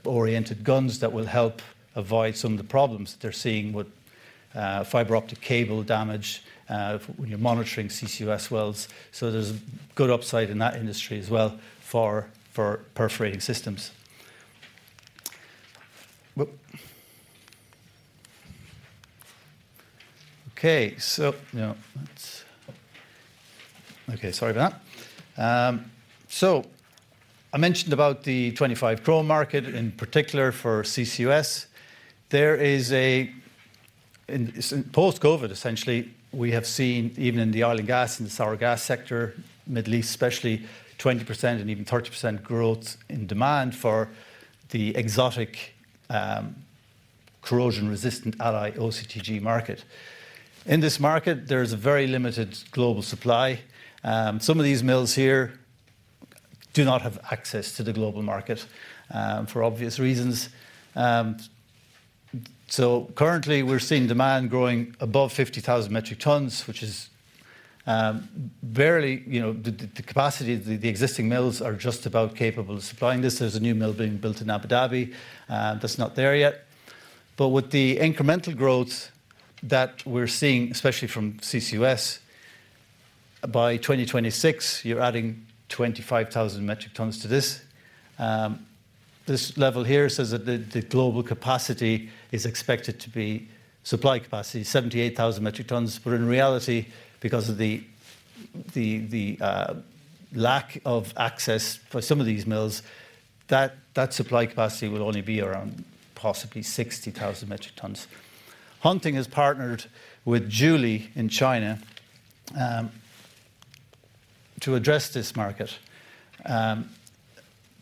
oriented guns that will help avoid some of the problems that they're seeing with, fiber optic cable damage, when you're monitoring CCUS wells. So there's a good upside in that industry as well for perforating systems. Okay, sorry about that. So I mentioned about the 25Cr market, in particular for CCUS. There is. In so post-COVID, essentially, we have seen, even in the oil and gas and the sour gas sector, Middle East especially, 20% and even 30% growth in demand for the exotic, corrosion-resistant alloy OCTG market. In this market, there is a very limited global supply. Some of these mills here do not have access to the global market, for obvious reasons. So currently, we're seeing demand growing above 50,000 metric tons, which is, barely, you know. The capacity, the existing mills are just about capable of supplying this. There's a new mill being built in Abu Dhabi, that's not there yet. But with the incremental growth that we're seeing, especially from CCUS, by 2026, you're adding 25,000 metric tons to this. This level here says that the global capacity is expected to be supply capacity, 78,000 metric tons. But in reality, because of the lack of access for some of these mills, that supply capacity will only be around possibly 60,000 metric tons. Hunting has partnered with Jiuli in China to address this market,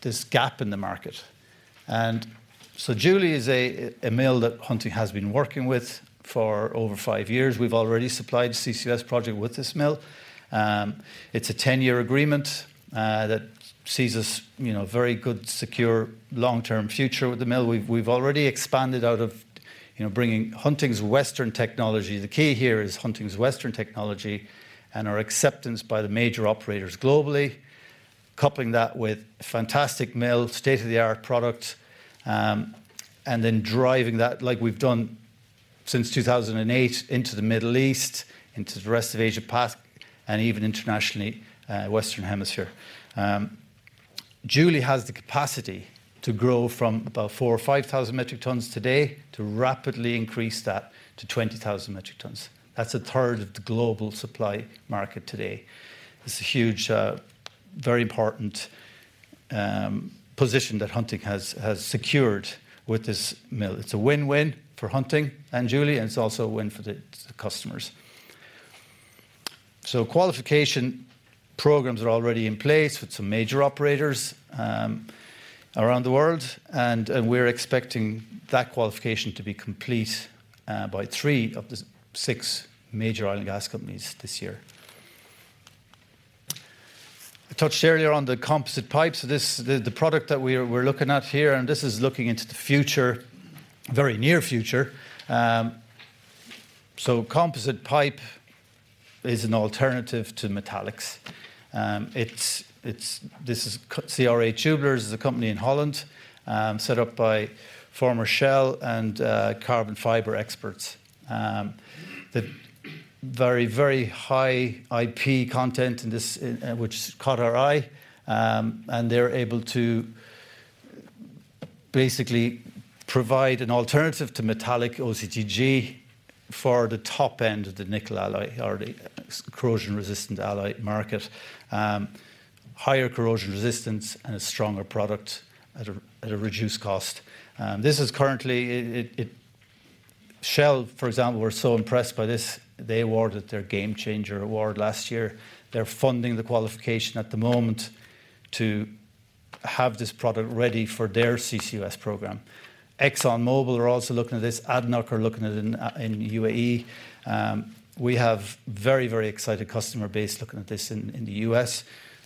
this gap in the market. So Jiuli is a mill that Hunting has been working with for over five years. We've already supplied CCUS project with this mill. It's a 10-year agreement that sees us, you know, very good, secure, long-term future with the mill. We've already expanded out of, you know, bringing Hunting's Western technology. The key here is Hunting's Western technology and our acceptance by the major operators globally, coupling that with fantastic mill, state-of-the-art product, and then driving that, like we've done since 2008, into the Middle East, into the rest of Asia-Pac, and even internationally, Western Hemisphere. Jiuli has the capacity to grow from about 4,000 or 5,000 metric tons today to rapidly increase that to 20,000 metric tons. That's a third of the global supply market today. It's a huge, very important position that Hunting has secured with this mill. It's a win-win for Hunting and Jiuli, and it's also a win for the customers. So qualification programs are already in place with some major operators around the world, and we're expecting that qualification to be complete by three of the six major oil and gas companies this year. I touched earlier on the composite pipes. This, the product that we're looking at here, and this is looking into the future, very near future. So composite pipe is an alternative to metallics. It's this is CRA Tubulars, is a company in Holland, set up by former Shell and carbon fiber experts. The very, very high IP content in this, which caught our eye, and they're able to basically provide an alternative to metallic OCTG for the top end of the nickel alloy or the corrosion-resistant alloy market. Higher corrosion resistance and a stronger product at a reduced cost. This is currently. Shell, for example, were so impressed by this, they awarded their GameChanger Award last year. They're funding the qualification at the moment to have this product ready for their CCUS program. ExxonMobil are also looking at this. ADNOC are looking at it in UAE. We have very, very excited customer base looking at this in the US.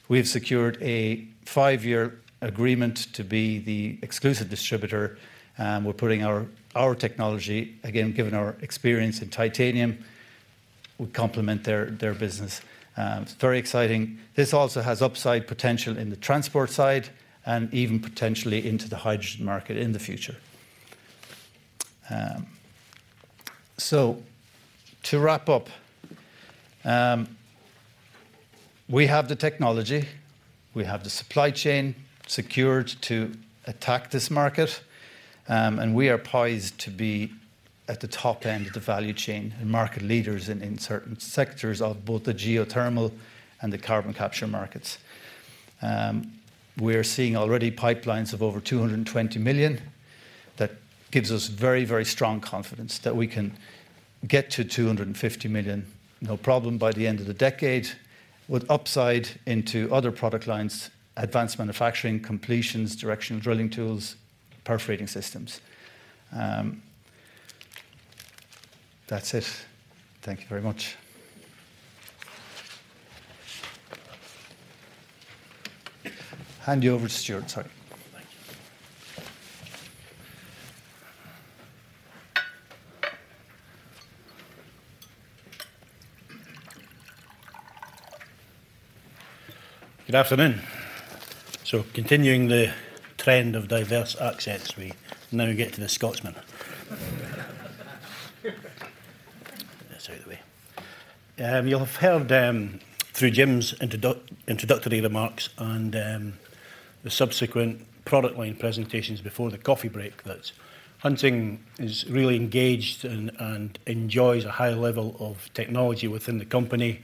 We've secured a 5-year agreement to be the exclusive distributor, and we're putting our technology, again, given our experience in titanium, will complement their business. It's very exciting. This also has upside potential in the transport side and even potentially into the hydrogen market in the future. So to wrap up, we have the technology, we have the supply chain secured to attack this market, and we are poised to be at the top end of the value chain and market leaders in certain sectors of both the geothermal and the carbon capture markets. We are seeing already pipelines of over $220 million. That gives us very, very strong confidence that we can get to $250 million, no problem, by the end of the decade, with upside into other product lines, advanced manufacturing, completions, directional drilling tools, perforating systems. That's it. Thank you very much. Hand you over to Stuart. Sorry. Thank you. Good afternoon. So continuing the trend of diverse accents, we now get to the Scotsman. Get this out of the way. You'll have heard through Jim's introductory remarks and the subsequent product line presentations before the coffee break, that Hunting is really engaged and enjoys a high level of technology within the company.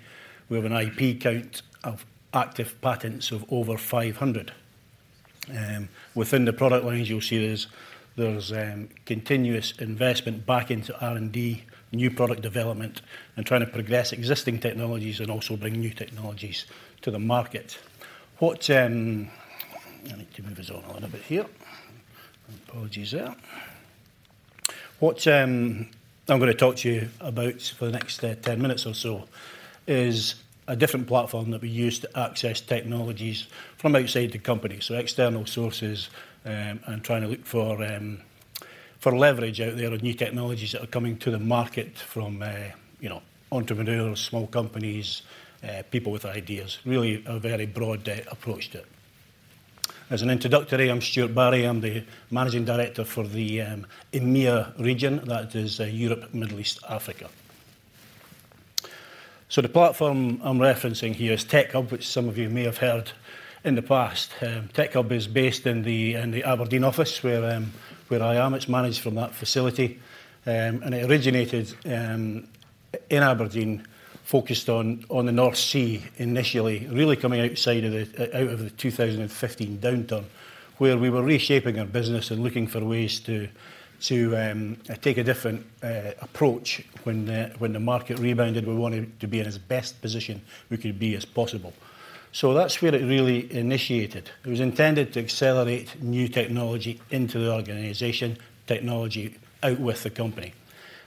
We have an IP count of active patents of over 500. Within the product lines, you'll see there's continuous investment back into R&D, new product development, and trying to progress existing technologies and also bring new technologies to the market. What. I need to move this on a little bit here. Apologies there. What I'm going to talk to you about for the next 10 minutes or so is a different platform that we use to access technologies from outside the company, so external sources, and trying to look for, for leverage out there on new technologies that are coming to the market from, you know, entrepreneurs, small companies, people with ideas. Really a very broad approach to it. As an introductory, I'm Stuart Barry. I'm the Managing Director for the EMEA region, that is, Europe, Middle East, Africa. So the platform I'm referencing here is TEK-HUB, which some of you may have heard in the past. TEK-HUB is based in the, in the Aberdeen office, where, where I am. It's managed from that facility. And it originated in Aberdeen, focused on the North Sea initially, really coming out of the 2015 downturn, where we were reshaping our business and looking for ways to take a different approach. When the market rebounded, we wanted to be in as best position we could be as possible. So that's where it really initiated. It was intended to accelerate new technology into the organization, technology outwith the company.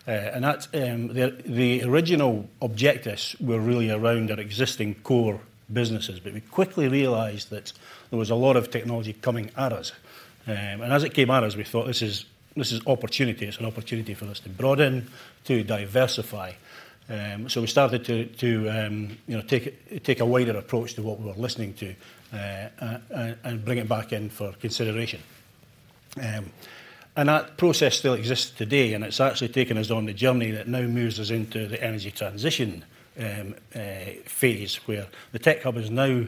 The original objectives were really around our existing core businesses, but we quickly realized that there was a lot of technology coming at us. And as it came at us, we thought, "This is opportunity. It's an opportunity for us to broaden, to diversify." So we started to, you know, take a wider approach to what we were listening to, and bring it back in for consideration. And that process still exists today, and it's actually taken us on the journey that now moves us into the energy transition phase, where the TEK-HUB is now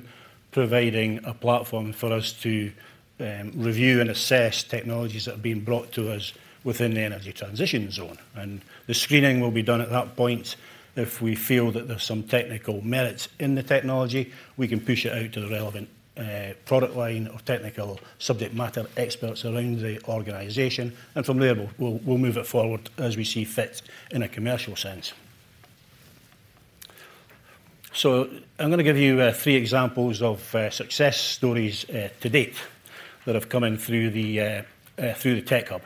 providing a platform for us to review and assess technologies that are being brought to us within the energy transition zone. And the screening will be done at that point. If we feel that there's some technical merits in the technology, we can push it out to the relevant product line or technical subject matter experts around the organization, and from there, we'll move it forward as we see fit in a commercial sense. So I'm going to give you three examples of success stories to date that have come in through the TEK-HUB.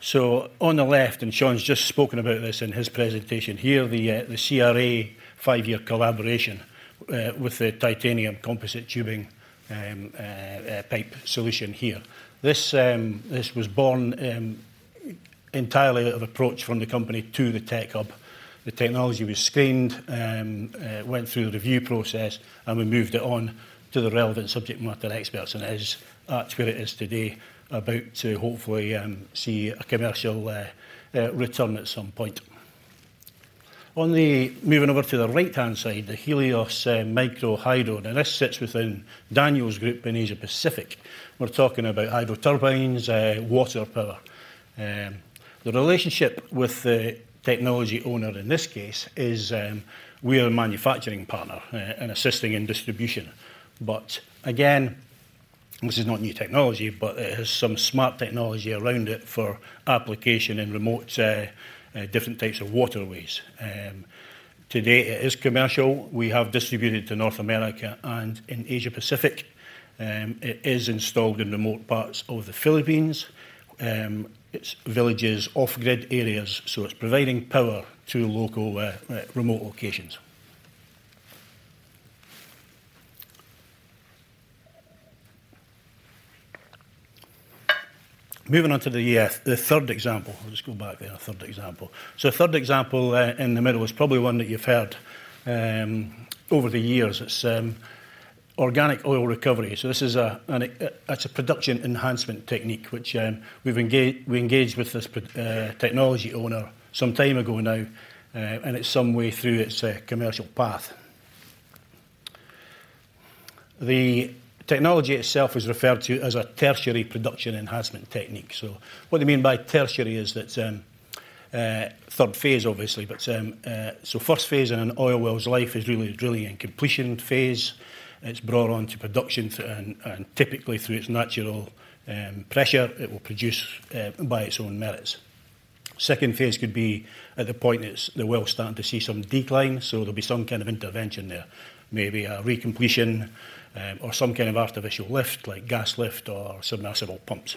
So on the left, and Sean's just spoken about this in his presentation here, the CRA five-year collaboration with the titanium composite tubing pipe solution here. This was born entirely of approach from the company to the TEK-HUB. The technology was screened, went through the review process, and we moved it on to the relevant subject matter experts, and it is at where it is today, about to hopefully see a commercial return at some point. On the. Moving over to the right-hand side, the Helios Micro Hydro. Now, this sits within Daniel's group in Asia Pacific. We're talking about hydro turbines, water power. The relationship with the technology owner in this case is, we are a manufacturing partner, and assisting in distribution. But again, this is not new technology, but it has some smart technology around it for application in remote, different types of waterways. Today, it is commercial. We have distributed to North America and in Asia Pacific. It is installed in remote parts of the Philippines. It's villages, off-grid areas, so it's providing power to local, remote locations. Moving on to the, the third example. I'll just go back there, our third example. So third example, in the middle is probably one that you've heard, over the years. It's, Organic Oil Recovery. So this is a production enhancement technique, which, we've engaged with this production. technology owner some time ago now, and it's some way through its commercial path. The technology itself is referred to as a tertiary production enhancement technique. So what they mean by tertiary is that, third phase, obviously. But, so first phase in an oil well's life is really, really in completion phase. It's brought on to production and, and typically through its natural pressure, it will produce by its own merits. Second phase could be at the point it's, the well's starting to see some decline, so there'll be some kind of intervention there. Maybe a recompletion, or some kind of artificial lift, like gas lift or submersible pumps.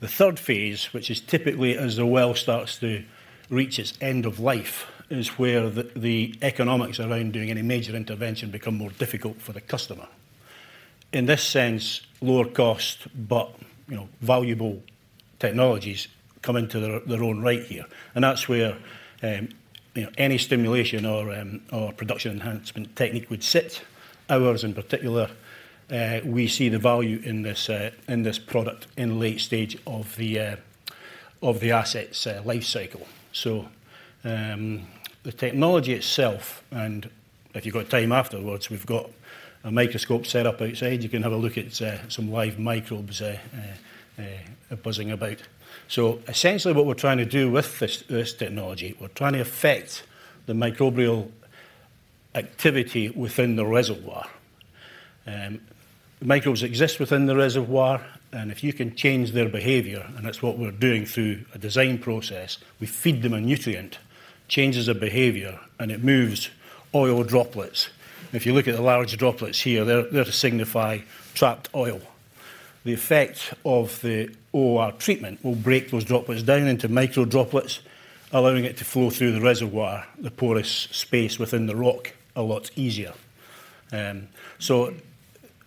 The third phase, which is typically as the well starts to reach its end of life, is where the economics around doing any major intervention become more difficult for the customer. In this sense, lower cost, but, you know, valuable technologies come into their own right here. And that's where, you know, any stimulation or production enhancement technique would sit. Ours, in particular, we see the value in this product in late stage of the asset's life cycle. So, the technology itself, and if you've got time afterwards, we've got a microscope set up outside. You can have a look at some live microbes buzzing about. So essentially, what we're trying to do with this technology, we're trying to affect the microbial activity within the reservoir. Microbes exist within the reservoir, and if you can change their behavior, and that's what we're doing through a design process, we feed them a nutrient, changes their behavior, and it moves oil droplets. If you look at the large droplets here, they're to signify trapped oil. The effect of the OOR treatment will break those droplets down into microdroplets, allowing it to flow through the reservoir, the porous space within the rock, a lot easier. So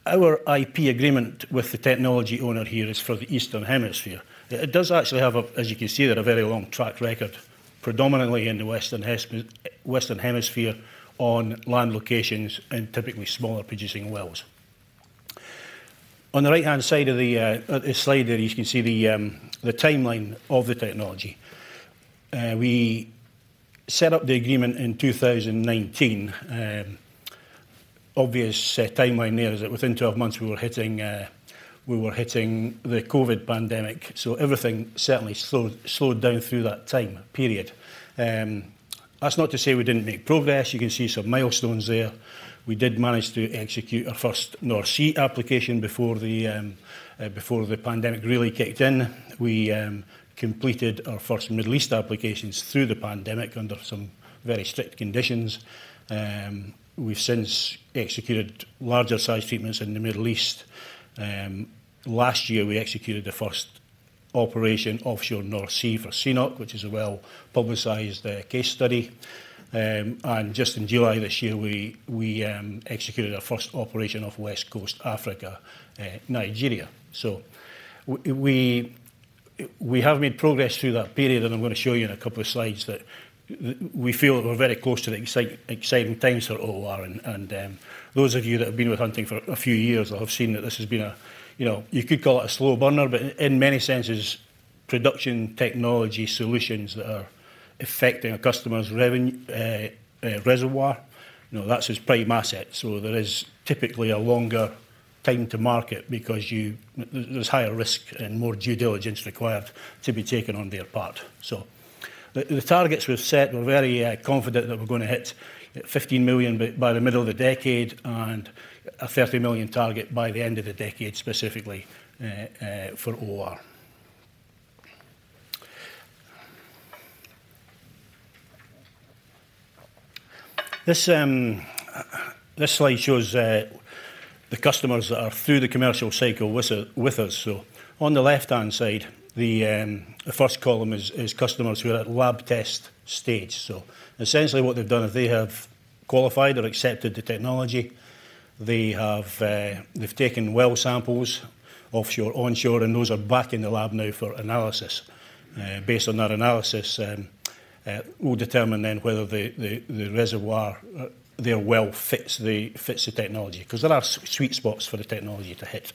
our IP agreement with the technology owner here is for the Southern Hemisphere. It does actually have, as you can see there, a very long track record, predominantly in the Western Hemisphere, on land locations and typically smaller producing wells. On the right-hand side of the slide there, you can see the timeline of the technology. We set up the agreement in 2019. Obviously, timeline there is that within 12 months, we were hitting the COVID pandemic, so everything certainly slowed down through that time period. That's not to say we didn't make progress. You can see some milestones there. We did manage to execute our first North Sea application before the pandemic really kicked in. We completed our first Middle East applications through the pandemic under some very strict conditions. We've since executed larger size treatments in the Middle East. Last year, we executed the first operation offshore North Sea for CNOOC, which is a well-publicized case study. And just in July this year, we executed our first operation off West Coast Africa, Nigeria. So we have made progress through that period, and I'm going to show you in a couple of slides that we feel that we're very close to the exciting times for OOR. And those of you that have been with Hunting for a few years will have seen that this has been a, you know, you could call it a slow burner, but in many senses, production technology solutions that are affecting a customer's reservoir, you know, that's his prime asset. So there is typically a longer time to market because there's higher risk and more due diligence required to be taken on their part. So the targets we've set, we're very confident that we're going to hit 15 million by the middle of the decade and a 30 million target by the end of the decade, specifically for OOR. This slide shows the customers that are through the commercial cycle with us. So on the left-hand side, the first column is customers who are at lab test stage. So essentially, what they've done is they have qualified or accepted the technology. They have taken well samples, offshore, onshore, and those are back in the lab now for analysis. Based on that analysis, we'll determine then whether the reservoir their well fits the technology, 'cause there are sweet spots for the technology to hit.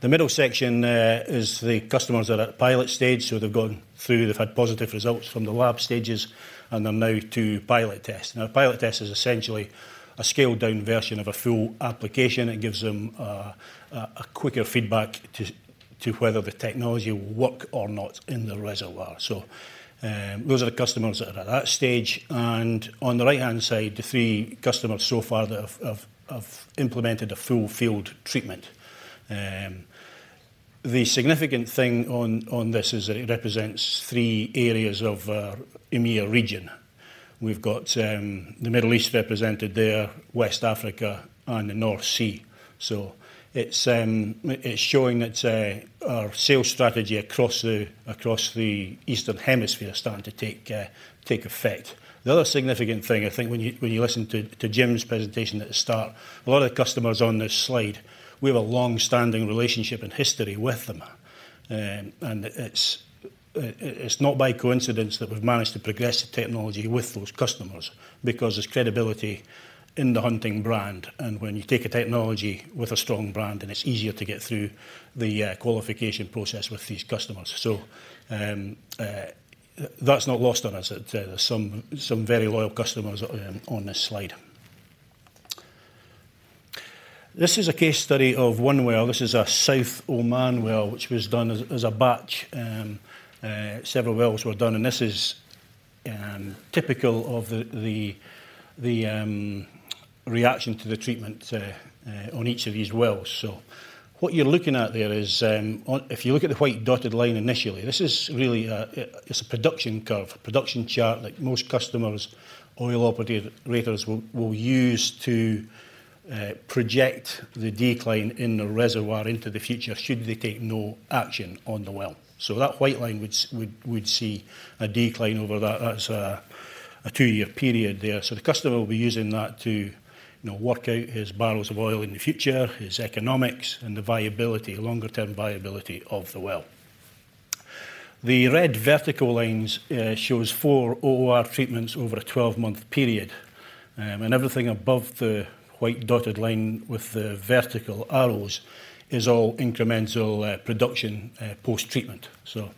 The middle section is the customers that are at pilot stage, so they've gone through. They've had positive results from the lab stages, and they're now to pilot test. Now, a pilot test is essentially a scaled-down version of a full application. It gives them a quicker feedback to whether the technology will work or not in the reservoir. So, those are the customers that are at that stage. And on the right-hand side, the three customers so far that have implemented a full field treatment. The significant thing on this is that it represents three areas of EMEA region. We've got the Middle East represented there, West Africa, and the North Sea. So it's showing that our sales strategy across the Eastern Hemisphere are starting to take effect. The other significant thing, I think, when you listened to Jim's presentation at the start, a lot of the customers on this slide, we have a long-standing relationship and history with them. And it's not by coincidence that we've managed to progress the technology with those customers, because there's credibility in the Hunting brand. And when you take a technology with a strong brand, then it's easier to get through the qualification process with these customers. So, that's not lost on us. There's some very loyal customers on this slide. This is a case study of one well. This is a South Oman well, which was done as a batch. Several wells were done, and this is typical of the reaction to the treatment on each of these wells. So what you're looking at there is, If you look at the white dotted line initially, this is really, it's a production curve, a production chart that most customers, oil operators will use to project the decline in the reservoir into the future, should they take no action on the well. So that white line, we'd see a decline over that. That's a 2-year period there. So the customer will be using that to, you know, work out his barrels of oil in the future, his economics, and the viability, longer-term viability of the well. The red vertical lines shows 4 OOR treatments over a 12-month period. And everything above the white dotted line with the vertical arrows is all incremental production post-treatment. So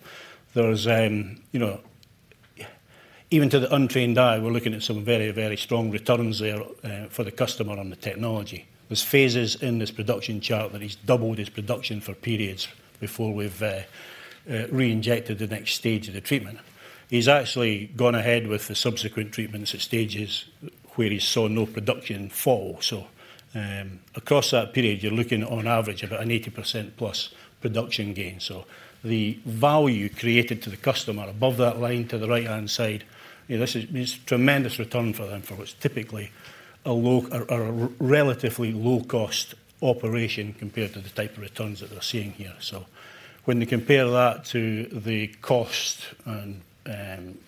there's, you know. Even to the untrained eye, we're looking at some very, very strong returns there for the customer on the technology. There's phases in this production chart that he's doubled his production for periods before we've reinjected the next stage of the treatment. He's actually gone ahead with the subsequent treatments at stages where he saw no production fall. So, across that period, you're looking at on average about an 80% plus production gain. So the value created to the customer above that line to the right-hand side, you know, this means tremendous return for them, for what's typically a relatively low-cost operation compared to the type of returns that they're seeing here. So when you compare that to the cost and,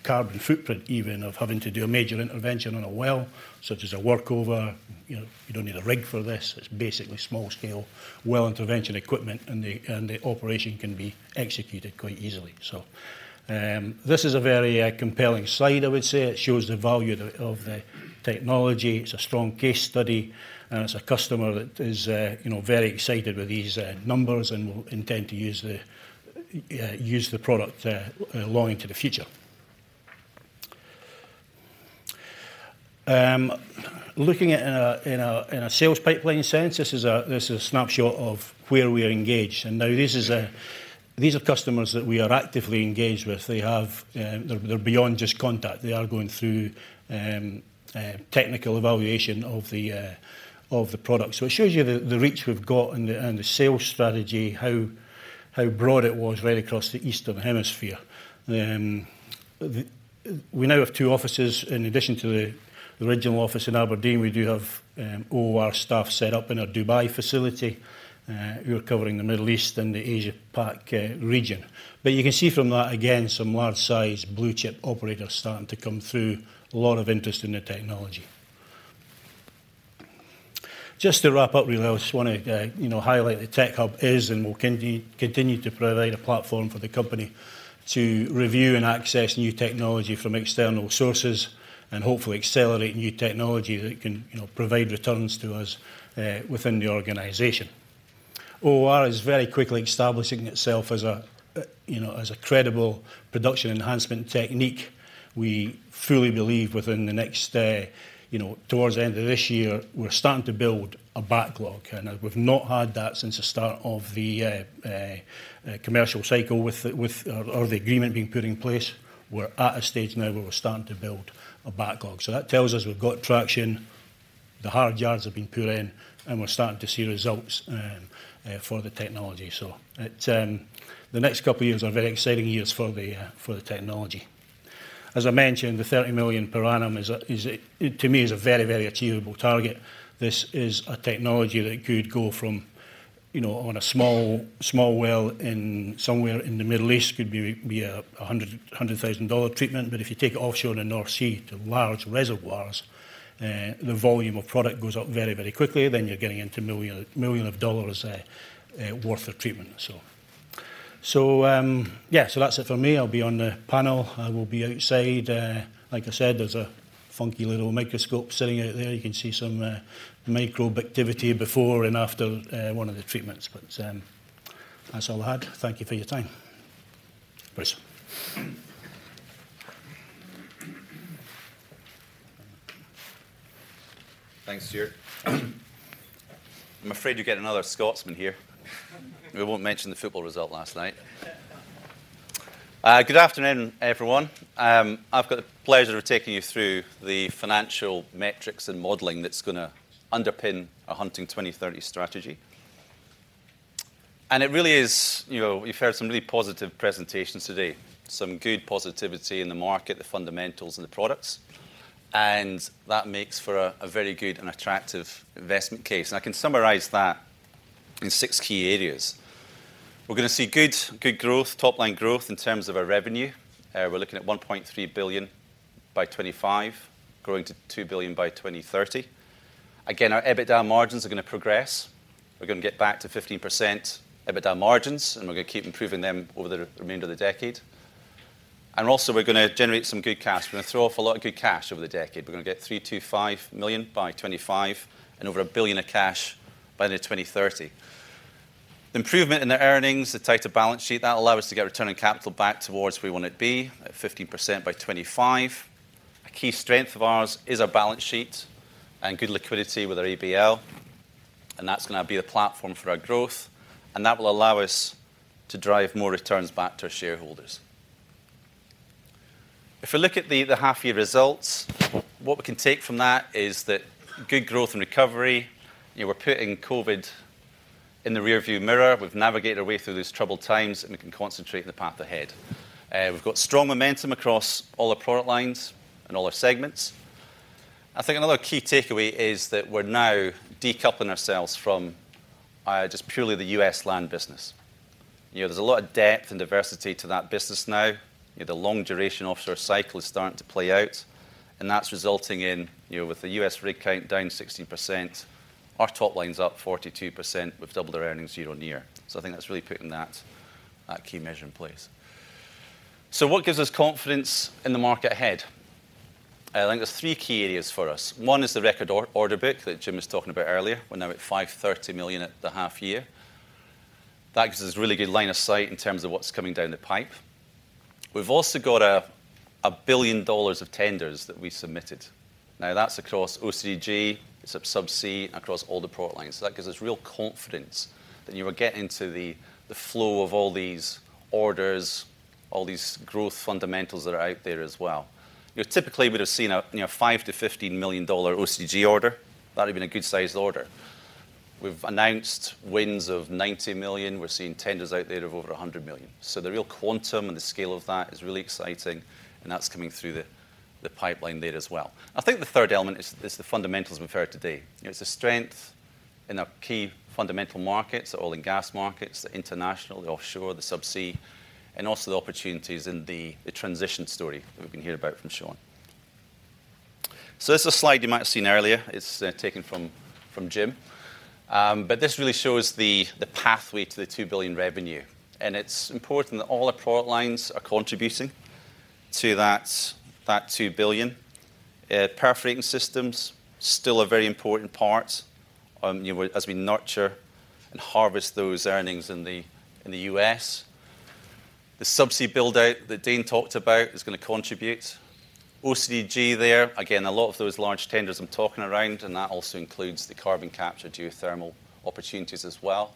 carbon footprint even of having to do a major intervention on a well, such as a workover, you know, you don't need a rig for this. It's basically small scale well intervention equipment, and the operation can be executed quite easily. So, this is a very, compelling slide, I would say. It shows the value of the technology. It's a strong case study, and it's a customer that is, you know, very excited with these, numbers and will intend to use the product, long into the future. Looking at a sales pipeline sense, this is a snapshot of where we are engaged. And now, these are customers that we are actively engaged with. They have. They're beyond just contact. They are going through technical evaluation of the product. So it shows you the reach we've got and the sales strategy, how broad it was right across the eastern hemisphere. We now have two offices. In addition to the regional office in Aberdeen, we do have OOR staff set up in our Dubai facility, who are covering the Middle East and the Asia Pac region. But you can see from that, again, some large-sized blue chip operators starting to come through. A lot of interest in the technology. Just to wrap up really, I just wanna, you know, highlight the TEK-HUB is and will continue to provide a platform for the company to review and access new technology from external sources, and hopefully accelerate new technology that can, you know, provide returns to us within the organization. OOR is very quickly establishing itself as a, you know, as a credible production enhancement technique. We fully believe within the next, you know, towards the end of this year, we're starting to build a backlog, and we've not had that since the start of the commercial cycle with the or the agreement being put in place. We're at a stage now where we're starting to build a backlog. So that tells us we've got traction, the hard yards have been put in, and we're starting to see results for the technology. So it, the next couple of years are very exciting years for the technology. As I mentioned, the $30 million per annum is a, is, to me, is a very, very achievable target. This is a technology that could go from, you know, on a small, small well in somewhere in the Middle East, could be a $100,000 treatment. But if you take it offshore in the North Sea to large reservoirs, the volume of product goes up very, very quickly, then you're getting into millions of dollars worth of treatment, so. So, yeah, so that's it for me. I'll be on the panel. I will be outside. Like I said, there's a funky little microscope sitting out there. You can see some microbe activity before and after one of the treatments. But, that's all I had. Thank you for your time. Chris? Thanks, Stewart. I'm afraid you're getting another Scotsman here. We won't mention the football result last night. Good afternoon, everyone. I've got the pleasure of taking you through the financial metrics and modeling that's gonna underpin our Hunting 2030 strategy. And it really is. You know, we've heard some really positive presentations today, some good positivity in the market, the fundamentals and the products, and that makes for a very good and attractive investment case. I can summarize that in six key areas. We're gonna see good, good growth, top-line growth in terms of our revenue. We're looking at $1.3 billion by 2025, growing to $2 billion by 2030. Again, our EBITDA margins are gonna progress. We're gonna get back to 15% EBITDA margins, and we're gonna keep improving them over the remainder of the decade. Also, we're gonna generate some good cash. We're gonna throw off a lot of good cash over the decade. We're gonna get $325 million by 2025, and over $1 billion of cash by 2030. Improvement in the earnings, the tighter balance sheet, that will allow us to get return on capital back towards where we want it to be, at 15% by 2025. A key strength of ours is our balance sheet and good liquidity with our ABL, and that's gonna be the platform for our growth, and that will allow us to drive more returns back to our shareholders. If we look at the half-year results, what we can take from that is that good growth and recovery. You know, we're putting COVID in the rear-view mirror. We've navigated our way through these troubled times, and we can concentrate on the path ahead. We've got strong momentum across all our product lines and all our segments. I think another key takeaway is that we're now decoupling ourselves from just purely the U.S. land business. You know, there's a lot of depth and diversity to that business now. You know, the long duration offshore cycle is starting to play out, and that's resulting in, you know, with the U.S. rig count down 16%, our top line's up 42%. We've doubled our earnings year-on-year. So I think that's really putting that key measure in place. So what gives us confidence in the market ahead? I think there's three key areas for us. One is the record order book that Jim was talking about earlier. We're now at $530 million at the half year. That gives us a really good line of sight in terms of what's coming down the pipe. We've also got a billion dollars of tenders that we submitted. Now that's across OCTG, Subsea, across all the product lines. So that gives us real confidence that you are getting to the flow of all these orders, all these growth fundamentals that are out there as well. You know, typically, we'd have seen a, you know, $5-$15 million OCTG order. That'd be a good-sized order. We've announced wins of $90 million. We're seeing tenders out there of over $100 million. So the real quantum and the scale of that is really exciting, and that's coming through the pipeline there as well. I think the third element is the fundamentals we've heard today. You know, it's the strength in our key fundamental markets, the oil and gas markets, the international, the offshore, the subsea, and also the opportunities in the transition story that we've been hearing about from Sean. So this is a slide you might have seen earlier. It's taken from Jim. But this really shows the pathway to the $2 billion revenue, and it's important that all our product lines are contributing to that $2 billion. Perforating systems still a very important part, you know, as we nurture and harvest those earnings in the US. The subsea build-out that Dane talked about is gonna contribute. OCTG there, again, a lot of those large tenders I'm talking around, and that also includes the carbon capture geothermal opportunities as well.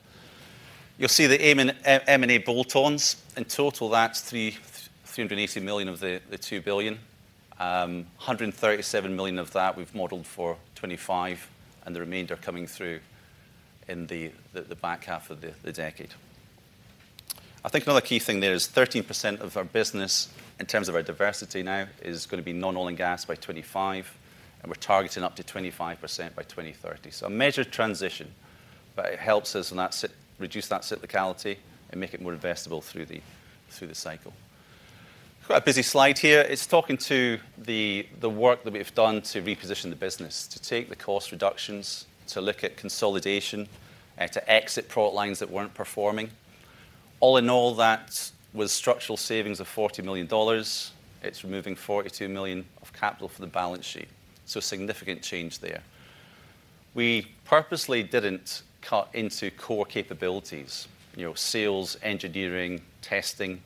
You'll see the M&A bolt-ons. In total, that's $380 million of the $2 billion. 137 million of that we've modeled for 2025, and the remainder coming through in the back half of the decade. I think another key thing there is 13% of our business, in terms of our diversity now, is gonna be non-oil and gas by 2025, and we're targeting up to 25% by 2030. So a major transition, but it helps us on that reduce that cyclicality and make it more investable through the cycle. Quite a busy slide here. It's talking to the work that we've done to reposition the business, to take the cost reductions, to look at consolidation, to exit product lines that weren't performing. All in all, that was structural savings of $40 million. It's removing $42 million of capital from the balance sheet, so significant change there. We purposely didn't cut into core capabilities, you know, sales, engineering, testing.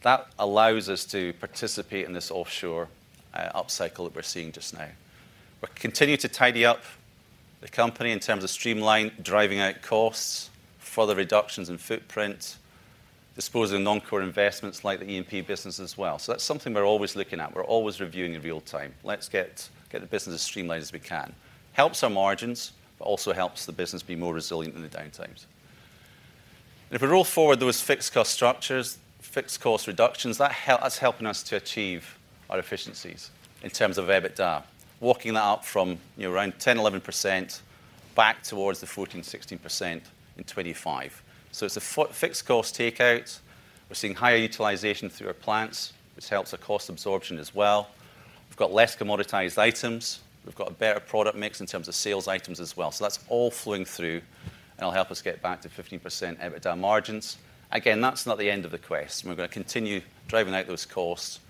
That allows us to participate in this offshore upcycle that we're seeing just now. We're continuing to tidy up the company in terms of streamline, driving out costs, further reductions in footprint, disposing of non-core investments like the E&P business as well. So that's something we're always looking at. We're always reviewing in real time. Let's get the business as streamlined as we can. Helps our margins, but also helps the business be more resilient in the down times. And if we roll forward, those fixed cost structures, fixed cost reductions, that's helping us to achieve our efficiencies in terms of EBITDA, walking that up from, you know, around 10%-11% back towards the 14%-16% in 2025. It's a fixed cost take out. We're seeing higher utilization through our plants, which helps our cost absorption as well. We've got less commoditized items. We've got a better product mix in terms of sales items as well. So that's all flowing through, and it'll help us get back to 15% EBITDA margins. Again, that's not the end of the quest. We're gonna continue driving out those costs,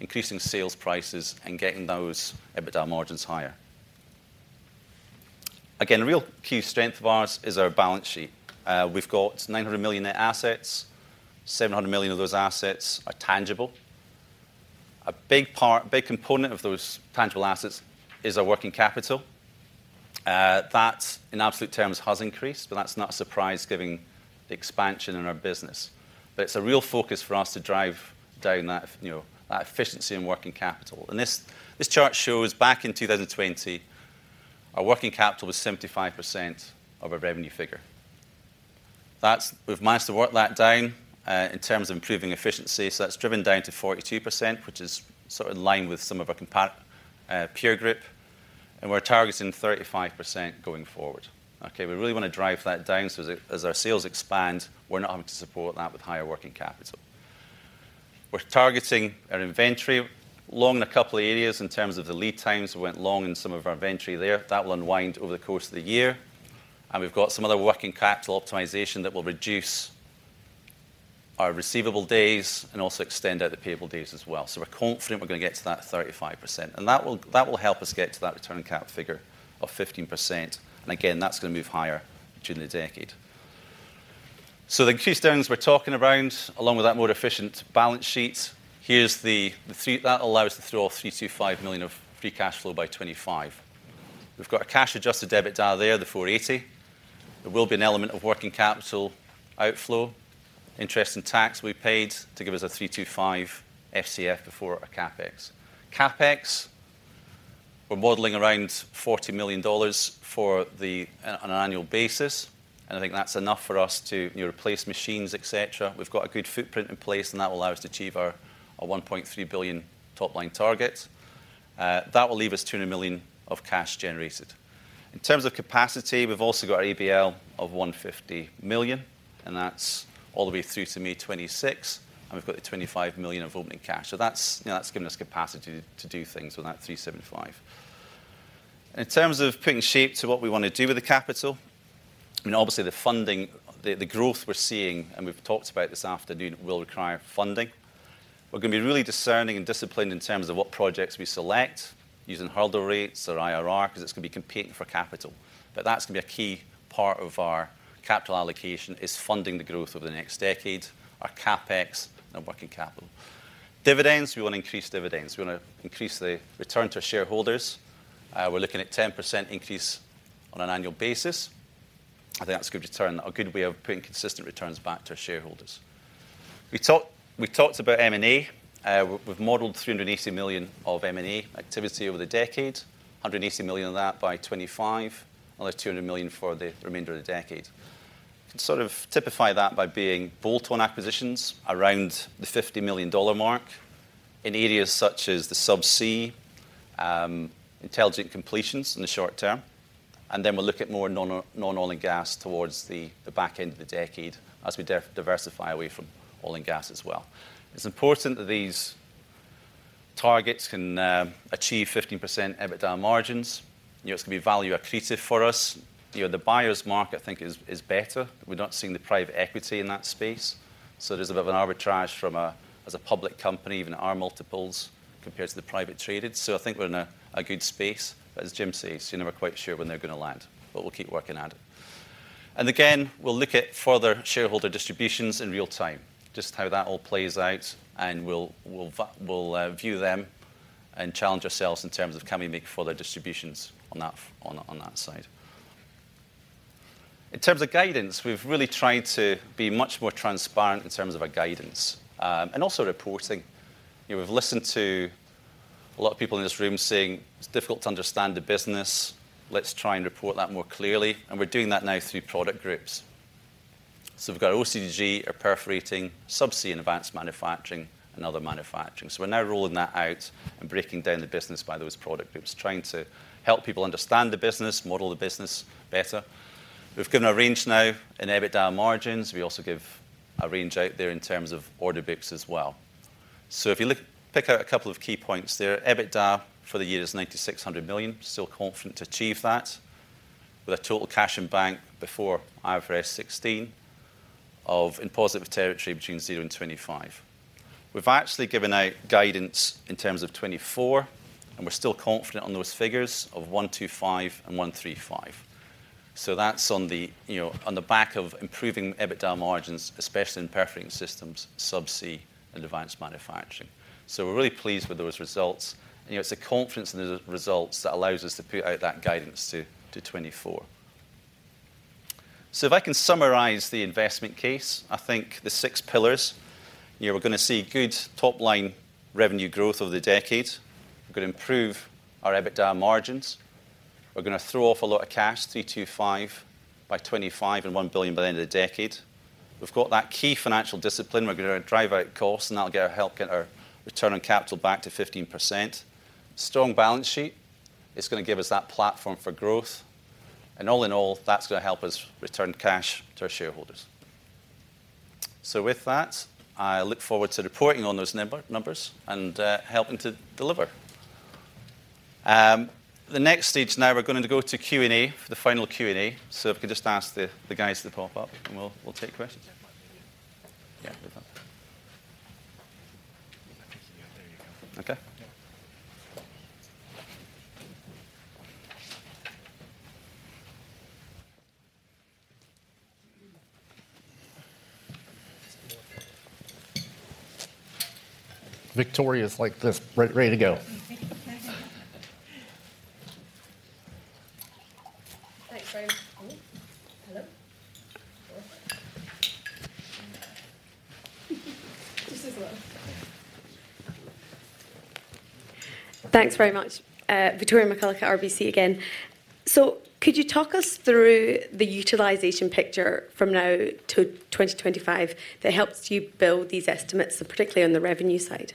increasing sales prices, and getting those EBITDA margins higher. Again, a real key strength of ours is our balance sheet. We've got $900 million net assets. $700 million of those assets are tangible. A big part, a big component of those tangible assets is our working capital. That, in absolute terms, has increased, but that's not a surprise given the expansion in our business. But it's a real focus for us to drive down that, you know, that efficiency in working capital. And this chart shows back in 2020, our working capital was 75% of our revenue figure. That's. We've managed to work that down in terms of improving efficiency, so that's driven down to 42%, which is sort of in line with some of our comparable peer group, and we're targeting 35% going forward. Okay, we really want to drive that down so as our sales expand, we're not having to support that with higher working capital. We're targeting our inventory long in a couple of areas in terms of the lead times. We went long in some of our inventory there. That will unwind over the course of the year, and we've got some other working capital optimization that will reduce our receivable days and also extend out the payable days as well. So we're confident we're gonna get to that 35%, and that will, that will help us get to that return on capital figure of 15%, and again, that's gonna move higher during the decade. So the keystones we're talking around, along with that more efficient balance sheet, here's the, the three. That allows us to throw off $325 million of free cash flow by 2025. We've got a cash-adjusted debt down there, the $480 million. There will be an element of working capital outflow. Interest and tax we paid to give us a $325 million FCF before our CapEx. CapEx, we're modeling around $40 million for the, on an annual basis, and I think that's enough for us to, you know, replace machines, et cetera. We've got a good footprint in place, and that will allow us to achieve our one point three billion top-line target. That will leave us $200 million of cash generated. In terms of capacity, we've also got our ABL of $150 million, and that's all the way through to May 2026, and we've got the $25 million of opening cash. So that's, you know, that's given us capacity to do things with that 375. In terms of putting shape to what we want to do with the capital, I mean, obviously, the funding, the growth we're seeing, and we've talked about this afternoon, will require funding. We're gonna be really discerning and disciplined in terms of what projects we select, using hurdle rates or IRR, 'cause it's gonna be competing for capital. But that's gonna be a key part of our capital allocation, is funding the growth over the next decade, our CapEx and working capital. Dividends, we want to increase dividends. We want to increase the return to shareholders. We're looking at 10% increase on an annual basis.. I think that's a good return, a good way of putting consistent returns back to our shareholders. We've talked about M&A. We've modeled $380 million of M&A activity over the decade, $180 million of that by 2025, another $200 million for the remainder of the decade. Can sort of typify that by being bolt-on acquisitions around the $50 million mark in areas such as the subsea, intelligent completions in the short term, and then we'll look at more non-oil and gas towards the back end of the decade as we diversify away from oil and gas as well. It's important that these targets can achieve 15% EBITDA margins. You know, it's gonna be value accretive for us. You know, the buyer's market, I think, is better. We're not seeing the private equity in that space, so there's a bit of an arbitrage from as a public company, even our multiples compared to the privately traded. So I think we're in a good space, but as Jim says, you're never quite sure when they're gonna land, but we'll keep working at it. And again, we'll look at further shareholder distributions in real time, just how that all plays out, and we'll view them and challenge ourselves in terms of can we make further distributions on that side. In terms of guidance, we've really tried to be much more transparent in terms of our guidance, and also reporting. You know, we've listened to a lot of people in this room saying, "It's difficult to understand the business. Let's try and report that more clearly," and we're doing that now through product groups. So we've got OCTG or perforating, subsea and advanced manufacturing, and other manufacturing. So we're now rolling that out and breaking down the business by those product groups, trying to help people understand the business, model the business better. We've given a range now in EBITDA margins. We also give a range out there in terms of order books as well. So if you look. pick out a couple of key points there, EBITDA for the year is $96 million. Still confident to achieve that, with a total cash in bank before IFRS 16 of, in positive territory, between $0-$25 million. We've actually given out guidance in terms of 2024, and we're still confident on those figures of $125 million and $135 million. So that's on the, you know, on the back of improving EBITDA margins, especially in perforating systems, subsea, and advanced manufacturing. So we're really pleased with those results, and, you know, it's the confidence in the results that allows us to put out that guidance to, to 2024. So if I can summarize the investment case, I think the six pillars, you know, we're gonna see good top-line revenue growth over the decade. We're gonna improve our EBITDA margins. We're gonna throw off a lot of cash, $325 million by 2025 and $1 billion by the end of the decade. We've got that key financial discipline. We're gonna drive out costs, and that'll get our. help get our return on capital back to 15%. Strong balance sheet, it's gonna give us that platform for growth, and all in all, that's gonna help us return cash to our shareholders. So with that, I look forward to reporting on those number- numbers and, helping to deliver. The next stage now, we're going to go to Q&A, for the final Q&A. So if we could just ask the guys to pop up, and we'll take questions. Yeah, we're done. There you go. Okay? Victoria's like this, ready to go. Thanks very. Oh, hello. Perfect. This as well. Thanks very much. Victoria McCulloch, RBC again. So could you talk us through the utilization picture from now to 2025 that helps you build these estimates, and particularly on the revenue side?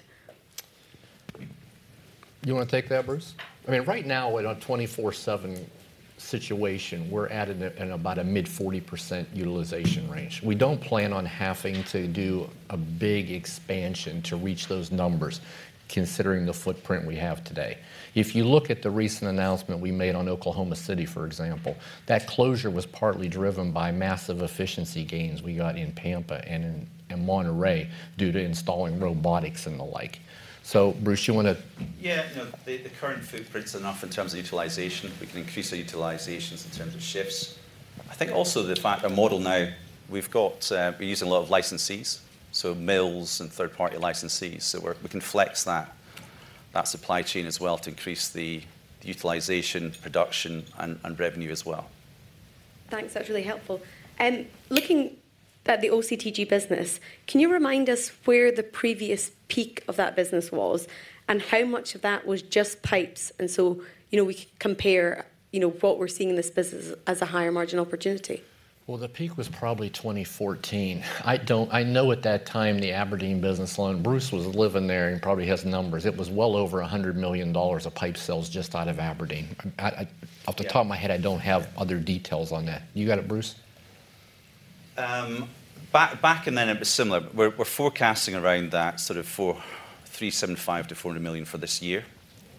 You wanna take that, Bruce? I mean, right now, we're in a 24/7 situation. We're at an, in about a mid-40% utilization range. We don't plan on having to do a big expansion to reach those numbers, considering the footprint we have today. If you look at the recent announcement we made on Oklahoma City, for example, that closure was partly driven by massive efficiency gains we got in Pampa and in, in Monterrey due to installing robotics and the like. So Bruce, you wanna- Yeah, no, the current footprint's enough in terms of utilization. We can increase the utilizations in terms of shifts. I think also the fact our model now, we've got, we're using a lot of licensees, so mills and third-party licensees. So we can flex that supply chain as well to increase the utilization, production, and revenue as well. Thanks. That's really helpful. Looking at the OCTG business, can you remind us where the previous peak of that business was, and how much of that was just pipes? And so, you know, we could compare, you know, what we're seeing in this business as a higher margin opportunity. Well, the peak was probably 2014. I don't- I know at that time, the Aberdeen business alone, Bruce was living there and probably has numbers. It was well over $100 million of pipe sales just out of Aberdeen. I, I off the top of my head, I don't have other details on that. You got it, Bruce? Back then, it was similar. We're forecasting around that sort of $375 million-$400 million for this year,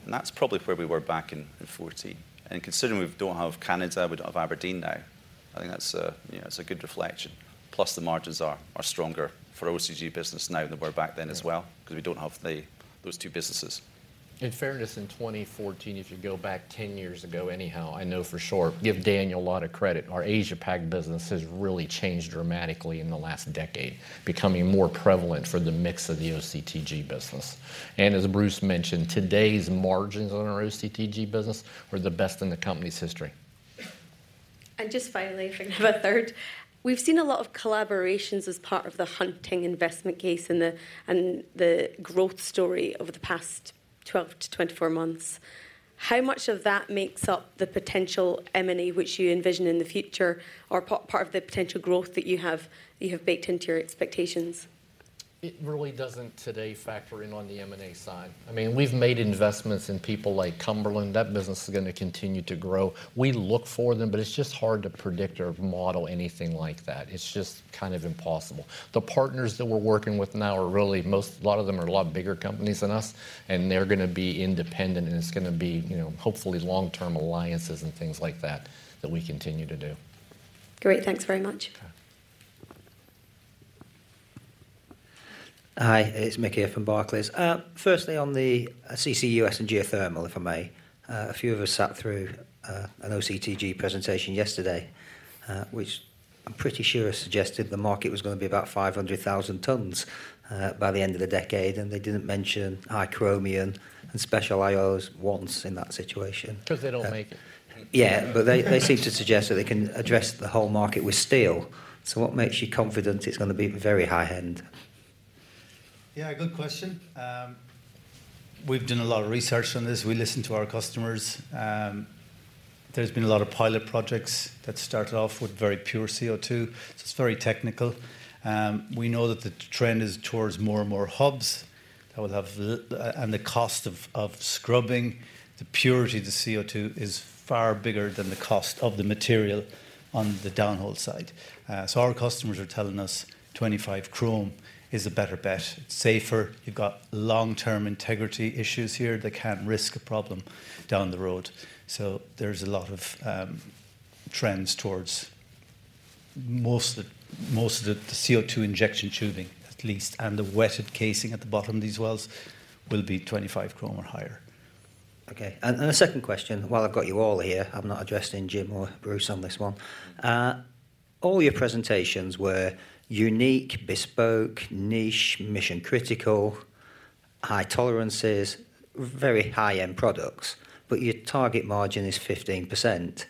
and that's probably where we were back in 2014. Considering we don't have Canada, we don't have Aberdeen now, I think that's, you know, a good reflection. Plus, the margins are stronger for OCTG business now than we were back then as well because we don't have those two businesses. In fairness, in 2014, if you go back 10 years ago anyhow, I know for sure, give Daniel a lot of credit, our Asia Pac business has really changed dramatically in the last decade, becoming more prevalent for the mix of the OCTG business. And as Bruce mentioned, today's margins on our OCTG business are the best in the company's history. And just finally, if I can have a third. We've seen a lot of collaborations as part of the Hunting investment case and the, and the growth story over the past 12-24 months. How much of that makes up the potential M&A which you envision in the future, or pa- part of the potential growth that you have, you have baked into your expectations? It really doesn't today factor in on the M&A side. I mean, we've made investments in people like Cumberland. That business is gonna continue to grow. We look for them, but it's just hard to predict or model anything like that. It's just kind of impossible. The partners that we're working with now are really most. A lot of them are a lot bigger companies than us, and they're gonna be independent, and it's gonna be, you know, hopefully long-term alliances and things like that, that we continue to do. Great, thanks very much. Okay. Hi, it's Mick here from Barclays. Firstly, on the CCUS and geothermal, if I may. A few of us sat through an OCTG presentation yesterday, which I'm pretty sure suggested the market was gonna be about 500,000 tons by the end of the decade, and they didn't mention high chromium and special alloys once in that situation. Because they don't make it. Yeah. But they seemed to suggest that they can address the whole market with steel. So what makes you confident it's gonna be the very high end? Yeah, good question. We've done a lot of research on this. We listened to our customers. There's been a lot of pilot projects that started off with very pure CO2, so it's very technical. We know that the trend is towards more and more hubs that will have the. the cost of scrubbing, the purity of the CO2 is far bigger than the cost of the material on the downhole side. So our customers are telling us 25Cr is a better bet. It's safer. You've got long-term integrity issues here. They can't risk a problem down the road. So there's a lot of trends towards most of the CO2 injection tubing, at least, and the wetted casing at the bottom of these wells will be 25Cr or higher. Okay. And a second question, while I've got you all here, I've not addressed Jim or Bruce on this one. All your presentations were unique, bespoke, niche, mission-critical, high tolerances, very high-end products, but your target margin is 15%,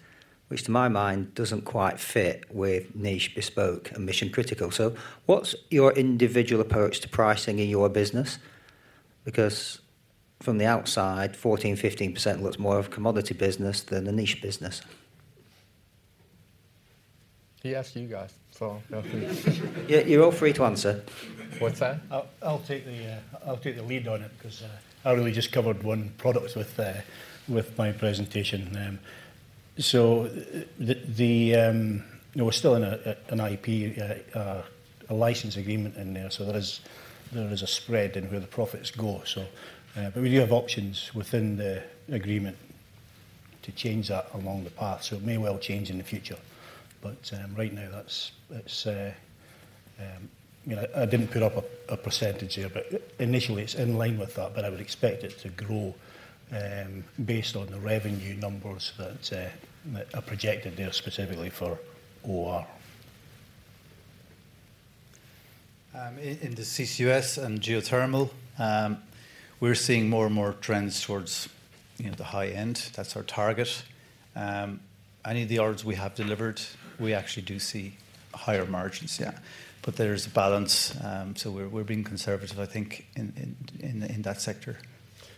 which to my mind, doesn't quite fit with niche, bespoke, and mission-critical. So what's your individual approach to pricing in your business? Because from the outside, 14%-15% looks more of a commodity business than a niche business. He asked you guys, so feel free. Yeah, you're all free to answer. What's that? I'll take the lead on it 'cause I really just covered one product with my presentation. So, you know, we're still in an IP license agreement in there, so there is a spread in where the profits go, so. But we do have options within the agreement to change that along the path, so it may well change in the future. But right now, that's it. You know, I didn't put up a percentage there, but initially, it's in line with that, but I would expect it to grow based on the revenue numbers that are projected there specifically for OR. In the CCUS and geothermal, we're seeing more and more trends towards, you know, the high end. That's our target. Any of the orders we have delivered, we actually do see higher margins, yeah. But there's a balance, so we're being conservative, I think, in that sector.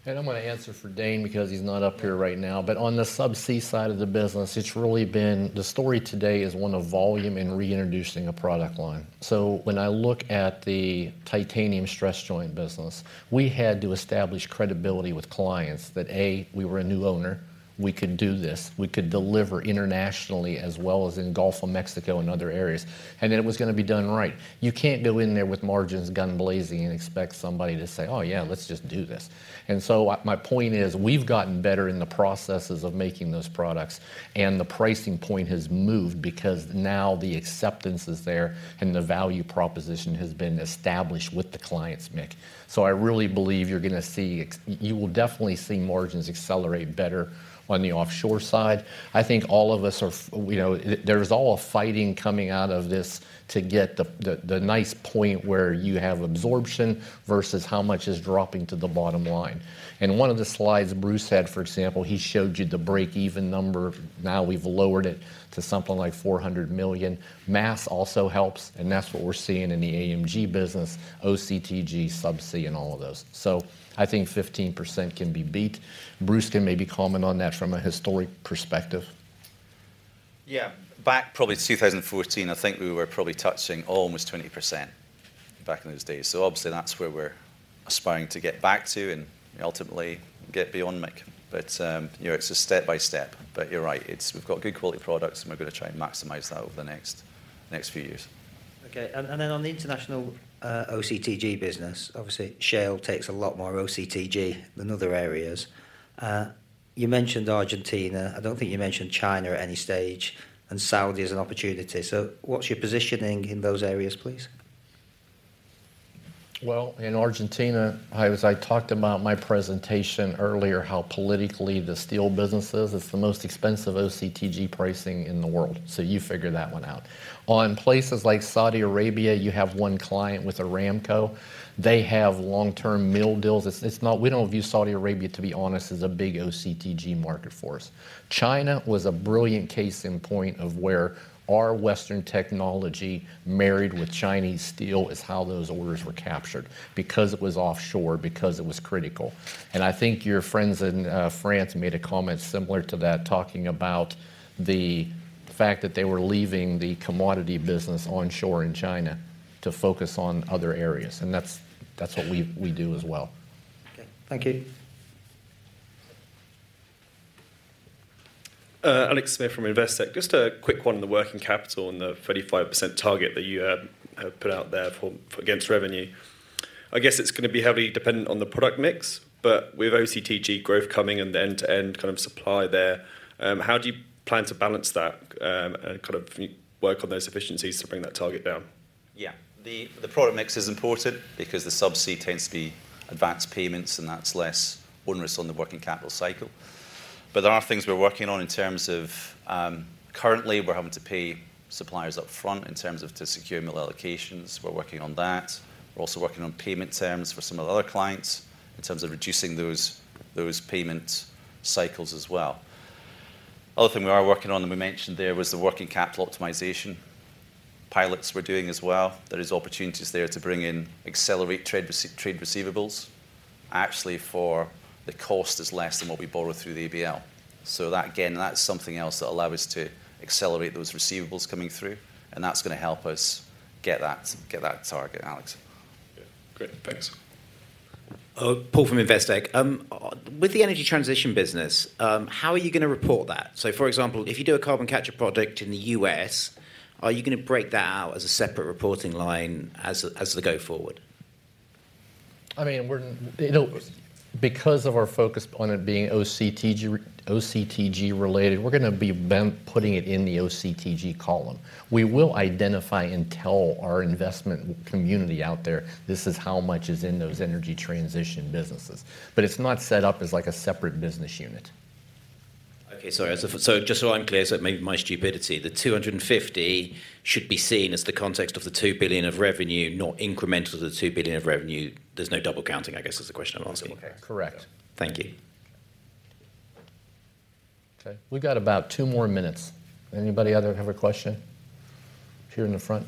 I'm gonna answer for Dane because he's not up here right now. On the subsea side of the business, it's really been. the story today is one of volume and reintroducing a product line. When I look at the titanium stress joint business, we had to establish credibility with clients that, A, we were a new owner, we could do this, we could deliver internationally as well as in Gulf of Mexico and other areas, and that it was gonna be done right. You can't go in there with margins gun blazing and expect somebody to say, "Oh, yeah, let's just do this." My, my point is, we've gotten better in the processes of making those products, and the pricing point has moved because now the acceptance is there, and the value proposition has been established with the clients, Mick. So I really believe you're gonna see you will definitely see margins accelerate better on the offshore side. I think all of us are you know, there's all this fighting coming out of this to get the nice point where you have absorption versus how much is dropping to the bottom line. In one of the slides Bruce had, for example, he showed you the break-even number. Now we've lowered it to something like $400 million. Mass also helps, and that's what we're seeing in the AMG business, OCTG, subsea, and all of those. So I think 15% can be beat. Bruce can maybe comment on that from a historic perspective. Yeah. Back probably to 2014, I think we were probably touching almost 20% back in those days. So obviously, that's where we're aspiring to get back to and ultimately get beyond, Mick. But, you know, it's a step by step. But you're right, it's. We've got good quality products, and we're gonna try and maximize that over the next few years. Okay. And, and then on the international OCTG business, obviously, shale takes a lot more OCTG than other areas. You mentioned Argentina. I don't think you mentioned China at any stage, and Saudi as an opportunity. So what's your positioning in those areas, please? Well, in Argentina, I talked about my presentation earlier, how politically the steel business is. It's the most expensive OCTG pricing in the world, so you figure that one out. On places like Saudi Arabia, you have one client with Aramco. They have long-term mill deals. It's not-- We don't view Saudi Arabia, to be honest, as a big OCTG market for us. China was a brilliant case in point of where our Western technology married with Chinese steel is how those orders were captured, because it was offshore, because it was critical. And I think your friends in France made a comment similar to that, talking about the fact that they were leaving the commodity business onshore in China to focus on other areas, and that's what we do as well. Okay, thank you. Alex Smith from Investec. Just a quick one on the working capital and the 35% target that you have put out there for, for against revenue. I guess it's gonna be heavily dependent on the product mix, but with OCTG growth coming and the end-to-end kind of supply there, how do you plan to balance that, and kind of work on those efficiencies to bring that target down? Yeah. The, the product mix is important because the subsea tends to be advanced payments, and that's less onerous on the working capital cycle. But there are things we're working on in terms of currently. We're having to pay suppliers upfront in terms of to secure mill allocations. We're working on that. We're also working on payment terms for some of the other clients, in terms of reducing those, those payment cycles as well. Other thing we are working on, and we mentioned there, was the working capital optimization pilots we're doing as well. There is opportunities there to bring in, accelerate trade receivables. Actually, for the cost is less than what we borrow through the ABL. So that again, that's something else that'll allow us to accelerate those receivables coming through, and that's gonna help us get that target, Alex. Yeah. Great, thanks. Paul from Investec. With the energy transition business, how are you gonna report that? So, for example, if you do a carbon capture project in the U.S., are you gonna break that out as a separate reporting line as the go forward? I mean, we're, you know, because of our focus on it being OCTG, OCTG related, we're gonna be putting it in the OCTG column. We will identify and tell our investment community out there, "This is how much is in those energy transition businesses." But it's not set up as like a separate business unit. Okay, sorry, just so I'm clear, so it may be my stupidity, the 250 should be seen as the context of the $2 billion of revenue, not incremental to the $2 billion of revenue. There's no double counting, I guess, is the question I'm asking. Correct. Thank you. Okay, we've got about 2 more minutes. Anybody other have a question? Here in the front.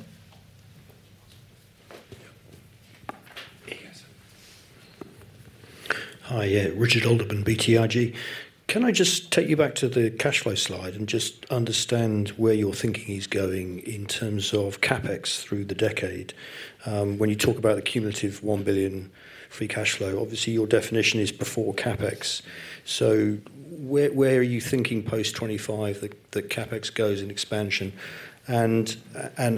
Yeah. Yes. Hi, yeah, Richard Alderman, BTIG. Can I just take you back to the cash flow slide and just understand where your thinking is going in terms of CapEx through the decade? When you talk about the cumulative $1 billion free cash flow, obviously, your definition is before CapEx. So where are you thinking post 2025, the CapEx goes in expansion? And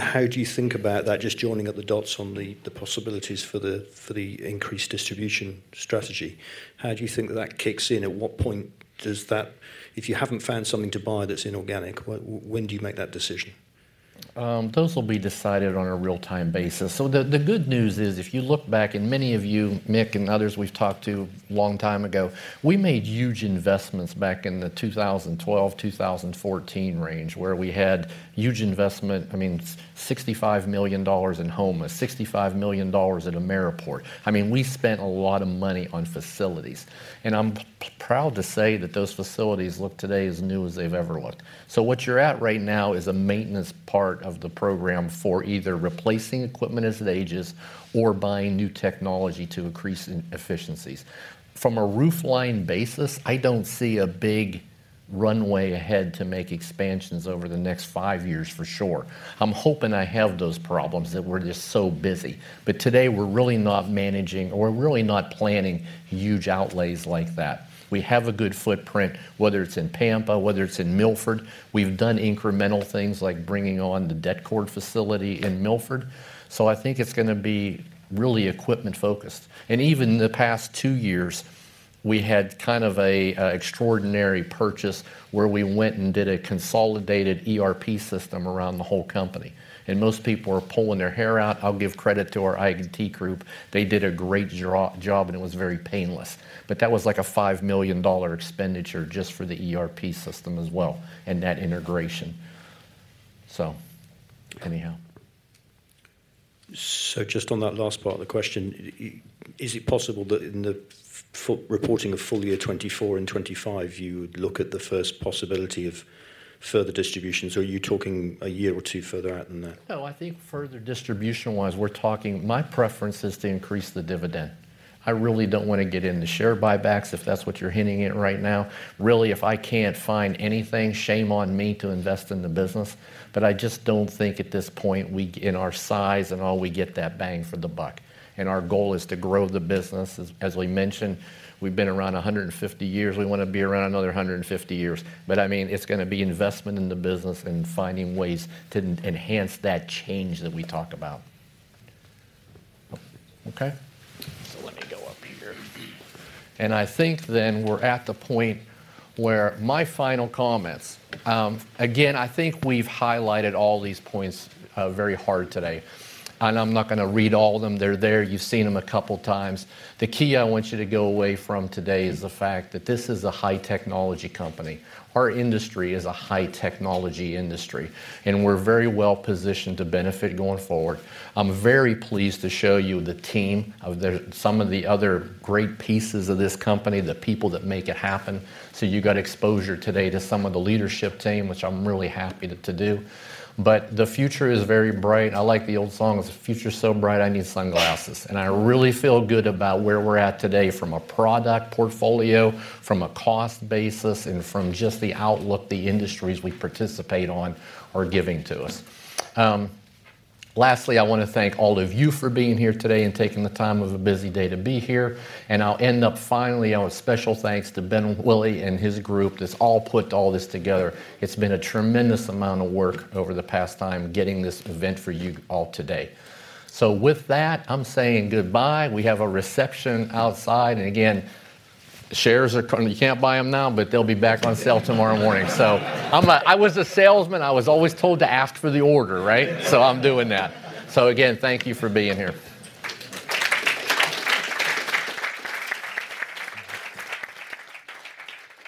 how do you think about that, just joining up the dots on the possibilities for the increased distribution strategy? How do you think that kicks in? At what point does that. If you haven't found something to buy that's inorganic, when do you make that decision? Those will be decided on a real-time basis. So the good news is, if you look back, and many of you, Mick and others we've talked to a long time ago, we made huge investments back in the 2012, 2014 range, where we had huge investment, I mean, $65 million in Houma, $65 million at Ameriport. I mean, we spent a lot of money on facilities, and I'm proud to say that those facilities look today as new as they've ever looked. So what you're at right now is a maintenance part of the program for either replacing equipment as it ages or buying new technology to increase efficiencies. From a roofline basis, I don't see a big runway ahead to make expansions over the next five years, for sure. I'm hoping I have those problems, that we're just so busy. But today, we're really not managing or we're really not planning huge outlays like that. We have a good footprint, whether it's in Pampa, whether it's in Milford. We've done incremental things like bringing on the Detcord facility in Milford. So I think it's gonna be really equipment focused. And even the past two years, we had kind of a extraordinary purchase where we went and did a consolidated ERP system around the whole company, and most people were pulling their hair out. I'll give credit to our IT group. They did a great job, and it was very painless. But that was like a $5 million expenditure just for the ERP system as well, and that integration. So anyhow. So just on that last part of the question, is it possible that in the reporting of full year 2024 and 2025, you would look at the first possibility of further distributions, or are you talking a year or two further out than that? No, I think further distribution-wise, we're talking. My preference is to increase the dividend. I really don't want to get into share buybacks, if that's what you're hinting at right now. Really, if I can't find anything, shame on me to invest in the business. But I just don't think at this point, we, in our size and all, we get that bang for the buck. And our goal is to grow the business. As, as we mentioned, we've been around 150 years. We want to be around another 150 years. But, I mean, it's gonna be investment in the business and finding ways to enhance that change that we talked about. Okay? So let me go up here. And I think then we're at the point where my final comments. Again, I think we've highlighted all these points very hard today, and I'm not gonna read all of them. They're there. You've seen them a couple times. The key I want you to go away from today is the fact that this is a high-technology company. Our industry is a high-technology industry, and we're very well positioned to benefit going forward. I'm very pleased to show you the team of the, some of the other great pieces of this company, the people that make it happen. So you got exposure today to some of the leadership team, which I'm really happy to do. But the future is very bright. I like the old song, "The Future's so bright, I need sunglasses." I really feel good about where we're at today from a product portfolio, from a cost basis, and from just the outlook the industries we participate on are giving to us. Lastly, I wanna thank all of you for being here today and taking the time out of a busy day to be here. I'll end up finally, our special thanks to Ben Willey and his group, that's all put all this together. It's been a tremendous amount of work over the past time, getting this event for you all today. So with that, I'm saying goodbye. We have a reception outside. Again, shares are com- you can't buy them now, but they'll be back on sale tomorrow morning. I was a salesman, I was always told to ask for the order, right? So I'm doing that. So again, thank you for being here.